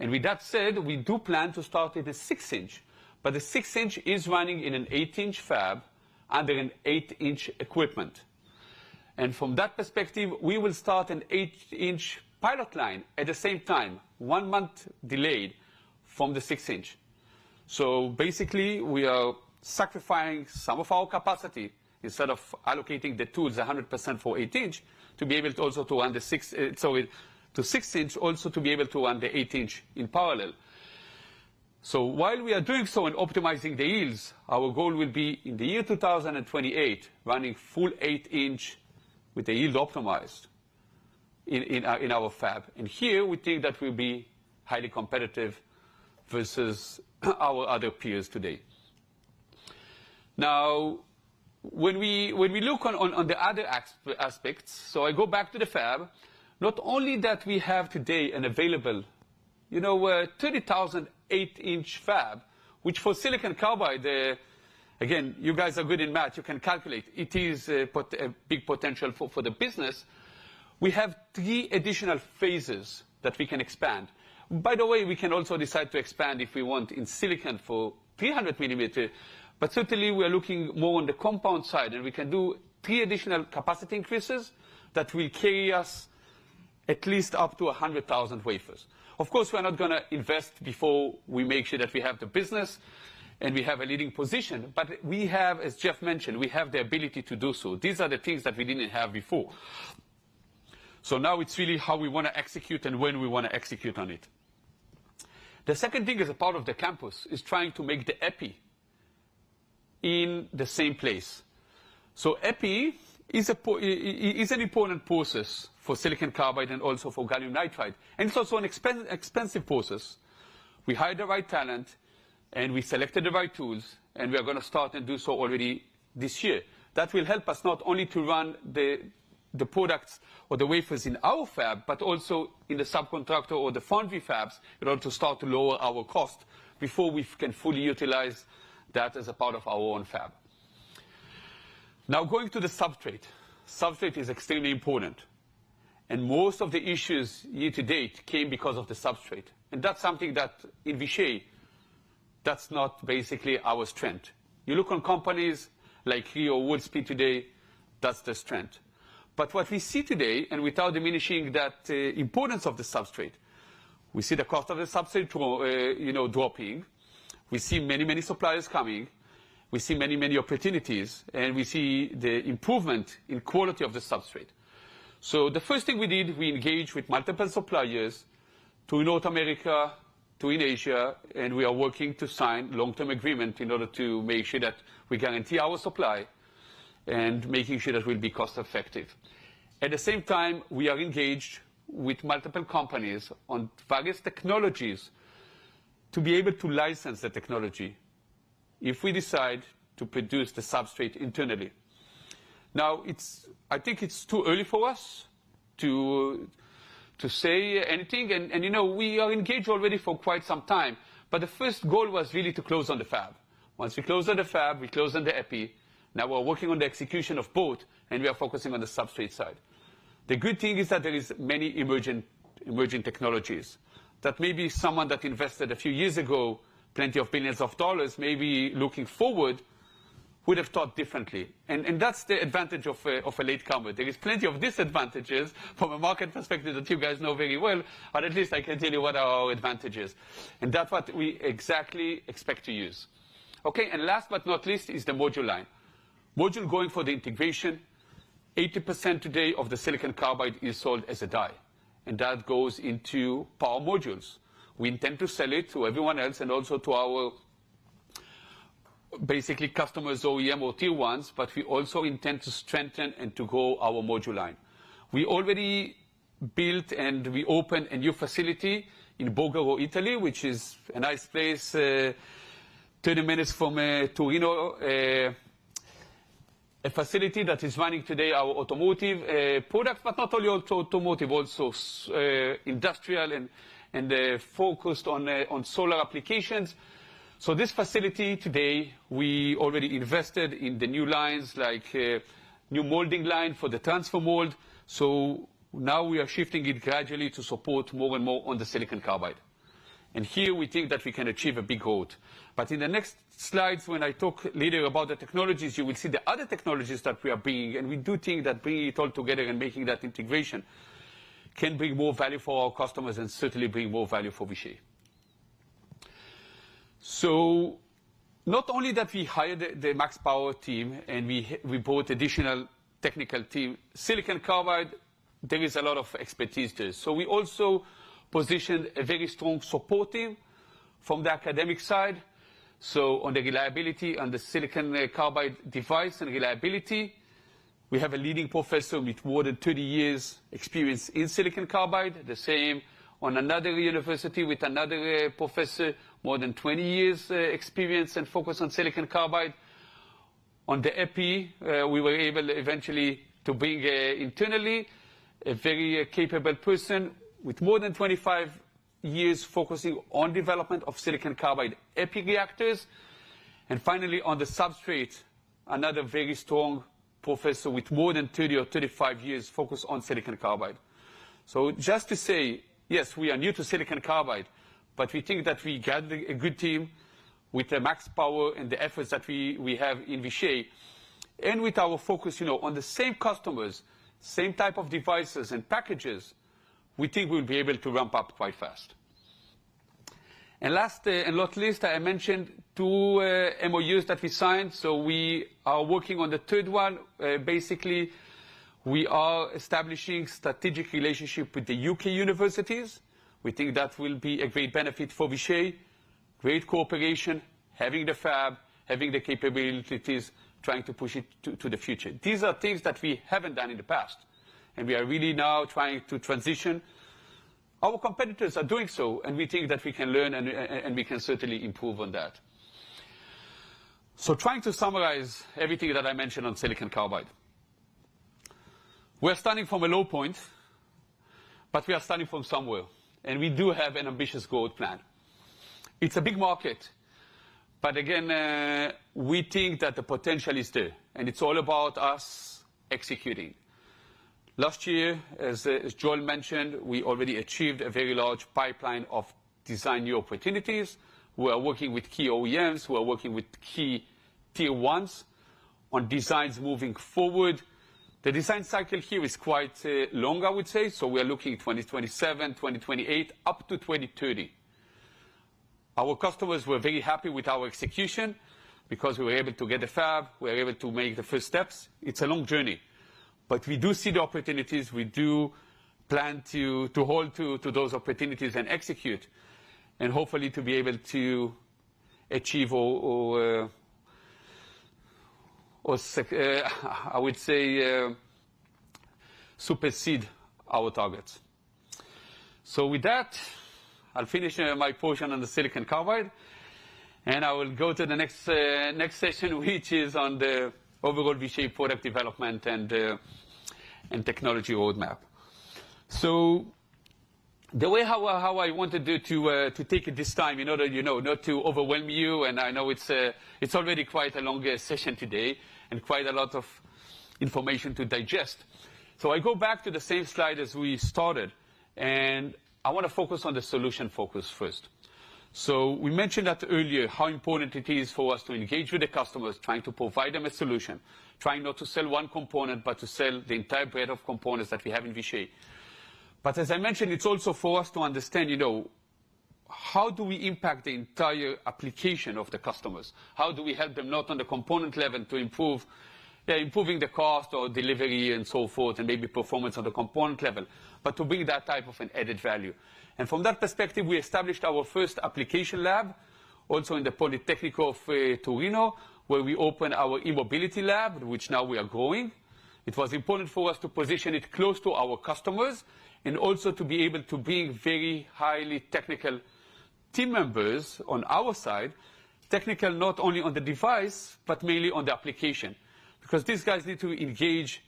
With that said, we do plan to start at a 6-inch, but the 6-inch is running in an 8-inch fab under an 8-inch equipment. From that perspective, we will start an 8-inch pilot line at the same time, one month delayed from the 6-inch. So basically we are sacrificing some of our capacity instead of allocating the tools 100% for 8-inch to be able to also to run the 6-inch, sorry, 6-inch, also to be able to run the 8-inch in parallel. So while we are doing so and optimizing the yields, our goal will be in the year 2028 running full 8-inch with the yield optimized in our fab. And here we think that we'll be highly competitive versus our other peers today. Now when we when we look on the other aspects, so I go back to the fab, not only that we have today an available, you know, 30,000 8-inch fab, which for Silicon Carbide, again, you guys are good in math, you can calculate it is a big potential for the business. We have three additional phases that we can expand. By the way, we can also decide to expand if we want in silicon for 300 mm. But certainly we are looking more on the compound side and we can do 3 additional capacity increases that will carry us at least up to 100,000 wafers. Of course, we are not going to invest before we make sure that we have the business and we have a leading position. But we have, as Jeff mentioned, we have the ability to do so. These are the things that we didn't have before. So now it's really how we want to execute and when we want to execute on it. The second thing as a part of the campus is trying to make the EPI in the same place. So EPI is an important process for silicon carbide and also for gallium nitride. And it's also an expensive, expensive process. We hire the right talent and we selected the right tools and we are going to start and do so already this year. That will help us not only to run the products or the wafers in our fab, but also in the subcontractor or the foundry fabs in order to start to lower our cost before we can fully utilize that as a part of our own fab. Now going to the substrate, substrate is extremely important and most of the issues year to date came because of the substrate. And that's something that in Vishay, that's not basically our strength. You look on companies like Wolfspeed today, that's the strength. But what we see today, and without diminishing that importance of the substrate, we see the cost of the substrate dropping. We see many, many suppliers coming. We see many, many opportunities and we see the improvement in quality of the substrate. So the first thing we did, we engaged with multiple suppliers in North America, in Asia, and we are working to sign long-term agreement in order to make sure that we guarantee our supply and making sure that we'll be cost effective. At the same time, we are engaged with multiple companies on various technologies to be able to license the technology if we decide to produce the substrate internally. Now it's, I think it's too early for us to say anything. And, you know, we are engaged already for quite some time. But the first goal was really to close on the fab. Once we close on the fab, we close on the EPI. Now we're working on the execution of both and we are focusing on the substrate side. The good thing is that there is many emerging technologies that maybe someone that invested a few years ago plenty of billions of dollars maybe looking forward would have thought differently. That's the advantage of a late comer. There is plenty of disadvantages from a market perspective that you guys know very well. But at least I can tell you what our advantages and that's what we exactly expect to use. Okay. Last but not least is the module line, module going for the integration. 80% today of the silicon carbide is sold as a die and that goes into power modules. We intend to sell it to everyone else and also to our basically customers, OEM or tier ones. But we also intend to strengthen and to grow our module line. We already built and we opened a new facility in Borgaro, Italy, which is a nice place, 30 minutes from Torino. A facility that is running today our automotive products, but not only automotive, also industrial and focused on solar applications. So this facility today, we already invested in the new lines like a new molding line for the transfer mold. So now we are shifting it gradually to support more and more on the silicon carbide. And here we think that we can achieve a big growth. But in the next slides, when I talk later about the technologies, you will see the other technologies that we are bringing. And we do think that bringing it all together and making that integration can bring more value for our customers and certainly bring more value for Vishay. So not only that we hired the MaxPower team and we brought additional technical team, silicon carbide, there is a lot of expertise there. So we also positioned a very strong support from the academic side. So on the reliability on the silicon carbide device and reliability, we have a leading professor with more than 30 years experience in silicon carbide, the same on another university with another professor, more than 20 years experience and focus on silicon carbide. On the EPI, we were able eventually to bring internally a very capable person with more than 25 years focusing on development of silicon carbide EPI reactors. And finally, on the substrate, another very strong professor with more than 30 years or 35 years focus on silicon carbide. So just to say, yes, we are new to silicon carbide, but we think that we gathered a good team with the MaxPower and the efforts that we have in Vishay and with our focus, you know, on the same customers, same type of devices and packages, we think we will be able to ramp up quite fast. Last and not least, I mentioned two MOUs that we signed. So we are working on the third one. Basically, we are establishing a strategic relationship with the UK universities. We think that will be a great benefit for Vishay. Great cooperation, having the fab, having the capabilities, trying to push it to the future. These are things that we haven't done in the past and we are really now trying to transition. Our competitors are doing so and we think that we can learn and we can certainly improve on that. So trying to summarize everything that I mentioned on silicon carbide, we're starting from a low point, but we are starting from somewhere and we do have an ambitious growth plan. It's a big market, but again, we think that the potential is there and it's all about us executing. Last year, as Joel mentioned, we already achieved a very large pipeline of design new opportunities. We are working with key OEMs, we are working with key tier ones on designs moving forward. The design cycle here is quite long, I would say. So we are looking at 2027, 2028, up to 2030. Our customers were very happy with our execution because we were able to get the fab. We were able to make the first steps. It's a long journey, but we do see the opportunities. We do plan to hold to those opportunities and execute and hopefully to be able to achieve or I would say supersede our targets. So with that, I'll finish my portion on the silicon carbide and I will go to the next session, which is on the overall Vishay product development and technology roadmap. So the way how I wanted to take it this time in order, you know, not to overwhelm you. And I know it's already quite a long session today and quite a lot of information to digest. So I go back to the same slide as we started and I want to focus on the solution focus first. So we mentioned that earlier how important it is for us to engage with the customers, trying to provide them a solution, trying not to sell one component, but to sell the entire breadth of components that we have in Vishay. But as I mentioned, it's also for us to understand, you know, how do we impact the entire application of the customers? How do we help them not on the component level to improve improving the cost or delivery and so forth and maybe performance on the component level, but to bring that type of an added value? And from that perspective, we established our first application lab also in the Polytechnic of Turin, where we opened our e-mobility lab, which now we are growing. It was important for us to position it close to our customers and also to be able to bring very highly technical team members on our side, technical not only on the device, but mainly on the application, because these guys need to engage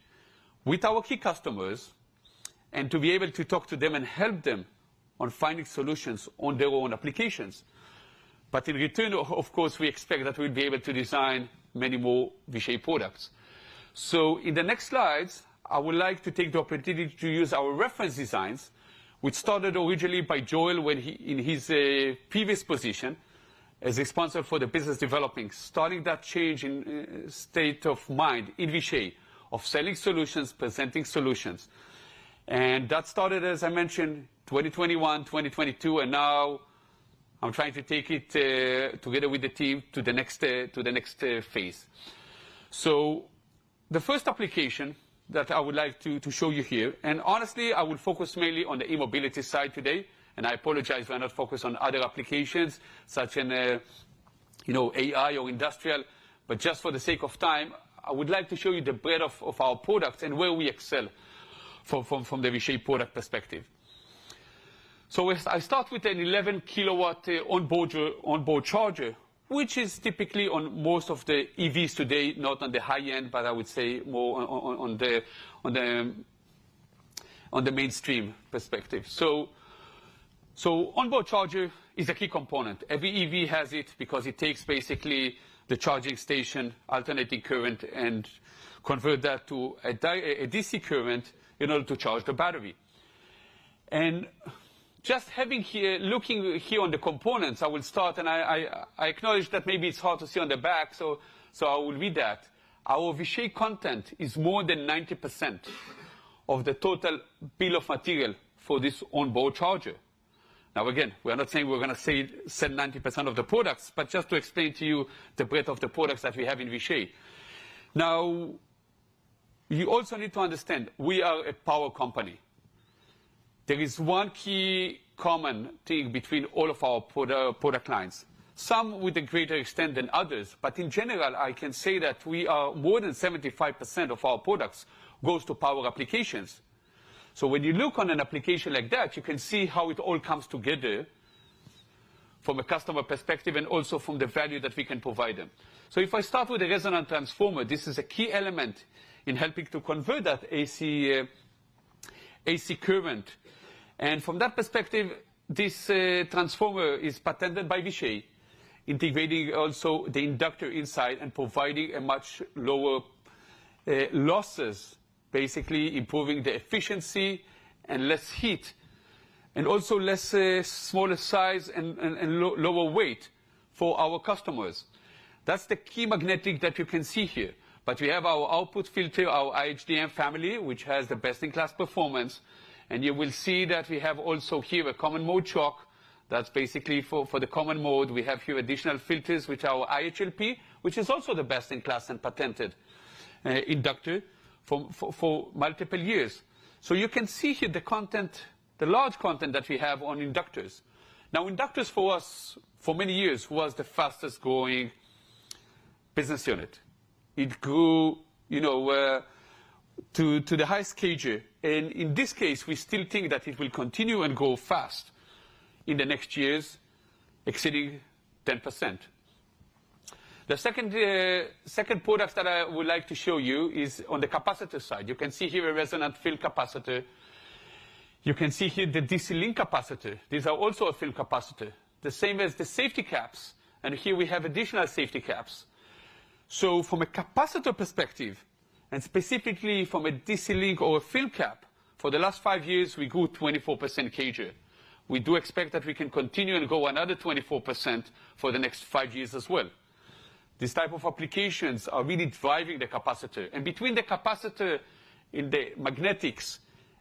with our key customers and to be able to talk to them and help them on finding solutions on their own applications. But in return, of course, we expect that we'll be able to design many more Vishay products. So in the next slides, I would like to take the opportunity to use our reference designs, which started originally by Joel when he in his previous position as a sponsor for the business developing, starting that change in state of mind in Vishay of selling solutions, presenting solutions. That started, as I mentioned, 2021, 2022. Now I'm trying to take it together with the team to the next phase. So the first application that I would like to show you here, and honestly, I will focus mainly on the e-mobility side today. And I apologize if I'm not focused on other applications such as, you know, AI or industrial. But just for the sake of time, I would like to show you the breadth of our products and where we excel from the Vishay product perspective. So I start with an 11 kW onboard charger, which is typically on most of the EVs today, not on the high end, but I would say more on the mainstream perspective. So onboard charger is a key component. Every EV has it because it takes basically the charging station, alternating current, and convert that to a DC current in order to charge the battery. And just having here looking here on the components, I will start and I acknowledge that maybe it's hard to see on the back. So, I will read that our Vishay content is more than 90% of the total bill of material for this onboard charger. Now, again, we are not saying we're going to sell 90% of the products, but just to explain to you the breadth of the products that we have in Vishay. Now, you also need to understand we are a power company. There is one key common thing between all of our product lines, some with a greater extent than others. In general, I can say that we are more than 75% of our products goes to power applications. So when you look on an application like that, you can see how it all comes together from a customer perspective and also from the value that we can provide them. So if I start with a resonant transformer, this is a key element in helping to convert that AC AC current. And from that perspective, this transformer is patented by Vishay, integrating also the inductor inside and providing a much lower losses, basically improving the efficiency and less heat and also less smaller size and lower weight for our customers. That's the key magnetic that you can see here. But we have our output filter, our IHDM family, which has the best-in-class performance. And you will see that we have also here a common mode choke. That's basically for the common mode. We have here additional filters with our IHLP, which is also the best in class and patented inductor for multiple years. So you can see here the content, the large content that we have on inductors. Now, inductors for us for many years was the fastest growing business unit. It grew, you know, to the highest stage. And in this case, we still think that it will continue and grow fast in the next years, exceeding 10%. The second product that I would like to show you is on the capacitor side. You can see here a resonant film capacitor. You can see here the DC link capacitor. These are also a film capacitor, the same as the safety caps. And here we have additional safety caps. So from a capacitor perspective and specifically from a DC link or a film cap, for the last five years, we grew 24% CAGR. We do expect that we can continue and go another 24% for the next five years as well. This type of applications are really driving the capacitor. And between the capacitor in the magnetics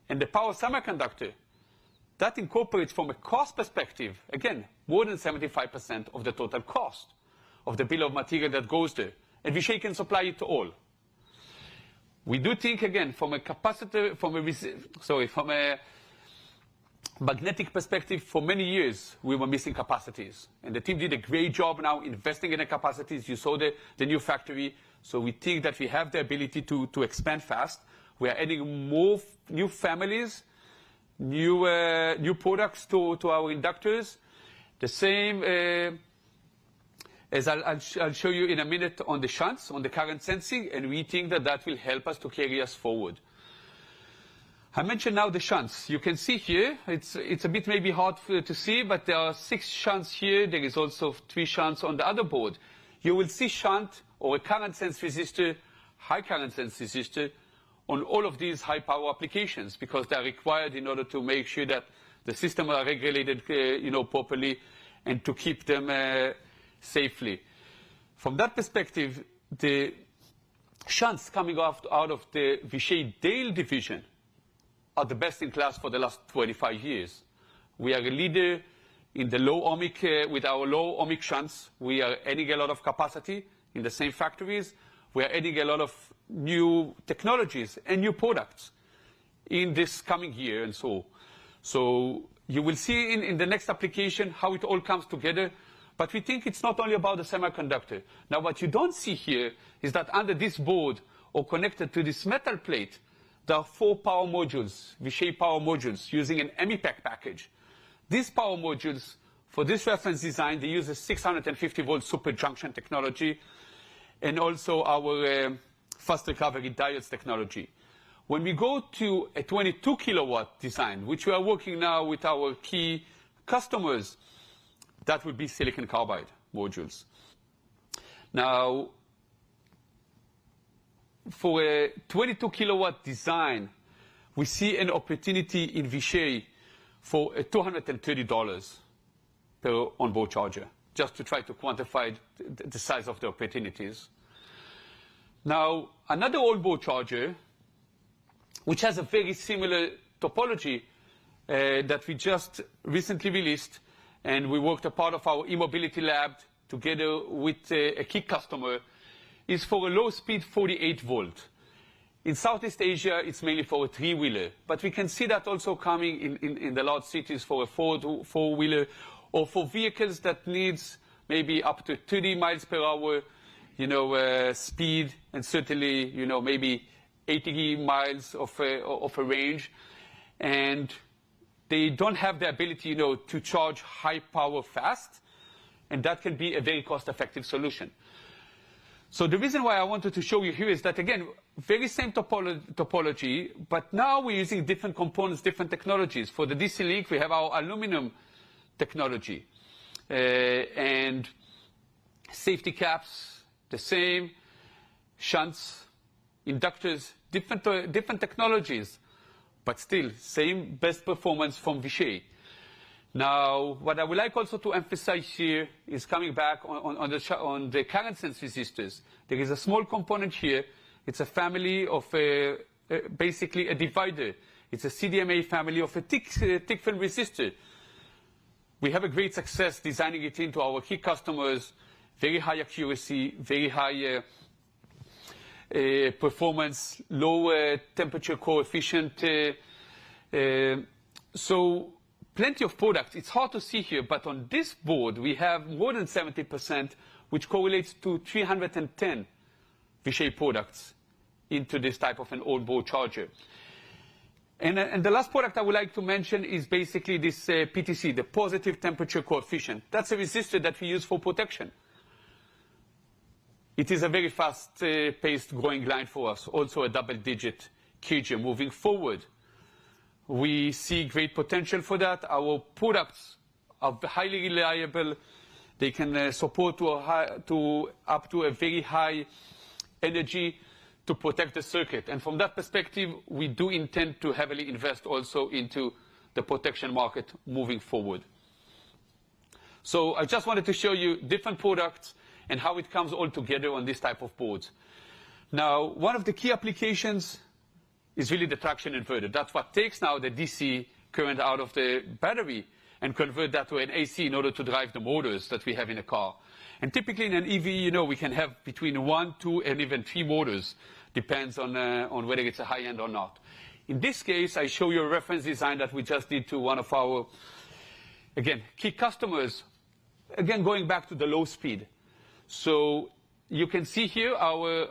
and the power semiconductor that incorporates from a cost perspective, again, more than 75% of the total cost of the bill of material that goes there. And Vishay can supply it to all. We do think again from a magnetic perspective, for many years we were missing capacities and the team did a great job now investing in the capacities. You saw the new factory. So we think that we have the ability to expand fast. We are adding more new families, new products to our inductors. The same as I'll show you in a minute on the shunts on the current sensing. We think that will help us to carry us forward. I mentioned now the shunts. You can see here. It's a bit maybe hard to see, but there are six shunts here. There is also three shunts on the other board. You will see shunt or a current sense resistor, high current sense resistor on all of these high power applications because they are required in order to make sure that the systems are regulated, you know, properly and to keep them safely. From that perspective, the shunts coming off out of the Vishay Dale division are the best in class for the last 25 years. We are a leader in the low-ohmic with our low-ohmic shunts. We are adding a lot of capacity in the same factories. We are adding a lot of new technologies and new products in this coming year. So you will see in the next application how it all comes together. But we think it's not only about the semiconductor. Now, what you don't see here is that under this board or connected to this metal plate, there are four power modules, Vishay power modules using an EMIPAK package. These power modules for this reference design, they use a 650-volt Superjunction technology and also our fast-recovery diodes technology. When we go to a 22-kW design, which we are working now with our key customers, that would be silicon carbide modules. Now. For a 22 kW design, we see an opportunity in Vishay for $230 per onboard charger just to try to quantify the size of the opportunities. Now, another onboard charger which has a very similar topology that we just recently released and we worked a part of our e-mobility lab together with a key customer is for a low-speed 48 V in Southeast Asia. It's mainly for a three-wheeler, but we can see that also coming in the large cities for a four-wheeler or for vehicles that needs maybe up to 30 mph, you know, speed and certainly, you know, maybe 80 miles of a range. And they don't have the ability, you know, to charge high power fast. And that can be a very cost-effective solution. The reason why I wanted to show you here is that again, very same topology. But now we're using different components, different technologies. For the DC link, we have our aluminum technology and safety caps, the same shunts, inductors, different technologies, but still same best performance from Vishay. Now, what I would like also to emphasize here is coming back on the current sense resistors. There is a small component here. It's a family of basically a divider. It's an SMD family of a thick film resistor. We have a great success designing it into our key customers. Very high accuracy, very high performance, lower temperature coefficient. So plenty of products. It's hard to see here, but on this board we have more than 70%, which correlates to 310 Vishay products into this type of an onboard charger. And the last product I would like to mention is basically this PTC, the positive temperature coefficient. That's a resistor that we use for protection. It is a very fast-paced growing line for us. Also a double-digit CAGR moving forward. We see great potential for that. Our products are highly reliable. They can support up to a very high energy to protect the circuit. And from that perspective, we do intend to heavily invest also into the protection market moving forward. So I just wanted to show you different products and how it comes all together on this type of boards. Now, one of the key applications is really the traction inverter. That's what takes now the DC current out of the battery and convert that to an AC in order to drive the motors that we have in a car. Typically in an EV, you know, we can have between one, two and even three motors. Depends on whether it's a high-end or not. In this case, I show you a reference design that we just did to one of our, again, key customers. Again, going back to the low speed. So you can see here our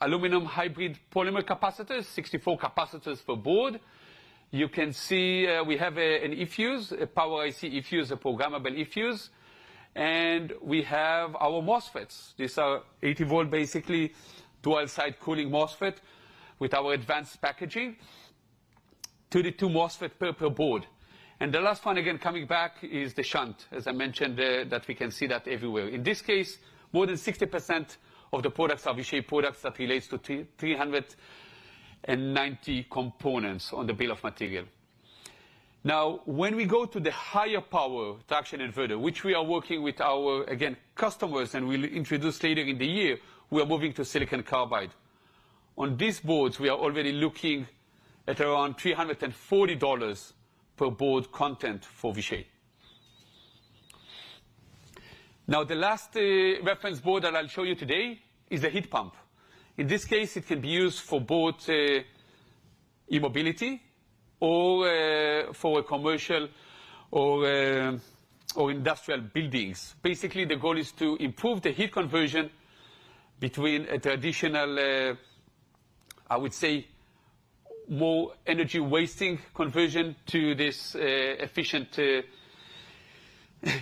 aluminum hybrid polymer capacitors, 64 capacitors for board. You can see we have an eFuse, a power IC eFuse, a programmable eFuse, and we have our MOSFETs. These are 80-volt, basically dual-side cooling MOSFET with our advanced packaging to the 2 MOSFET per board. And the last one, again, coming back is the shunt, as I mentioned, that we can see that everywhere. In this case, more than 60% of the products are Vishay products that relates to 390 components on the bill of material. Now, when we go to the higher power traction inverter, which we are working with our, again, customers and we'll introduce later in the year, we are moving to silicon carbide. On these boards, we are already looking at around $340 per board content for Vishay. Now, the last reference board that I'll show you today is the heat pump. In this case, it can be used for both e-mobility or for commercial or industrial buildings. Basically, the goal is to improve the heat conversion between a traditional, I would say, more energy wasting conversion to this efficient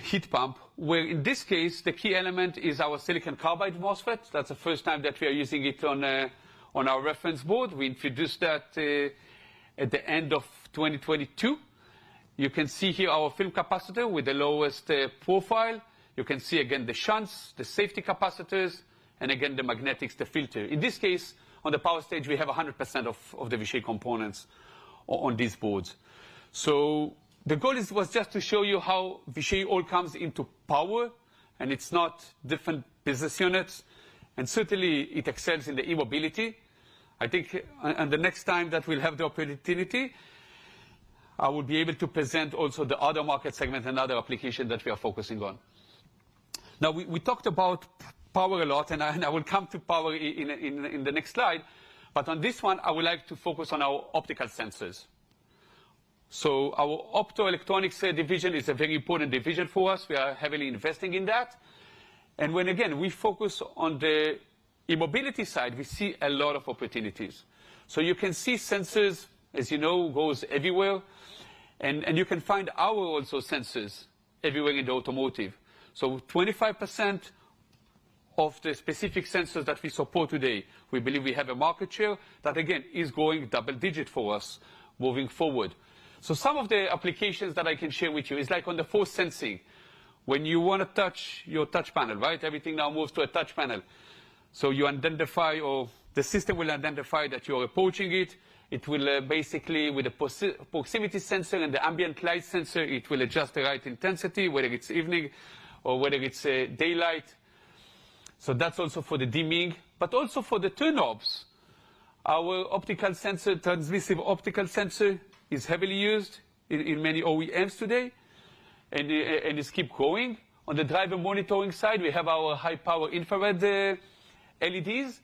heat pump, where in this case the key element is our silicon carbide MOSFET. That's the first time that we are using it on our reference board. We introduced that at the end of 2022. You can see here our film capacitor with the lowest profile. You can see again the shunts, the safety capacitors, and again the magnetics, the filter. In this case, on the power stage, we have 100% of the Vishay components on these boards. The goal was just to show you how Vishay all comes into power and it's not different business units. Certainly it excels in the e-mobility. I think and the next time that we'll have the opportunity, I will be able to present also the other market segment and other application that we are focusing on. Now, we talked about power a lot and I will come to power in the next slide. On this one, I would like to focus on our optical sensors. Our optoelectronics division is a very important division for us. We are heavily investing in that. When again we focus on the e-mobility side, we see a lot of opportunities. So you can see sensors, as you know, goes everywhere and you can find our also sensors everywhere in the automotive. So 25% of the specific sensors that we support today, we believe we have a market share that again is growing double-digit for us moving forward. So some of the applications that I can share with you is like on the force sensing. When you want to touch your touch panel, right? Everything now moves to a touch panel. So you identify or the system will identify that you are approaching it. It will basically, with the proximity sensor and the ambient light sensor, adjust the right intensity whether it's evening or whether it's daylight. So that's also for the dimming, but also for the turn-offs. Our optical sensor, transmissive optical sensor is heavily used in many OEMs today and it's keep growing on the driver monitoring side. We have our high power infrared LEDs.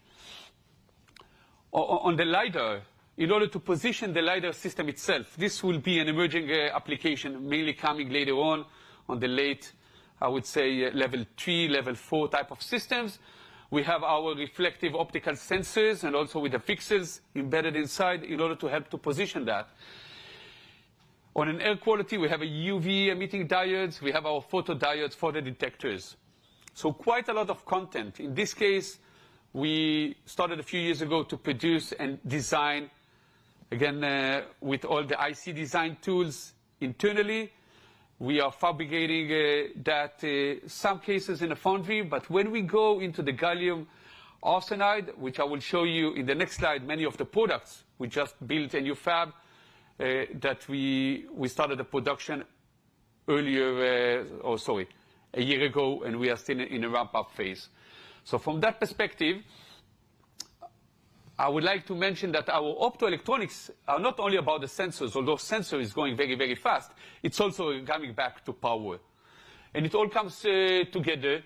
On the LiDAR, in order to position the LiDAR system itself, this will be an emerging application, mainly coming later on the late, I would say, Level 3, Level 4 type of systems. We have our reflective optical sensors and also with the fixes embedded inside in order to help to position that on an air quality. We have a UV emitting diodes. We have our photodiodes for the detectors. So quite a lot of content. In this case, we started a few years ago to produce and design again with all the IC design tools internally. We are fabricating that in some cases in a foundry. But when we go into the gallium arsenide, which I will show you in the next slide, many of the products we just built a new fab that we started the production earlier or sorry, a year ago, and we are still in a ramp-up phase. So from that perspective, I would like to mention that our optoelectronics are not only about the sensors, although sensor is going very, very fast; it's also coming back to power, and it all comes together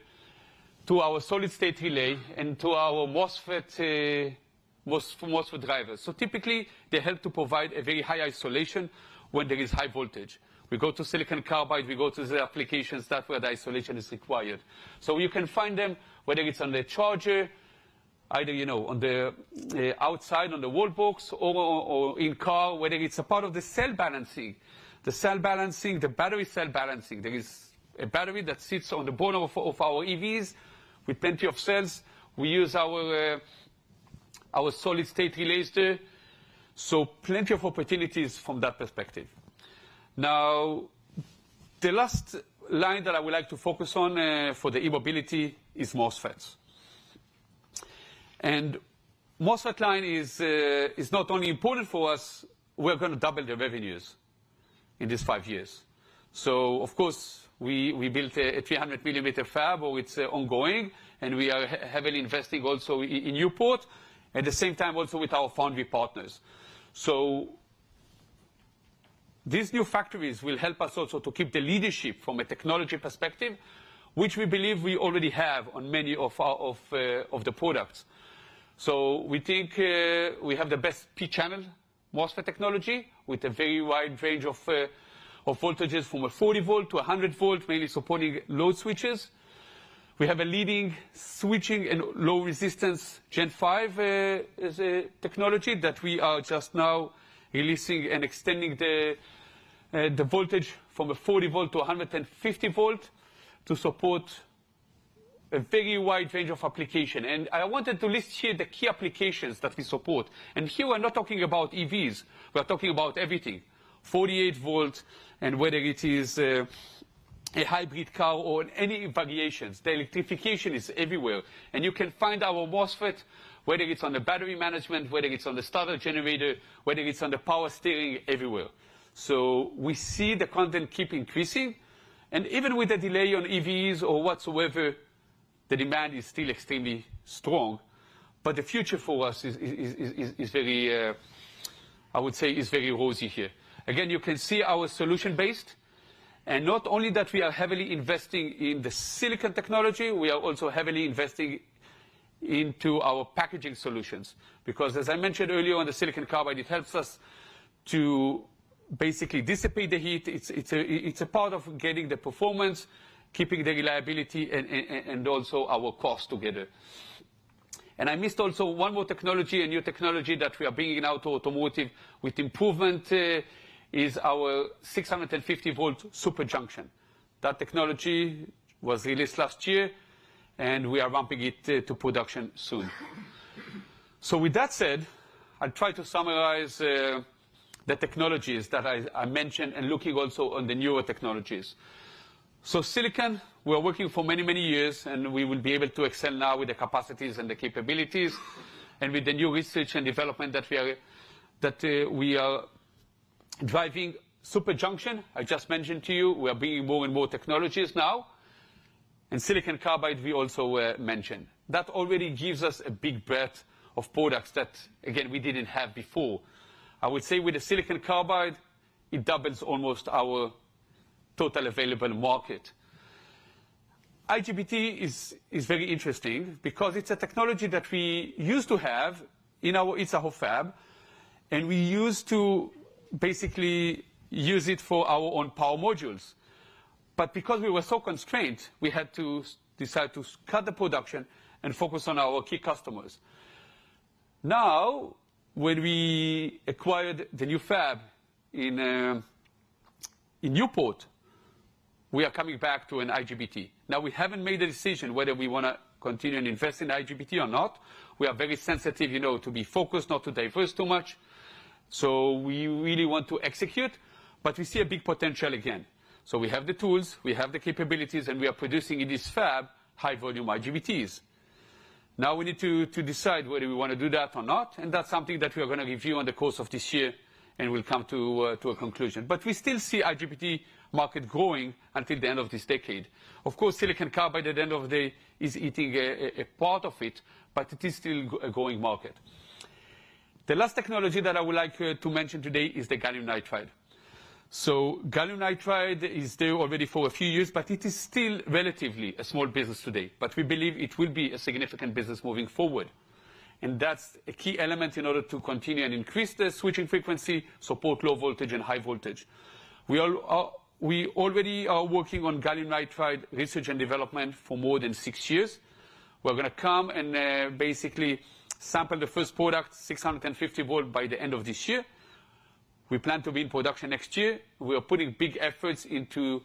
to our solid-state relay and to our MOSFETs for drivers. So typically they help to provide a very high isolation when there is high voltage. We go to silicon carbide; we go to the applications where the isolation is required. So you can find them whether it's on the charger, either, you know, on the outside, on the wall box or in car, whether it's a part of the cell balancing, the cell balancing, the battery cell balancing. There is a battery that sits on the bottom of our EVs with plenty of cells. We use our solid state relays there. So plenty of opportunities from that perspective. Now, the last line that I would like to focus on for the e-mobility is MOSFETs. MOSFET line is not only important for us, we're going to double the revenues in these 5 years. So of course we built a 300 mm fab or it's ongoing and we are heavily investing also in Newport at the same time also with our foundry partners. So. These new factories will help us also to keep the leadership from a technology perspective, which we believe we already have on many of our products. So we think we have the best P-channel MOSFET technology with a very wide range of voltages from 40-volt to 100-volt, mainly supporting load switches. We have a leading switching and low resistance Gen 5 as a technology that we are just now releasing and extending the voltage from 40-volt to 150-volt to support a very wide range of application. And I wanted to list here the key applications that we support. And here we're not talking about EVs. We're talking about everything 48-volt and whether it is a hybrid car or any variations. The electrification is everywhere and you can find our MOSFET, whether it's on the battery management, whether it's on the starter generator, whether it's on the power steering, everywhere. So we see the content keep increasing and even with a delay on EVs or whatsoever, the demand is still extremely strong. But the future for us is very, I would say, very rosy here. Again, you can see our solution based and not only that we are heavily investing in the silicon technology, we are also heavily investing into our packaging solutions because as I mentioned earlier on the silicon carbide, it helps us to basically dissipate the heat. It's a part of getting the performance, keeping the reliability and also our cost together. I missed also one more technology and new technology that we are bringing out to automotive with improvement is our 650-volt Super Junction. That technology was released last year and we are ramping it to production soon. So with that said, I'll try to summarize the technologies that I mentioned and looking also on the newer technologies. So silicon, we are working for many, many years and we will be able to excel now with the capacities and the capabilities and with the new research and development that we are driving Super Junction. I just mentioned to you, we are bringing more and more technologies now and silicon carbide. We also mentioned that already gives us a big breadth of products that again, we didn't have before. I would say with the silicon carbide, it doubles almost our total available market. IGBT is very interesting because it's a technology that we used to have in our fab and we used to basically use it for our own power modules. But because we were so constrained, we had to decide to cut the production and focus on our key customers. Now, when we acquired the new fab in Newport, we are coming back to an IGBT. Now, we haven't made a decision whether we want to continue and invest in IGBT or not. We are very sensitive, you know, to be focused, not to diversify too much. So we really want to execute, but we see a big potential again. So we have the tools, we have the capabilities and we are producing in this fab high volume IGBTs. Now we need to decide whether we want to do that or not. That's something that we are going to review in the course of this year and we'll come to a conclusion. We still see IGBT market growing until the end of this decade. Of course, silicon carbide at the end of the day is eating a part of it, but it is still a growing market. The last technology that I would like to mention today is the gallium nitride. Gallium nitride is there already for a few years, but it is still relatively a small business today. We believe it will be a significant business moving forward. That's a key element in order to continue and increase the switching frequency, support low voltage and high voltage. We already are working on gallium nitride research and development for more than six years. We're going to come and basically sample the first product 650-volt by the end of this year. We plan to be in production next year. We are putting big efforts into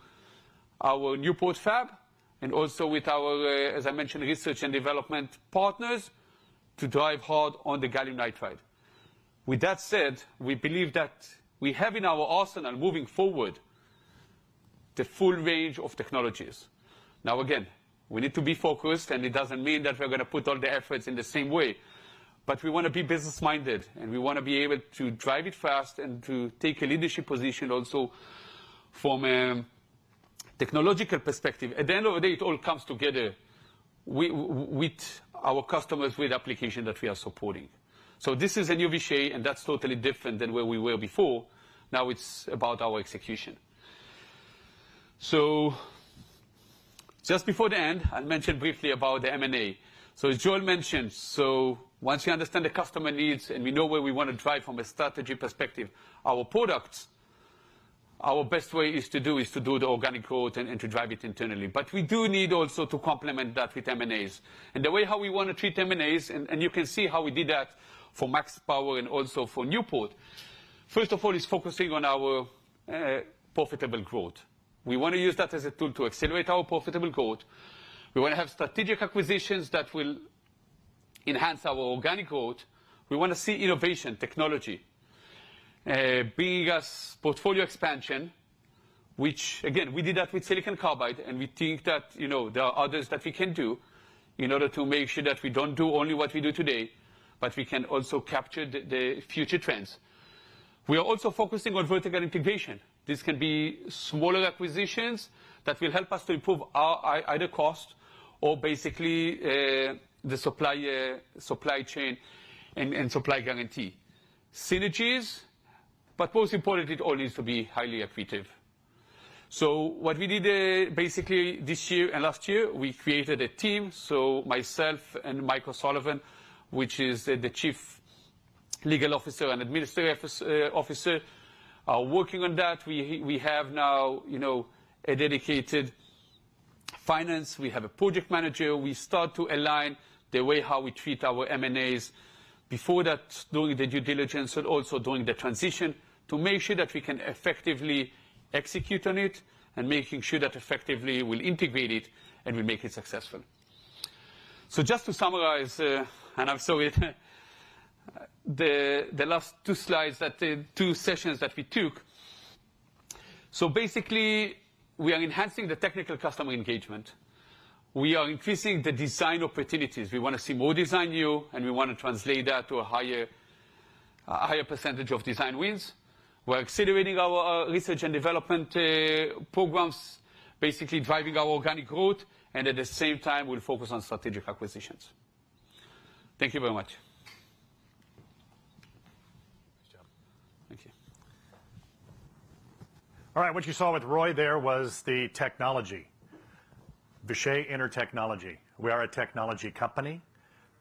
our Newport fab and also with our, as I mentioned, research and development partners to drive hard on the gallium nitride. With that said, we believe that we have in our arsenal moving forward the full range of technologies. Now, again, we need to be focused and it doesn't mean that we're going to put all the efforts in the same way, but we want to be business minded and we want to be able to drive it fast and to take a leadership position also from a technological perspective. At the end of the day, it all comes together with our customers, with application that we are supporting. So this is a new Vishay and that's totally different than where we were before. Now it's about our execution. So just before the end, I mentioned briefly about the M&A. So as Joel mentioned, so once you understand the customer needs and we know where we want to drive from a strategy perspective, our products, our best way is to do is to do the organic growth and to drive it internally. But we do need also to complement that with M&As and the way how we want to treat M&As. And you can see how we did that for MaxPower and also for Newport. First of all, is focusing on our profitable growth. We want to use that as a tool to accelerate our profitable growth. We want to have strategic acquisitions that will enhance our organic growth. We want to see innovation, technology being our portfolio expansion, which again, we did that with silicon carbide and we think that, you know, there are others that we can do in order to make sure that we don't do only what we do today, but we can also capture the future trends. We are also focusing on vertical integration. This can be smaller acquisitions that will help us to improve our either cost or basically the supply chain and supply guarantee synergies. But most importantly, it all needs to be highly accretive. So what we did basically this year and last year, we created a team. So myself and Michael Sullivan, which is the Chief Legal Officer and Administrative Officer, are working on that. We have now, you know, a dedicated finance. We have a project manager. We start to align the way how we treat our M&As before that, doing the due diligence and also doing the transition to make sure that we can effectively execute on it and making sure that effectively we'll integrate it and we'll make it successful. So just to summarize, and I'm sorry, the last two slides that the two sessions that we took. So basically we are enhancing the technical customer engagement. We are increasing the design opportunities. We want to see more design new and we want to translate that to a higher percentage of design wins. We're accelerating our research and development programs, basically driving our organic growth and at the same time we'll focus on strategic acquisitions. Thank you very much. Thank you. All right. What you saw with Roy there was the technology Vishay Intertechnology. We are a technology company.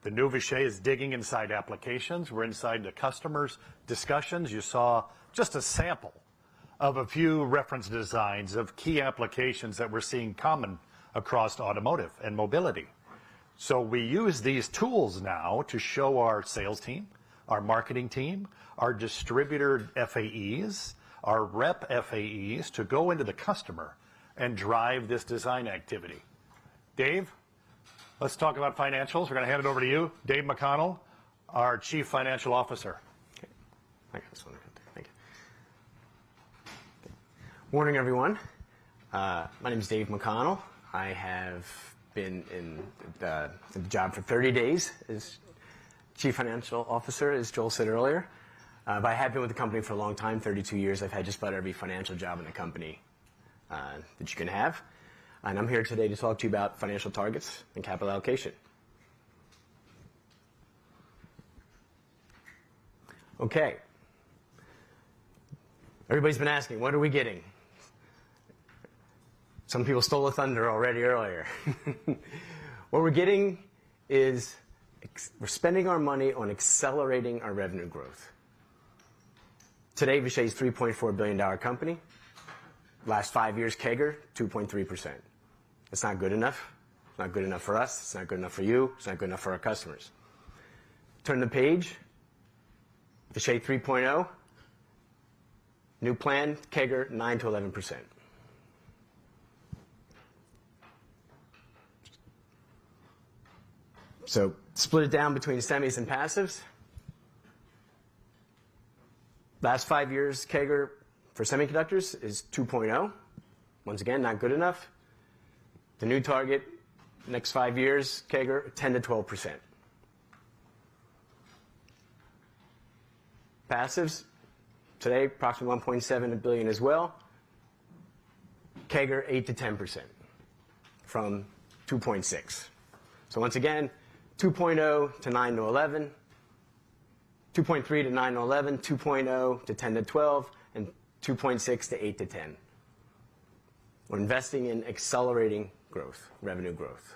The new Vishay is digging inside applications. We're inside the customers' discussions. You saw just a sample of a few reference designs of key applications that we're seeing common across automotive and mobility. So we use these tools now to show our sales team, our marketing team, our distributor FAEs, our rep FAEs to go into the customer and drive this design activity. Dave, let's talk about financials. We're going to hand it over to you. Dave McConnell, our Chief Financial Officer. Okay. I just want to thank you. Morning everyone. My name is Dave McConnell. I have been in the job for 30 days as Chief Financial Officer, as Joel said earlier. But I have been with the company for a long time, 32 years. I've had just about every financial job in the company that you can have. I'm here today to talk to you about financial targets and capital allocation. Okay. Everybody's been asking, what are we getting? Some people stole a thunder already earlier. What we're getting is we're spending our money on accelerating our revenue growth. Today, Vishay is a $3.4 billion company. Last five years, CAGR 2.3%. It's not good enough. It's not good enough for us. It's not good enough for you. It's not good enough for our customers. Turn the page. Vishay 3.0. New plan CAGR 9%-11%. So split it down between semis and passives. Last five years, CAGR for semiconductors is 2.0%. Once again, not good enough. The new target next five years, CAGR 10%-12%. Passives today, approximately $1.7 billion as well. CAGR 8%-10% from 2.6%. So once again, 2.0 to 9 to 11, 2.3 to 9 to 11, 2.0 to 10 to 12 and 2.6 to 8 to 10. We're investing in accelerating growth, revenue growth.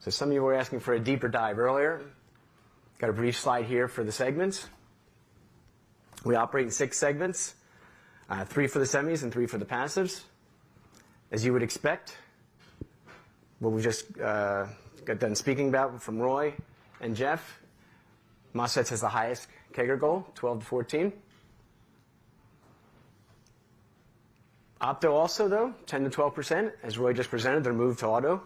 So some of you were asking for a deeper dive earlier. Got a brief slide here for the segments. We operate in six segments, three for the semis and three for the passives. As you would expect, what we just got done speaking about from Roy and Jeff, MOSFETs has the highest CAGR goal, 12%-14%. Opto also though, 10%-12%. As Roy just presented, they're moved to auto.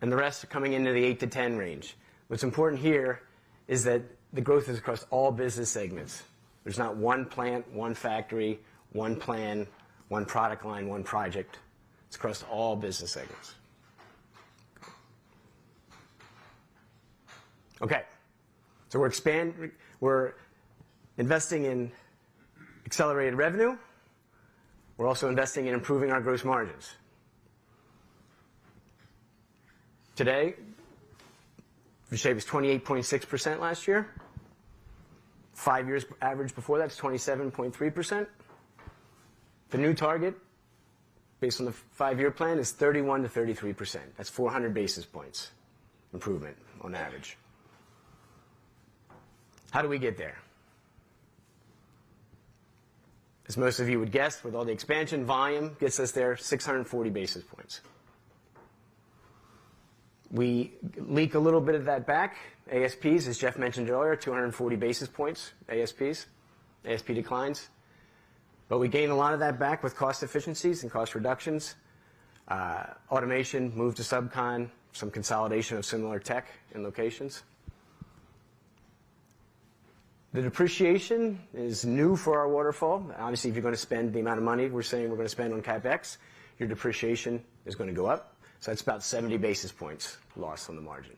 And the rest are coming into the 8%-10% range. What's important here is that the growth is across all business segments. There's not one plant, one factory, one plan, one product line, one project. It's across all business segments. Okay. So we're expanding. We're investing in accelerated revenue. We're also investing in improving our gross margins. Today, Vishay was 28.6% last year. 5-year average before that's 27.3%. The new target based on the 5-year plan is 31%-33%. That's 400 basis points improvement on average. How do we get there? As most of you would guess, with all the expansion, volume gets us there 640 basis points. We leak a little bit of that back. ASPs, as Jeff mentioned earlier, 240 basis points ASPs, ASP declines. But we gain a lot of that back with cost efficiencies and cost reductions. Automation moved to subcon, some consolidation of similar tech in locations. The depreciation is new for our waterfall. Obviously, if you're going to spend the amount of money we're saying we're going to spend on CapEx, your depreciation is going to go up. That's about 70 basis points loss on the margin.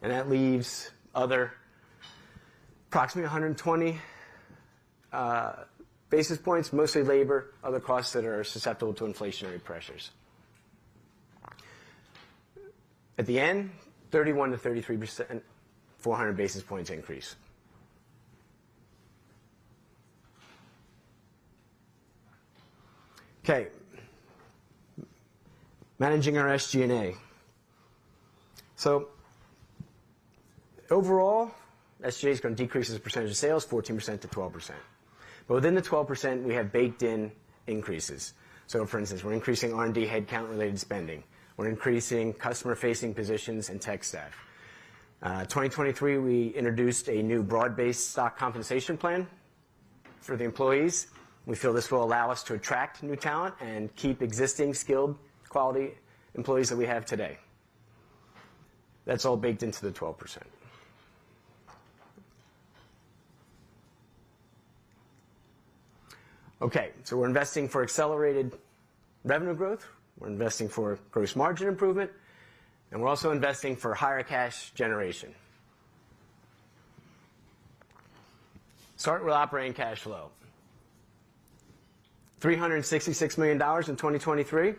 That leaves other approximately 120 basis points, mostly labor, other costs that are susceptible to inflationary pressures. At the end, 31%-33%, 400 basis points increase. Okay. Managing our SG&A. Overall, SG&A is going to decrease its percentage of sales, 14%-12%. But within the 12%, we have baked in increases. For instance, we're increasing R&D headcount related spending. We're increasing customer facing positions and tech staff. 2023, we introduced a new broad based stock compensation plan for the employees. We feel this will allow us to attract new talent and keep existing skilled quality employees that we have today. That's all baked into the 12%. Okay. We're investing for accelerated revenue growth. We're investing for gross margin improvement and we're also investing for higher cash generation. Start with operating cash flow. $366 million in 2023.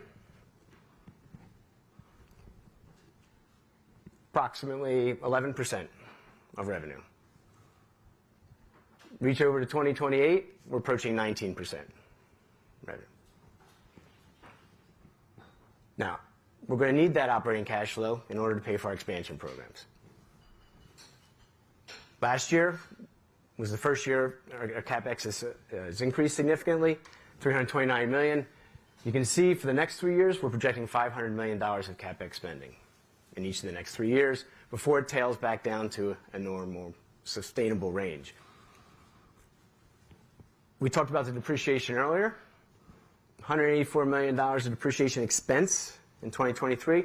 Approximately 11% of revenue. Reach over to 2028, we're approaching 19% revenue. Now we're going to need that operating cash flow in order to pay for our expansion programs. Last year was the first year our CapEx has increased significantly, $329 million. You can see for the next three years, we're projecting $500 million of CapEx spending in each of the next three years before it tails back down to a normal sustainable range. We talked about the depreciation earlier, $184 million of depreciation expense in 2023.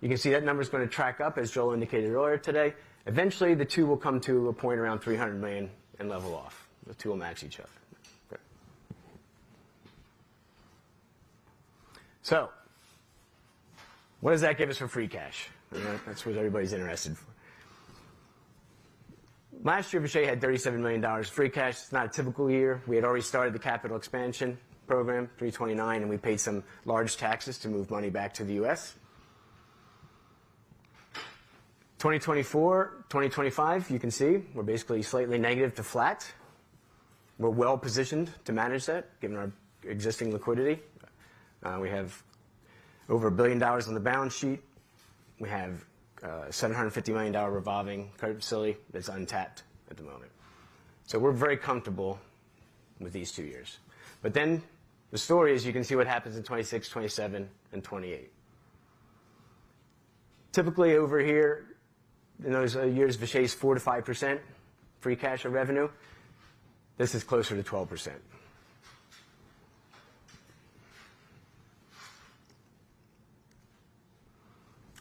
You can see that number is going to track up as Joel indicated earlier today. Eventually, the two will come to a point around $300 million and level off. The two will match each other. Okay. So what does that give us for free cash? That's what everybody's interested for. Last year, Vishay had $37 million free cash. It's not a typical year. We had already started the capital expansion program 329 and we paid some large taxes to move money back to the U.S. 2024, 2025, you can see we're basically slightly negative to flat. We're well positioned to manage that given our existing liquidity. We have over $1 billion on the balance sheet. We have a $750 million revolving credit facility that's untapped at the moment. So we're very comfortable with these two years. But then the story is you can see what happens in 2026, 2027 and 2028. Typically over here in those years, Vishay is 4%-5% free cash of revenue. This is closer to 12%.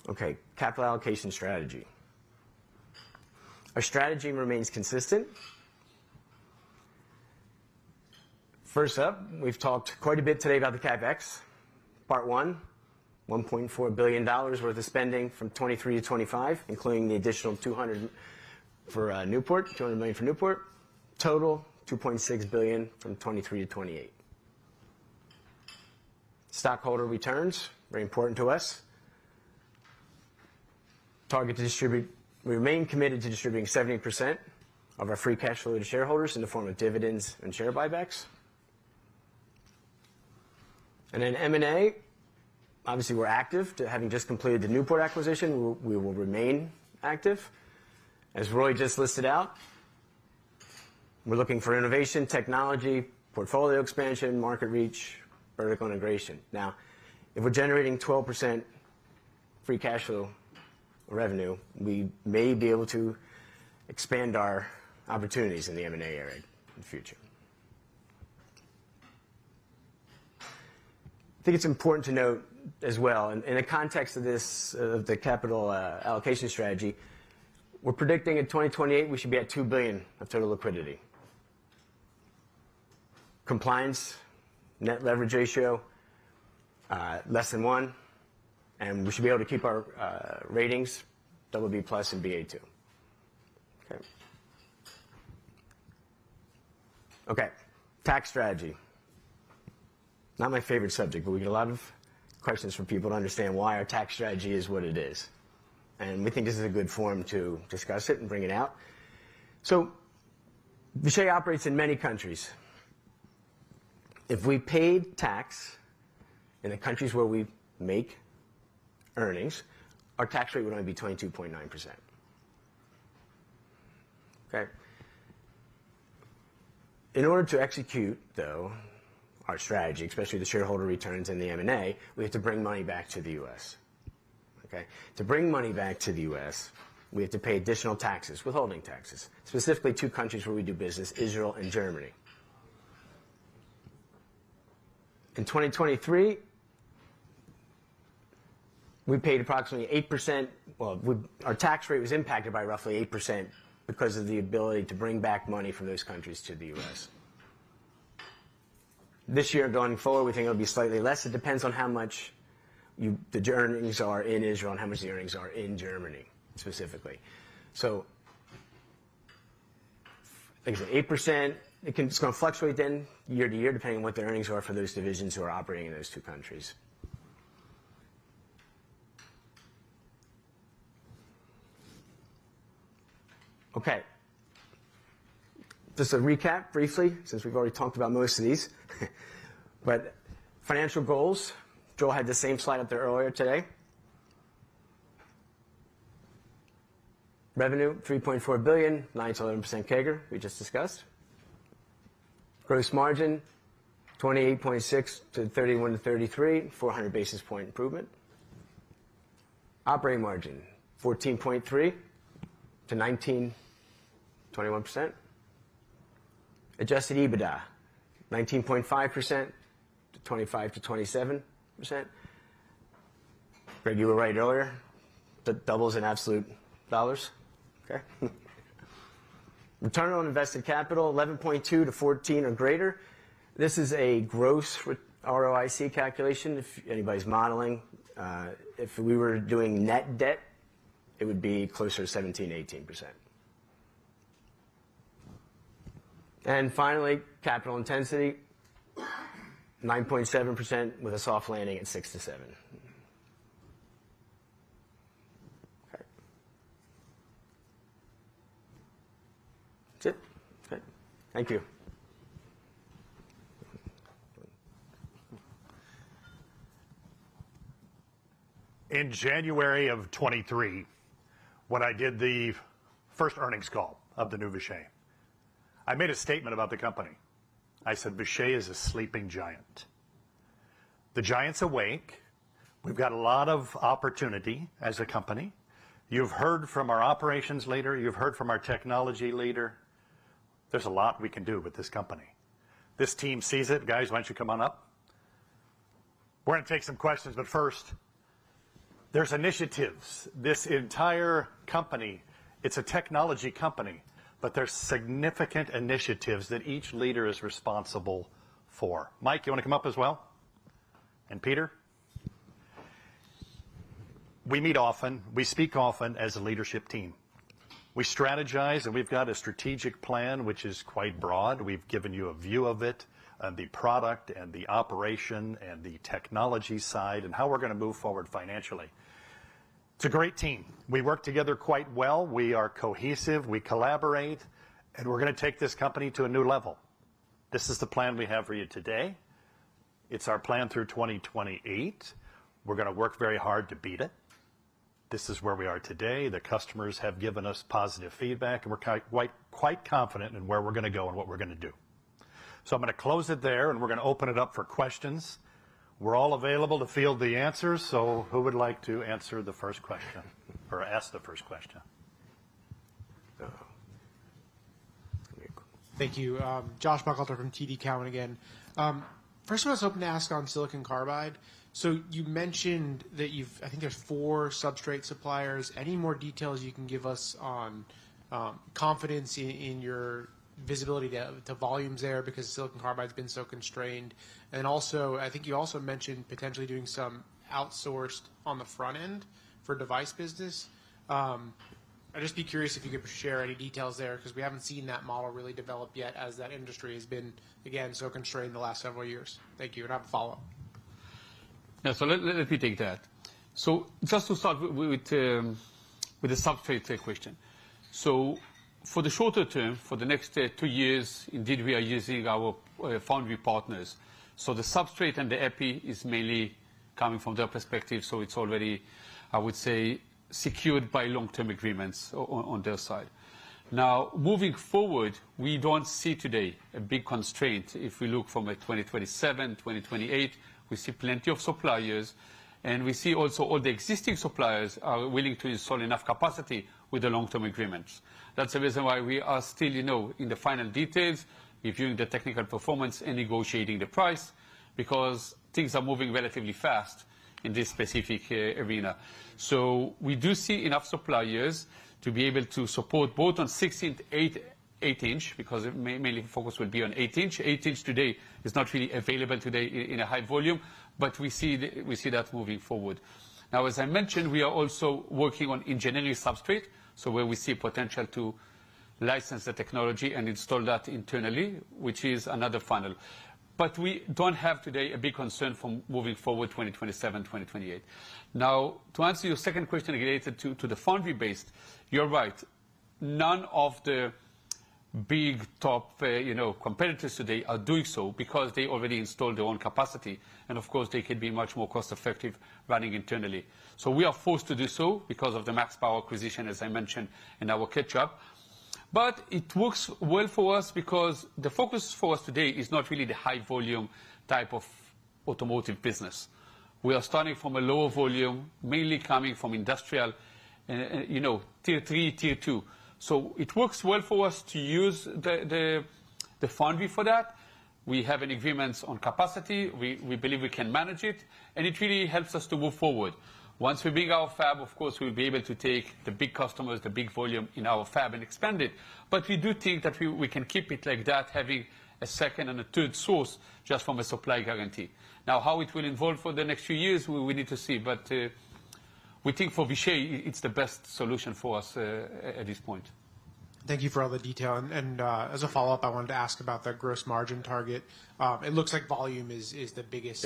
Okay. Capital allocation strategy. Our strategy remains consistent. First up, we've talked quite a bit today about the CapEx. Part one, $1.4 billion worth of spending from 2023 to 2025, including the additional $200 million for Newport, $200 million for Newport, total $2.6 billion from 2023 to 2028. Stockholder returns, very important to us. Target to distribute, we remain committed to distributing 70% of our free cash flow to shareholders in the form of dividends and share buybacks. And then M&A, obviously we're active to having just completed the Newport acquisition. We will remain active. As Roy just listed out, we're looking for innovation, technology, portfolio expansion, market reach, vertical integration. Now if we're generating 12% free cash flow revenue, we may be able to expand our opportunities in the M&A area in the future. I think it's important to note as well in the context of this of the capital allocation strategy, we're predicting in 2028 we should be at $2 billion of total liquidity. Compliance net leverage ratio less than one. We should be able to keep our ratings BB+ and Ba2. Okay. Okay. Tax strategy. Not my favorite subject, but we get a lot of questions from people to understand why our tax strategy is what it is. We think this is a good form to discuss it and bring it out. So Vishay operates in many countries. If we paid tax in the countries where we make earnings, our tax rate would only be 22.9%. Okay. In order to execute though our strategy, especially the shareholder returns and the M&A, we have to bring money back to the U.S. Okay. To bring money back to the U.S., we have to pay additional taxes, withholding taxes, specifically two countries where we do business, Israel and Germany. In 2023, we paid approximately 8%. Well, our tax rate was impacted by roughly 8% because of the ability to bring back money from those countries to the U.S. This year going forward, we think it'll be slightly less. It depends on how much of the earnings are in Israel and how much the earnings are in Germany specifically. So like I said, 8%. It can, it's going to fluctuate from year to year depending on what the earnings are for those divisions who are operating in those two countries. Okay. Just a recap briefly since we've already talked about most of these. But financial goals, Joel had the same slide up there earlier today. Revenue $3.4 billion, 9%-11% CAGR we just discussed. Gross margin 28.6%-31%-33%, 400 basis point improvement. Operating margin 14.3%-19%-21%. Adjusted EBITDA 19.5%-25%-27%. Greg, you were right earlier. The doubles in absolute dollars. Okay. Return on invested capital 11.2%-14% or greater. This is a gross ROIC calculation. If anybody's modeling, if we were doing net debt, it would be closer to 17%-18%. And finally, capital intensity 9.7% with a soft landing at 6%-7%. Okay. That's it. Okay. Thank you. In January 2023, when I did the first earnings call of the new Vishay, I made a statement about the company. I said, "Vishay is a sleeping giant. The giant's awake. We've got a lot of opportunity as a company. You've heard from our operations leader. You've heard from our technology leader. There's a lot we can do with this company. This team sees it. Guys, why don't you come on up? We're going to take some questions, but first there's initiatives. This entire company, it's a technology company, but there's significant initiatives that each leader is responsible for. Mike, you want to come up as well? And Peter. We meet often. We speak often as a leadership team. We strategize, and we've got a strategic plan which is quite broad. We've given you a view of it and the product and the operation and the technology side and how we're going to move forward financially. It's a great team. We work together quite well. We are cohesive. We collaborate, and we're going to take this company to a new level. This is the plan we have for you today. It's our plan through 2028. We're going to work very hard to beat it. This is where we are today. The customers have given us positive feedback and we're quite confident in where we're going to go and what we're going to do. I'm going to close it there and we're going to open it up for questions. We're all available to field the answers. Who would like to answer the first question or ask the first question? Thank you. Josh Buchalter from TD Cowen again. First of all, I was hoping to ask on silicon carbide. So you mentioned that you've I think there's four substrate suppliers. Any more details you can give us on confidence in your visibility to volumes there because silicon carbide has been so constrained? And also I think you also mentioned potentially doing some outsourced on the front end for device business. I'd just be curious if you could share any details there because we haven't seen that model really develop yet as that industry has been, again, so constrained the last several years. Thank you. And I have a follow up. Yeah. So let me take that. So just to start with the substrate question. So for the shorter term, for the next two years, indeed we are using our foundry partners. So the substrate and the EPI is mainly coming from their perspective. So it's already, I would say, secured by long term agreements on their side. Now moving forward, we don't see today a big constraint. If we look from 2027, 2028, we see plenty of suppliers and we see also all the existing suppliers are willing to install enough capacity with the long term agreements. That's the reason why we are still in the final details, reviewing the technical performance and negotiating the price because things are moving relatively fast in this specific arena. So we do see enough suppliers to be able to support both on 6-inch to 8-inch because mainly focus will be on 8-inch. 8-inch today is not really available today in a high volume, but we see that moving forward. Now, as I mentioned, we are also working on engineering substrate, so where we see potential to license the technology and install that internally, which is another funnel. But we don't have today a big concern from moving forward 2027, 2028. Now to answer your second question related to the foundry-based, you're right. None of the big top competitors today are doing so because they already installed their own capacity. And of course, they could be much more cost effective running internally. So we are forced to do so because of the MaxPower acquisition, as I mentioned in our catch up. But it works well for us because the focus for us today is not really the high volume type of automotive business. We are starting from a lower volume, mainly coming from industrial and Tier 3, Tier 2. So it works well for us to use the foundry for that. We have an agreement on capacity. We believe we can manage it and it really helps us to move forward. Once we bring our fab, of course, we'll be able to take the big customers, the big volume in our fab and expand it. But we do think that we can keep it like that, having a second and a third source just from a supply guarantee. Now how it will evolve for the next few years, we need to see. But we think for Vishay, it's the best solution for us at this point. Thank you for all the detail. As a follow up, I wanted to ask about the gross margin target. It looks like volume is the biggest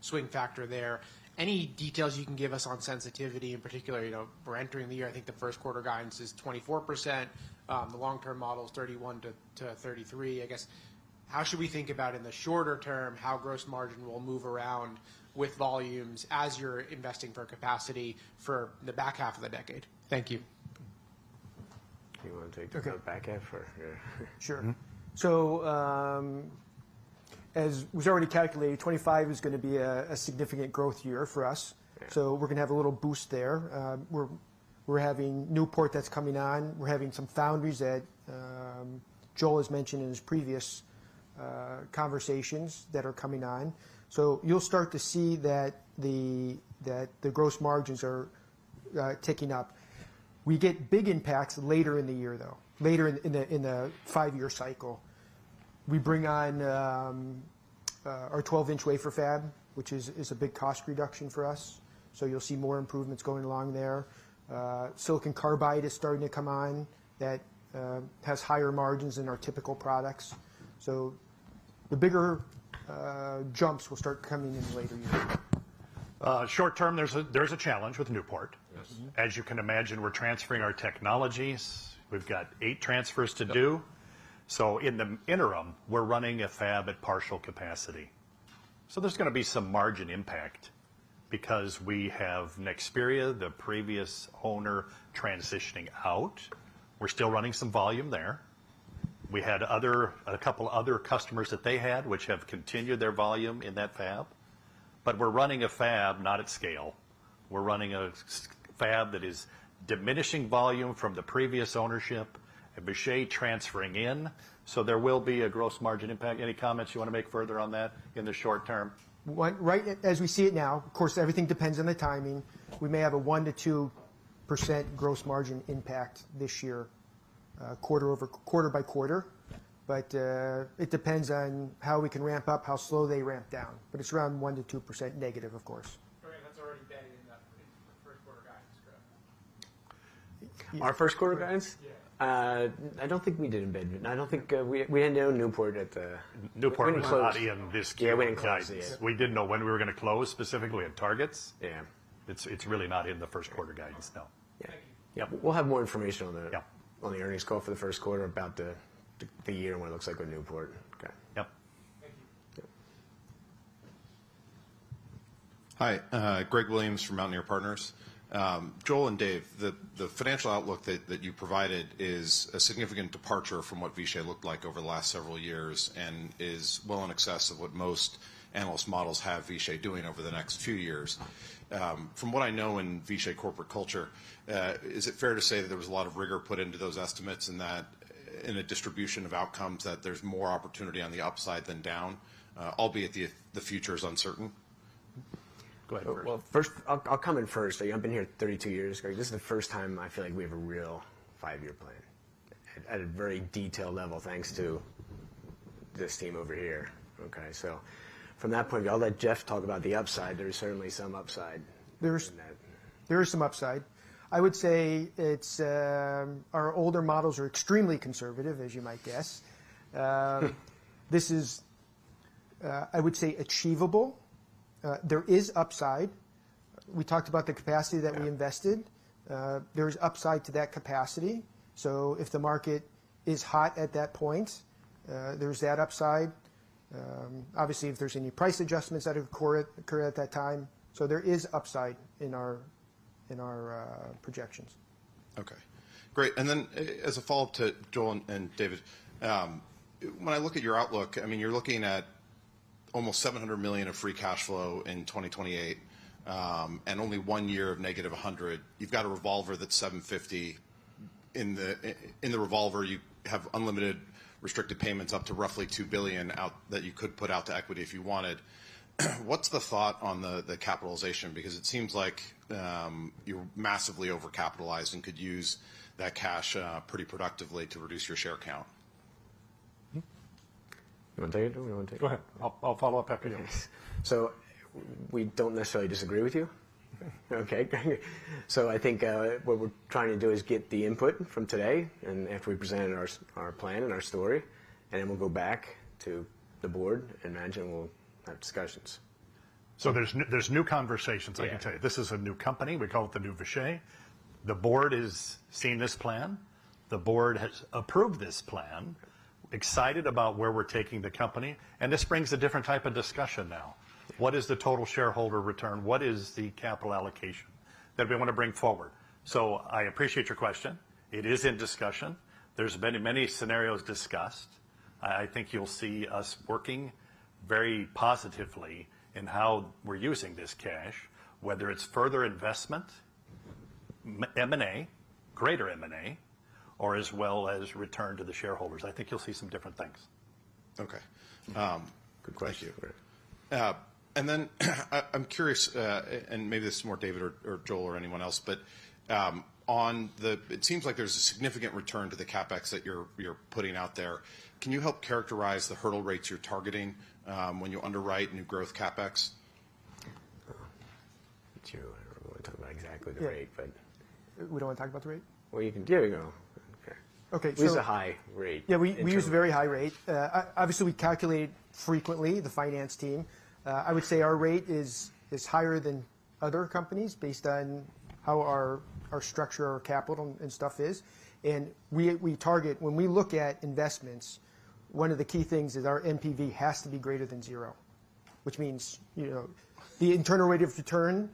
swing factor there. Any details you can give us on sensitivity in particular? We're entering the year. I think the first quarter guidance is 24%. The long-term model is 31%-33%, I guess. How should we think about in the shorter term, how gross margin will move around with volumes as you're investing for capacity for the back half of the decade? Thank you. You want to take the back half or? Sure. So as was already calculated, 2025 is going to be a significant growth year for us. So we're going to have a little boost there. We're having Newport that's coming on. We're having some foundries that Joel has mentioned in his previous conversations that are coming on. So you'll start to see that the gross margins are ticking up. We get big impacts later in the year though, later in the five-year cycle. We bring on our 12-inch wafer fab, which is a big cost reduction for us. So you'll see more improvements going along there. Silicon Carbide is starting to come on that has higher margins than our typical products. So the bigger jumps will start coming in the later year. Short term, there's a challenge with Newport. As you can imagine, we're transferring our technologies. We've got eight transfers to do. So in the interim, we're running a fab at partial capacity. So there's going to be some margin impact because we have Nexperia, the previous owner transitioning out. We're still running some volume there. We had a couple of other customers that they had, which have continued their volume in that fab. But we're running a fab not at scale. We're running a fab that is diminishing volume from the previous ownership and Vishay transferring in. So there will be a gross margin impact. Any comments you want to make further on that in the short term? Right as we see it now, of course, everything depends on the timing. We may have a 1%-2% gross margin impact this year quarter by quarter, but it depends on how we can ramp up, how slow they ramp down. But it's around 1%-2% negative, of course. All right. That's already embedded in the first quarter guidance, correct? Our first quarter guidance? Yeah. I don't think we did embedment. I don't think we had known Newport at the. Newport was not in this year. Yeah. We didn't know when we were going to close specifically at targets. It's really not in the first quarter guidance, no. Yeah. We'll have more information on the earnings call for the first quarter about the year and what it looks like with Newport. Yep. Thank you. Hi. Greg Williams from Mountaineer Partners. Joel and Dave, the financial outlook that you provided is a significant departure from what Vishay looked like over the last several years and is well in excess of what most analyst models have Vishay doing over the next few years. From what I know in Vishay corporate culture, is it fair to say that there was a lot of rigor put into those estimates and that in a distribution of outcomes that there's more opportunity on the upside than down, albeit the future is uncertain? Go ahead. Well, first, I'll come in first. I've been here 32 years, Greg. This is the first time I feel like we have a real 5-year plan at a very detailed level thanks to this team over here. Okay. So from that point of view, I'll let Jeff talk about the upside. There is certainly some upside in that. There is some upside. I would say our older models are extremely conservative, as you might guess. This is, I would say, achievable. There is upside. We talked about the capacity that we invested. There is upside to that capacity. So if the market is hot at that point, there is that upside. Obviously, if there's any price adjustments that occur at that time. There is upside in our projections. Okay. Great. And then as a follow up to Joel and David, when I look at your outlook, I mean, you're looking at almost $700 million of free cash flow in 2028 and only one year of negative $100 million. You've got a revolver that's $750 million. In the revolver, you have unlimited restricted payments up to roughly $2 billion that you could put out to equity if you wanted. What's the thought on the capitalization? Because it seems like you're massively over capitalized and could use that cash pretty productively to reduce your share count? You want Dave to or you want Dave? Go ahead. I'll follow up after you. So we don't necessarily disagree with you. Okay. So I think what we're trying to do is get the input from today and after we present our plan and our story, and then we'll go back to the board and imagine we'll have discussions. So there's new conversations, I can tell you. This is a new company. We call it the new Vishay. The board has seen this plan. The board has approved this plan, excited about where we're taking the company. And this brings a different type of discussion now. What is the total shareholder return? What is the capital allocation that we want to bring forward? So I appreciate your question. It is in discussion. There's been many scenarios discussed. I think you'll see us working very positively in how we're using this cash, whether it's further investment, M&A, greater M&A, or as well as return to the shareholders. I think you'll see some different things. Okay. Good question. And then I'm curious, and maybe this is more David or Joel or anyone else, but it seems like there's a significant return to the CapEx that you're putting out there. Can you help characterize the hurdle rates you're targeting when you underwrite new growth CapEx? Too, I don't really want to talk about exactly the rate, but. We don't want to talk about the rate? Well, you can do it. Okay. We use a high rate. Yeah. We use a very high rate. Obviously, we calculate frequently, the finance team. I would say our rate is higher than other companies based on how our structure, our capital and stuff is. And when we look at investments, one of the key things is our NPV has to be greater than zero, which means the internal rate of return.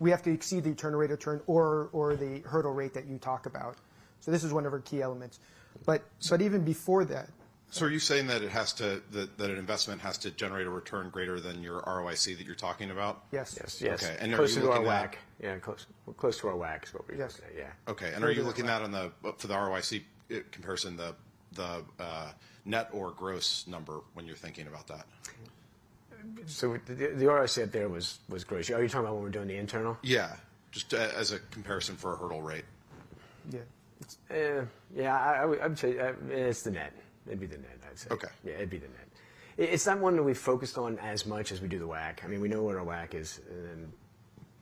We have to exceed the internal rate of return or the hurdle rate that you talk about. So this is one of our key elements. But even before that. So are you saying that an investment has to generate a return greater than your ROIC that you're talking about? Yes. Closer to our WACC. Yeah. Close to our WACC is what we used to say. Yeah. Okay. Are you looking at on the for the ROIC comparison, the net or gross number when you're thinking about that? The ROIC out there was gross. Are you talking about when we're doing the internal? Yeah. Just as a comparison for a hurdle rate. Yeah. Yeah. I would say it's the net. It'd be the net, I'd say. Yeah. It'd be the net. It's not one that we focused on as much as we do the WACC. I mean, we know what our WACC is. And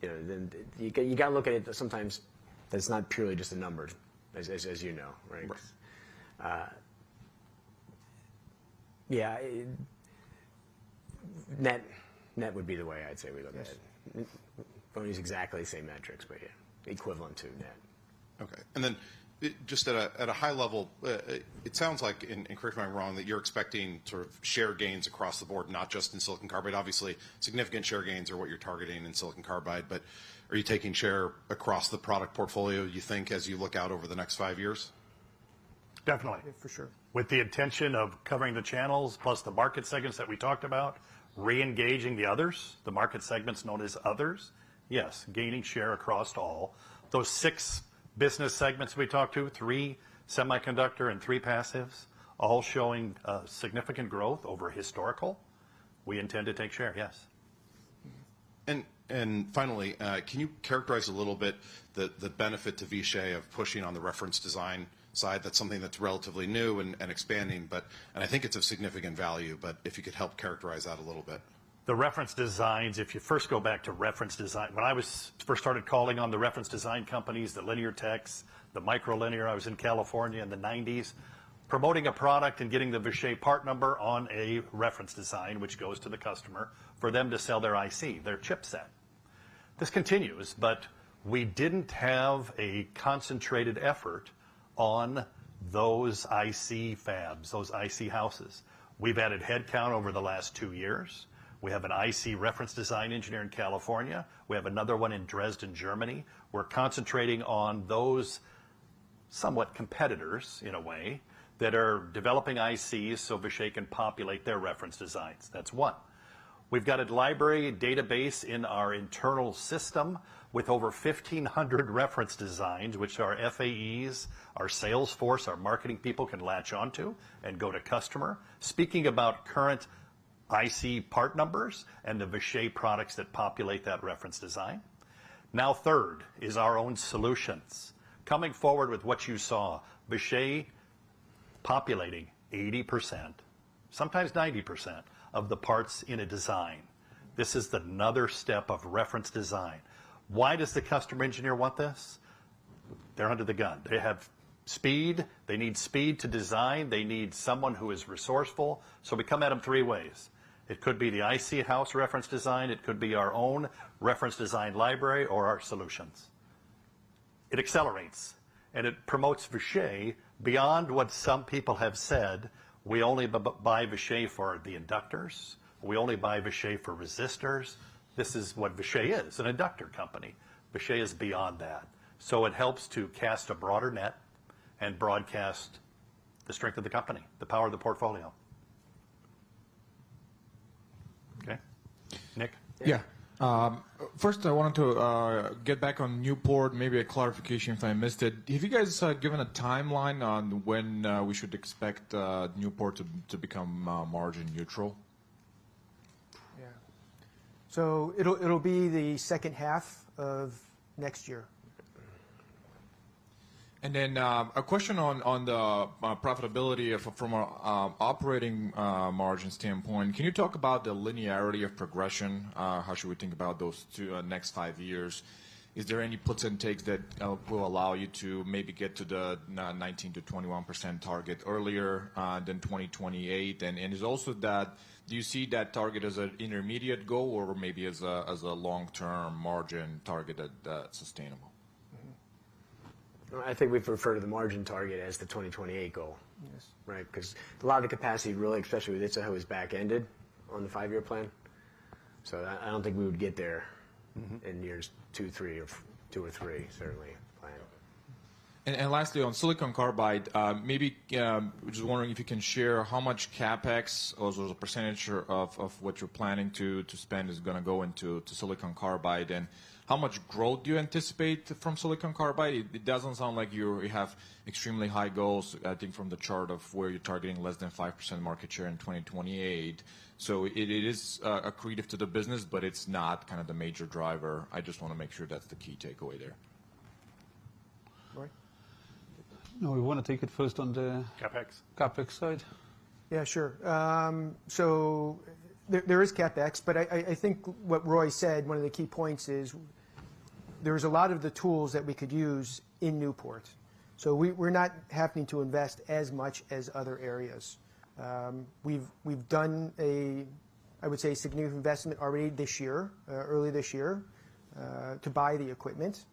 then you got to look at it sometimes. That's not purely just a number, as you know, right? Yeah. Net would be the way I'd say we look at it. FCF's exactly the same metrics, but yeah, equivalent to net. Okay. And then just at a high level, it sounds like, and correct me if I'm wrong, that you're expecting sort of share gains across the board, not just in silicon carbide. Obviously, significant share gains are what you're targeting in silicon carbide, but are you taking share across the product portfolio, you think, as you look out over the next five years? Definitely. For sure. With the intention of covering the channels plus the market segments that we talked about, reengaging the others, the market segments known as others, yes, gaining share across all. Those six business segments we talked to, three semiconductor and three passives, all showing significant growth over historical, we intend to take share, yes. Finally, can you characterize a little bit the benefit to Vishay of pushing on the reference design side? That's something that's relatively new and expanding, and I think it's of significant value, but if you could help characterize that a little bit. The reference designs, if you first go back to reference design, when I first started calling on the reference design companies, the Linear Techs, the Micro Linear, I was in California in the 1990s, promoting a product and getting the Vishay part number on a reference design, which goes to the customer for them to sell their IC, their chipset. This continues, but we didn't have a concentrated effort on those IC fabs, those IC houses. We've added headcount over the last two years. We have an IC reference design engineer in California. We have another one in Dresden, Germany. We're concentrating on those somewhat competitors in a way that are developing ICs so Vishay can populate their reference designs. That's one. We've got a library database in our internal system with over 1,500 reference designs, which our FAEs, our sales force, our marketing people can latch onto and go to customer, speaking about current IC part numbers and the Vishay products that populate that reference design. Now, third is our own solutions. Coming forward with what you saw, Vishay populating 80%, sometimes 90% of the parts in a design. This is another step of reference design. Why does the customer engineer want this? They're under the gun. They have speed. They need speed to design. They need someone who is resourceful. So we come at them three ways. It could be the IC house reference design. It could be our own reference design library or our solutions. It accelerates. And it promotes Vishay beyond what some people have said. We only buy Vishay for the inductors. We only buy Vishay for resistors. This is what Vishay is, an inductor company. Vishay is beyond that. So it helps to cast a broader net and broadcast the strength of the company, the power of the portfolio. Okay. Nick? Yeah. First, I wanted to get back on Newport, maybe a clarification if I missed it. Have you guys given a timeline on when we should expect Newport to become margin neutral? Yeah. It'll be the second half of next year. A question on the profitability from an operating margin standpoint. Can you talk about the linearity of progression? How should we think about those next five years? Is there any puts and takes that will allow you to maybe get to the 19%-21% target earlier than 2028? And, is also that? Do you see that target as an intermediate goal or maybe as a long-term margin target that's sustainable? I think we refer to the margin target as the 2028 goal, right? Because a lot of the capacity, especially with Itzehoe, is back-ended on the five-year plan. So I don't think we would get there in years two, three, or two or three, certainly plan. Lastly, on silicon carbide, maybe just wondering if you can share how much CapEx or a percentage of what you're planning to spend is going to go into silicon carbide and how much growth do you anticipate from silicon carbide? It doesn't sound like you have extremely high goals, I think, from the chart of where you're targeting less than 5% market share in 2028. So it is accretive to the business, but it's not kind of the major driver. I just want to make sure that's the key takeaway there. Roy? No, we want to take it first on the. Capex. Capex side. Yeah, sure. So there is CapEx, but I think what Roy said, one of the key points is there is a lot of the tools that we could use in Newport. So we're not having to invest as much as other areas. We've done, I would say, a significant investment already this year, early this year, to buy the equipment.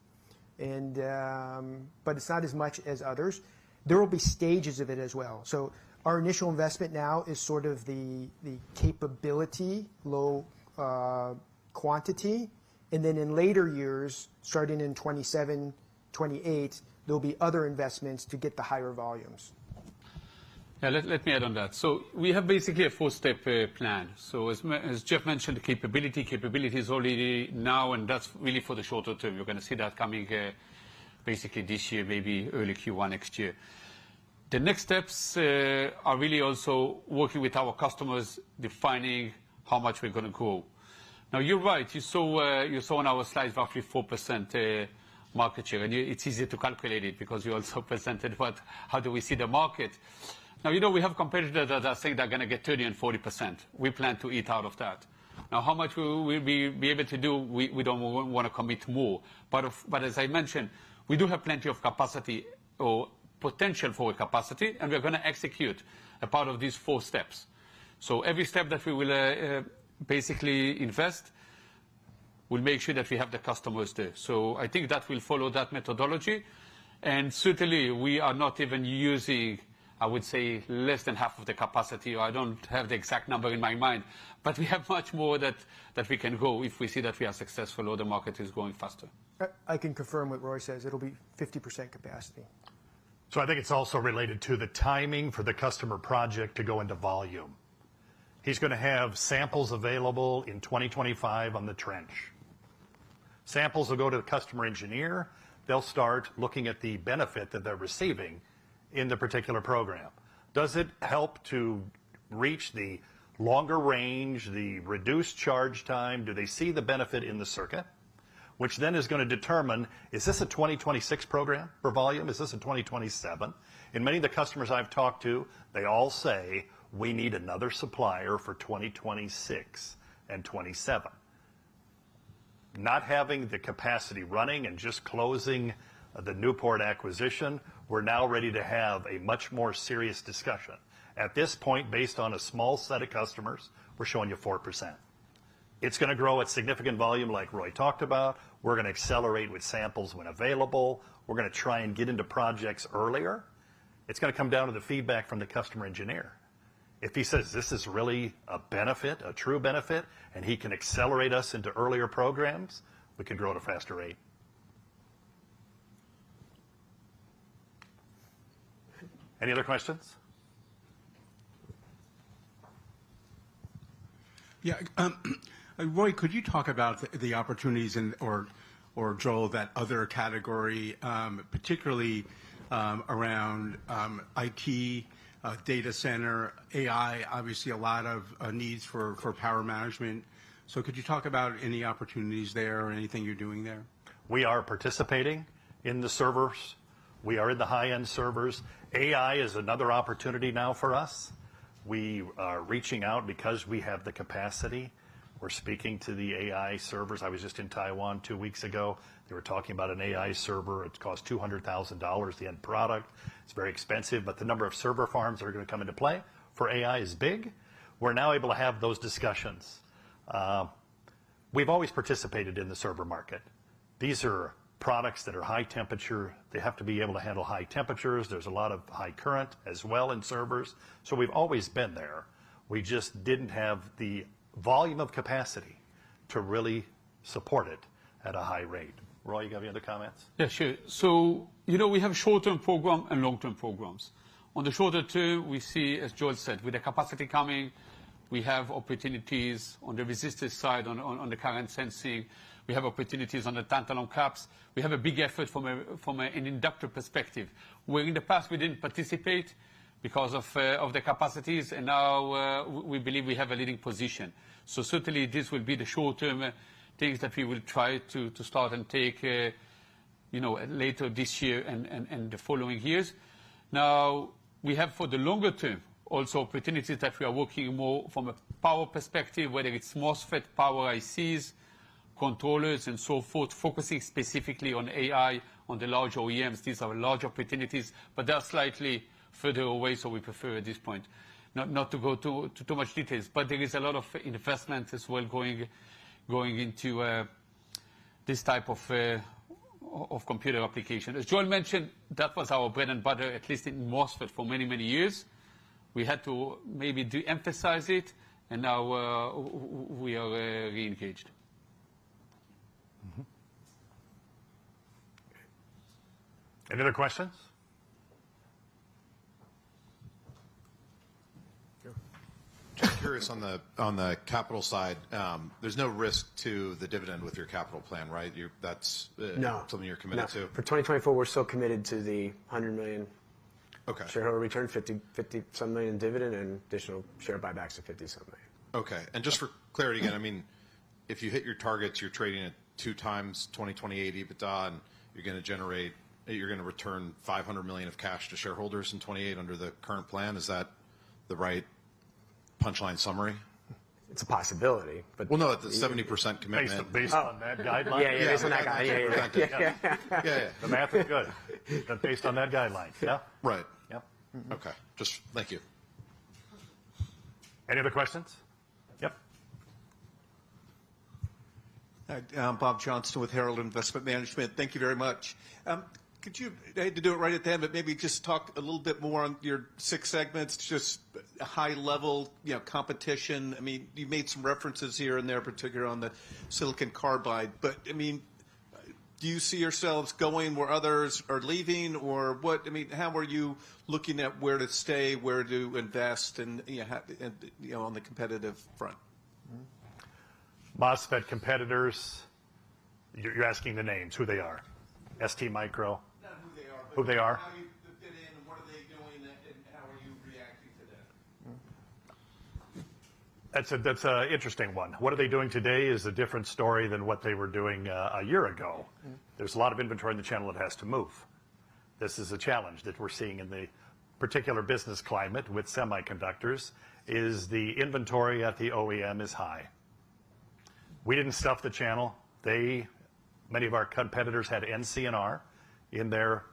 But it's not as much as others. There will be stages of it as well. So our initial investment now is sort of the capability, low quantity. And then in later years, starting in 2027, 2028, there'll be other investments to get the higher volumes. Yeah. Let me add on that. So we have basically a four-step plan. So as Jeff mentioned, capability, capability is already now, and that's really for the shorter term. You're going to see that coming basically this year, maybe early Q1 next year. The next steps are really also working with our customers, defining how much we're going to grow. Now, you're right. You saw on our slides roughly 4% market share. And it's easy to calculate it because you also presented how do we see the market. Now, we have competitors that are saying they're going to get 30% and 40%. We plan to eat out of that. Now, how much we'll be able to do, we don't want to commit more. As I mentioned, we do have plenty of capacity or potential for capacity, and we're going to execute a part of these four steps. Every step that we will basically invest, we'll make sure that we have the customers there. I think that will follow that methodology. Certainly, we are not even using, I would say, less than half of the capacity. I don't have the exact number in my mind, but we have much more that we can go if we see that we are successful or the market is going faster. I can confirm what Roy says. It'll be 50% capacity. So I think it's also related to the timing for the customer project to go into volume. He's going to have samples available in 2025 on the trench. Samples will go to the customer engineer. They'll start looking at the benefit that they're receiving in the particular program. Does it help to reach the longer range, the reduced charge time? Do they see the benefit in the circuit, which then is going to determine, is this a 2026 program for volume? Is this a 2027? And many of the customers I've talked to, they all say, we need another supplier for 2026 and 2027. Not having the capacity running and just closing the Newport acquisition, we're now ready to have a much more serious discussion. At this point, based on a small set of customers, we're showing you 4%. It's going to grow at significant volume, like Roy talked about. We're going to accelerate with samples when available. We're going to try and get into projects earlier. It's going to come down to the feedback from the customer engineer. If he says, this is really a benefit, a true benefit, and he can accelerate us into earlier programs, we can grow at a faster rate. Any other questions? Yeah. Roy, could you talk about the opportunities, or Joel, that other category, particularly around IT, data center, AI, obviously a lot of needs for power management. So could you talk about any opportunities there or anything you're doing there? We are participating in the servers. We are in the high end servers. AI is another opportunity now for us. We are reaching out because we have the capacity. We're speaking to the AI servers. I was just in Taiwan two weeks ago. They were talking about an AI server. It costs $200,000, the end product. It's very expensive, but the number of server farms that are going to come into play for AI is big. We're now able to have those discussions. We've always participated in the server market. These are products that are high temperature. They have to be able to handle high temperatures. There's a lot of high current as well in servers. So we've always been there. We just didn't have the volume of capacity to really support it at a high rate. Roy, you got any other comments? Yeah, sure. So we have short-term program and long-term programs. On the shorter term, we see, as Joel said, with the capacity coming, we have opportunities on the resistor side, on the current sensing. We have opportunities on the tantalum caps. We have a big effort from an inductor perspective, where in the past, we didn't participate because of the capacities, and now we believe we have a leading position. So certainly, this will be the short-term things that we will try to start and take later this year and the following years. Now, we have for the longer term also opportunities that we are working more from a power perspective, whether it's MOSFET power ICs, controllers, and so forth, focusing specifically on AI, on the large OEMs. These are larger opportunities, but they are slightly further away, so we prefer at this point not to go too much details. But there is a lot of investment as well going into this type of computer application. As Joel mentioned, that was our bread and butter, at least in MOSFET for many, many years. We had to maybe emphasize it, and now we are reengaged. Any other questions? Just curious on the capital side, there's no risk to the dividend with your capital plan, right? That's something you're committed to? No. For 2024, we're still committed to the $100 million shareholder return, $50-some million dividend, and additional share buybacks of $50-some million. Okay. Just for clarity again, I mean, if you hit your targets, you're trading at 2x 2028 EBITDA, and you're going to generate. You're going to return $500 million of cash to shareholders in 2028 under the current plan. Is that the right punchline summary? It's a possibility, but. Well, no, at the 70% commitment. Based on that guideline. Yeah, yeah, yeah. Based on that guideline. Yeah, yeah, yeah. The math is good. But based on that guideline, yeah. Right. Okay. Thank you. Any other questions? Yep. Bob Johnston with Herald Investment Management. Thank you very much. I had to do it right at the end, but maybe just talk a little bit more on your six segments, just high level competition. I mean, you made some references here and there, particularly on the silicon carbide, but I mean, do you see yourselves going where others are leaving, or what? I mean, how are you looking at where to stay, where to invest on the competitive front? MOSFET competitors, you're asking the names, who they are. STMicro. Not who they are, but. Who they are. How do you fit in? What are they doing? How are you reacting to that? That's an interesting one. What are they doing today is a different story than what they were doing a year ago. There's a lot of inventory in the channel that has to move. This is a challenge that we're seeing in the particular business climate with semiconductors, is the inventory at the OEM is high. We didn't stuff the channel. Many of our competitors had NCNR in their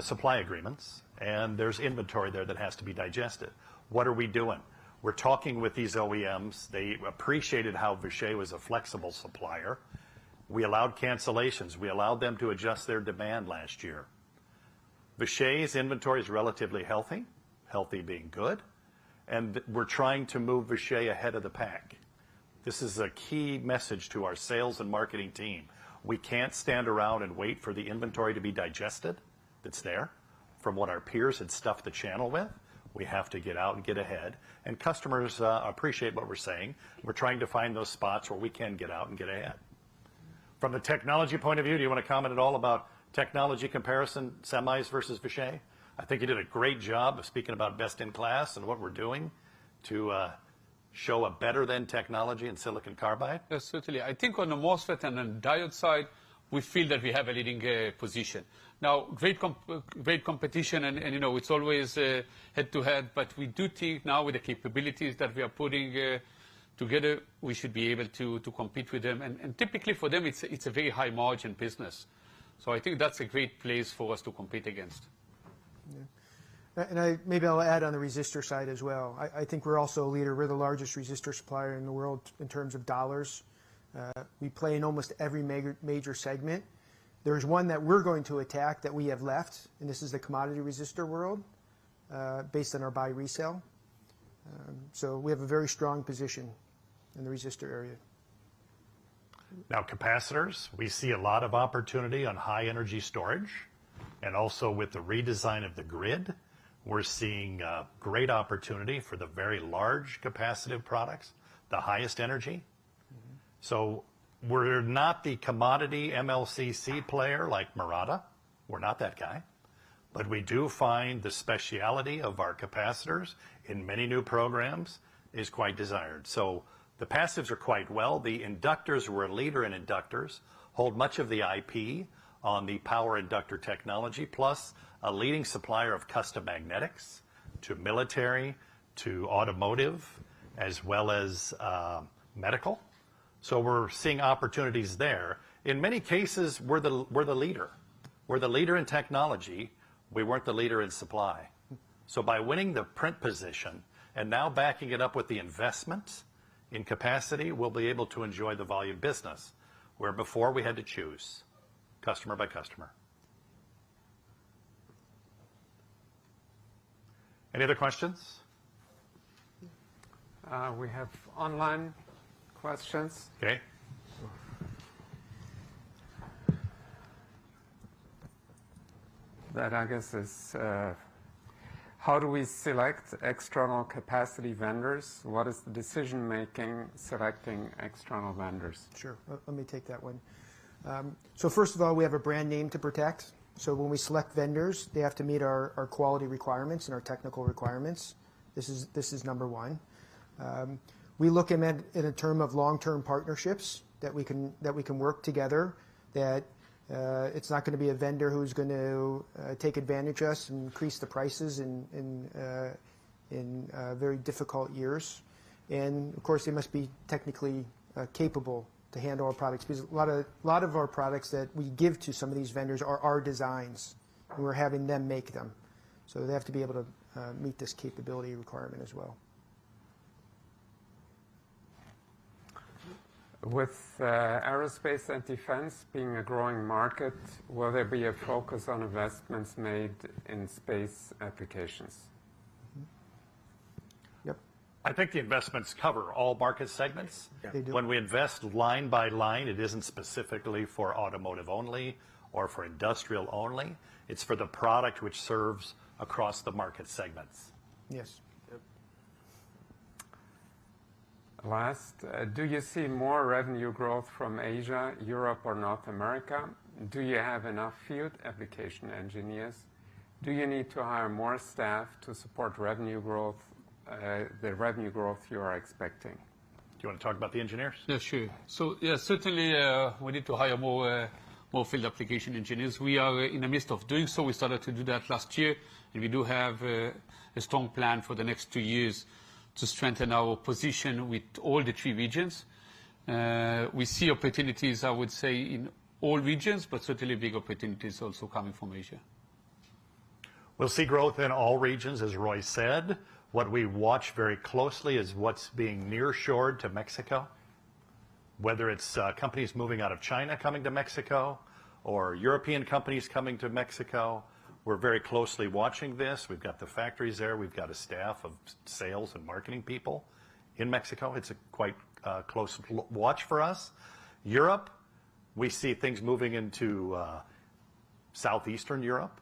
supply agreements, and there's inventory there that has to be digested. What are we doing? We're talking with these OEMs. They appreciated how Vishay was a flexible supplier. We allowed cancellations. We allowed them to adjust their demand last year. Vishay's inventory is relatively healthy, healthy being good, and we're trying to move Vishay ahead of the pack. This is a key message to our sales and marketing team. We can't stand around and wait for the inventory to be digested that's there from what our peers had stuffed the channel with. We have to get out and get ahead. And customers appreciate what we're saying. We're trying to find those spots where we can get out and get ahead. From a technology point of view, do you want to comment at all about technology comparison, semis versus Vishay? I think you did a great job of speaking about best in class and what we're doing to show a better than technology in silicon carbide. Certainly. I think on the MOSFET and on diode side, we feel that we have a leading position. Now, great competition, and it's always head to head, but we do think now with the capabilities that we are putting together, we should be able to compete with them. And typically, for them, it's a very high margin business. So I think that's a great place for us to compete against. Yeah. Maybe I'll add on the resistor side as well. I think we're also a leader. We're the largest resistor supplier in the world in terms of dollars. We play in almost every major segment. There's one that we're going to attack that we have left, and this is the commodity resistor world based on our buy resale. We have a very strong position in the resistor area. Now, capacitors, we see a lot of opportunity on high energy storage. And also with the redesign of the grid, we're seeing great opportunity for the very large capacitive products, the highest energy. So we're not the commodity MLCC player like Murata. We're not that guy. But we do find the specialty of our capacitors in many new programs is quite desired. So the passives are quite well. The inductors, we're a leader in inductors, hold much of the IP on the power inductor technology, plus a leading supplier of custom magnetics to military, to automotive, as well as medical. So we're seeing opportunities there. In many cases, we're the leader. We're the leader in technology. We weren't the leader in supply. So by winning the print position and now backing it up with the investment in capacity, we'll be able to enjoy the volume business where before we had to choose customer by customer. Any other questions? We have online questions. That, I guess, is how do we select external capacity vendors? What is the decision making selecting external vendors? Sure. Let me take that one. So first of all, we have a brand name to protect. So when we select vendors, they have to meet our quality requirements and our technical requirements. This is number one. We look in a term of long term partnerships that we can work together, that it's not going to be a vendor who's going to take advantage of us and increase the prices in very difficult years. And of course, they must be technically capable to handle our products because a lot of our products that we give to some of these vendors are our designs, and we're having them make them. So they have to be able to meet this capability requirement as well. With aerospace and defense being a growing market, will there be a focus on investments made in space applications? Yep. I think the investments cover all market segments. When we invest line by line, it isn't specifically for automotive only or for industrial only. It's for the product which serves across the market segments. Yes. Last, do you see more revenue growth from Asia, Europe, or North America? Do you have enough field application engineers? Do you need to hire more staff to support revenue growth, the revenue growth you are expecting? Do you want to talk about the engineers? Yeah, sure. So yeah, certainly, we need to hire more field application engineers. We are in the midst of doing so. We started to do that last year, and we do have a strong plan for the next two years to strengthen our position with all the three regions. We see opportunities, I would say, in all regions, but certainly big opportunities also coming from Asia. We'll see growth in all regions, as Roy said. What we watch very closely is what's being nearshored to Mexico, whether it's companies moving out of China coming to Mexico or European companies coming to Mexico. We're very closely watching this. We've got the factories there. We've got a staff of sales and marketing people in Mexico. It's a quite close watch for us. Europe, we see things moving into Southeastern Europe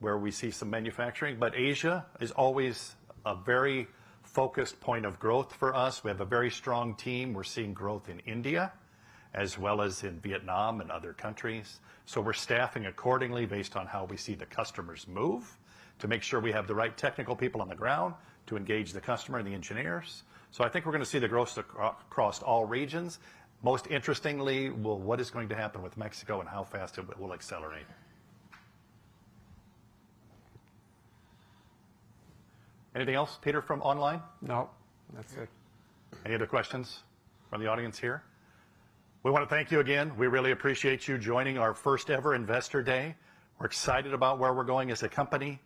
where we see some manufacturing. But Asia is always a very focused point of growth for us. We have a very strong team. We're seeing growth in India as well as in Vietnam and other countries. So we're staffing accordingly based on how we see the customers move to make sure we have the right technical people on the ground to engage the customer and the engineers. I think we're going to see the growth across all regions. Most interestingly, what is going to happen with Mexico and how fast it will accelerate? Anything else, Peter, from online? No, that's it. Any other questions from the audience here? We want to thank you again. We really appreciate you joining our first ever Investor Day. We're excited about where we're going as a company.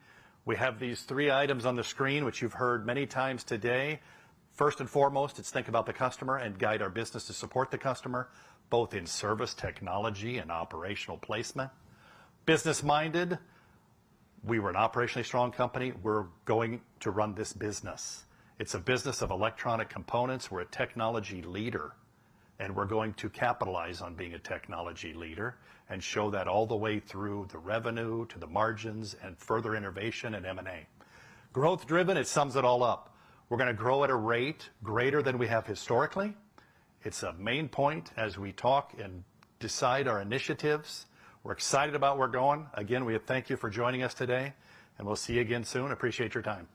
We have these three items on the screen, which you've heard many times today. First and foremost, it's think about the customer and guide our business to support the customer, both in service, technology, and operational placement. Business minded, we were an operationally strong company. We're going to run this business. It's a business of electronic components. We're a technology leader, and we're going to capitalize on being a technology leader and show that all the way through the revenue to the margins and further innovation and M&A. Growth driven, it sums it all up. We're going to grow at a rate greater than we have historically. It's a main point as we talk and decide our initiatives. We're excited about where we're going. Again, we thank you for joining us today, and we'll see you again soon. Appreciate your time.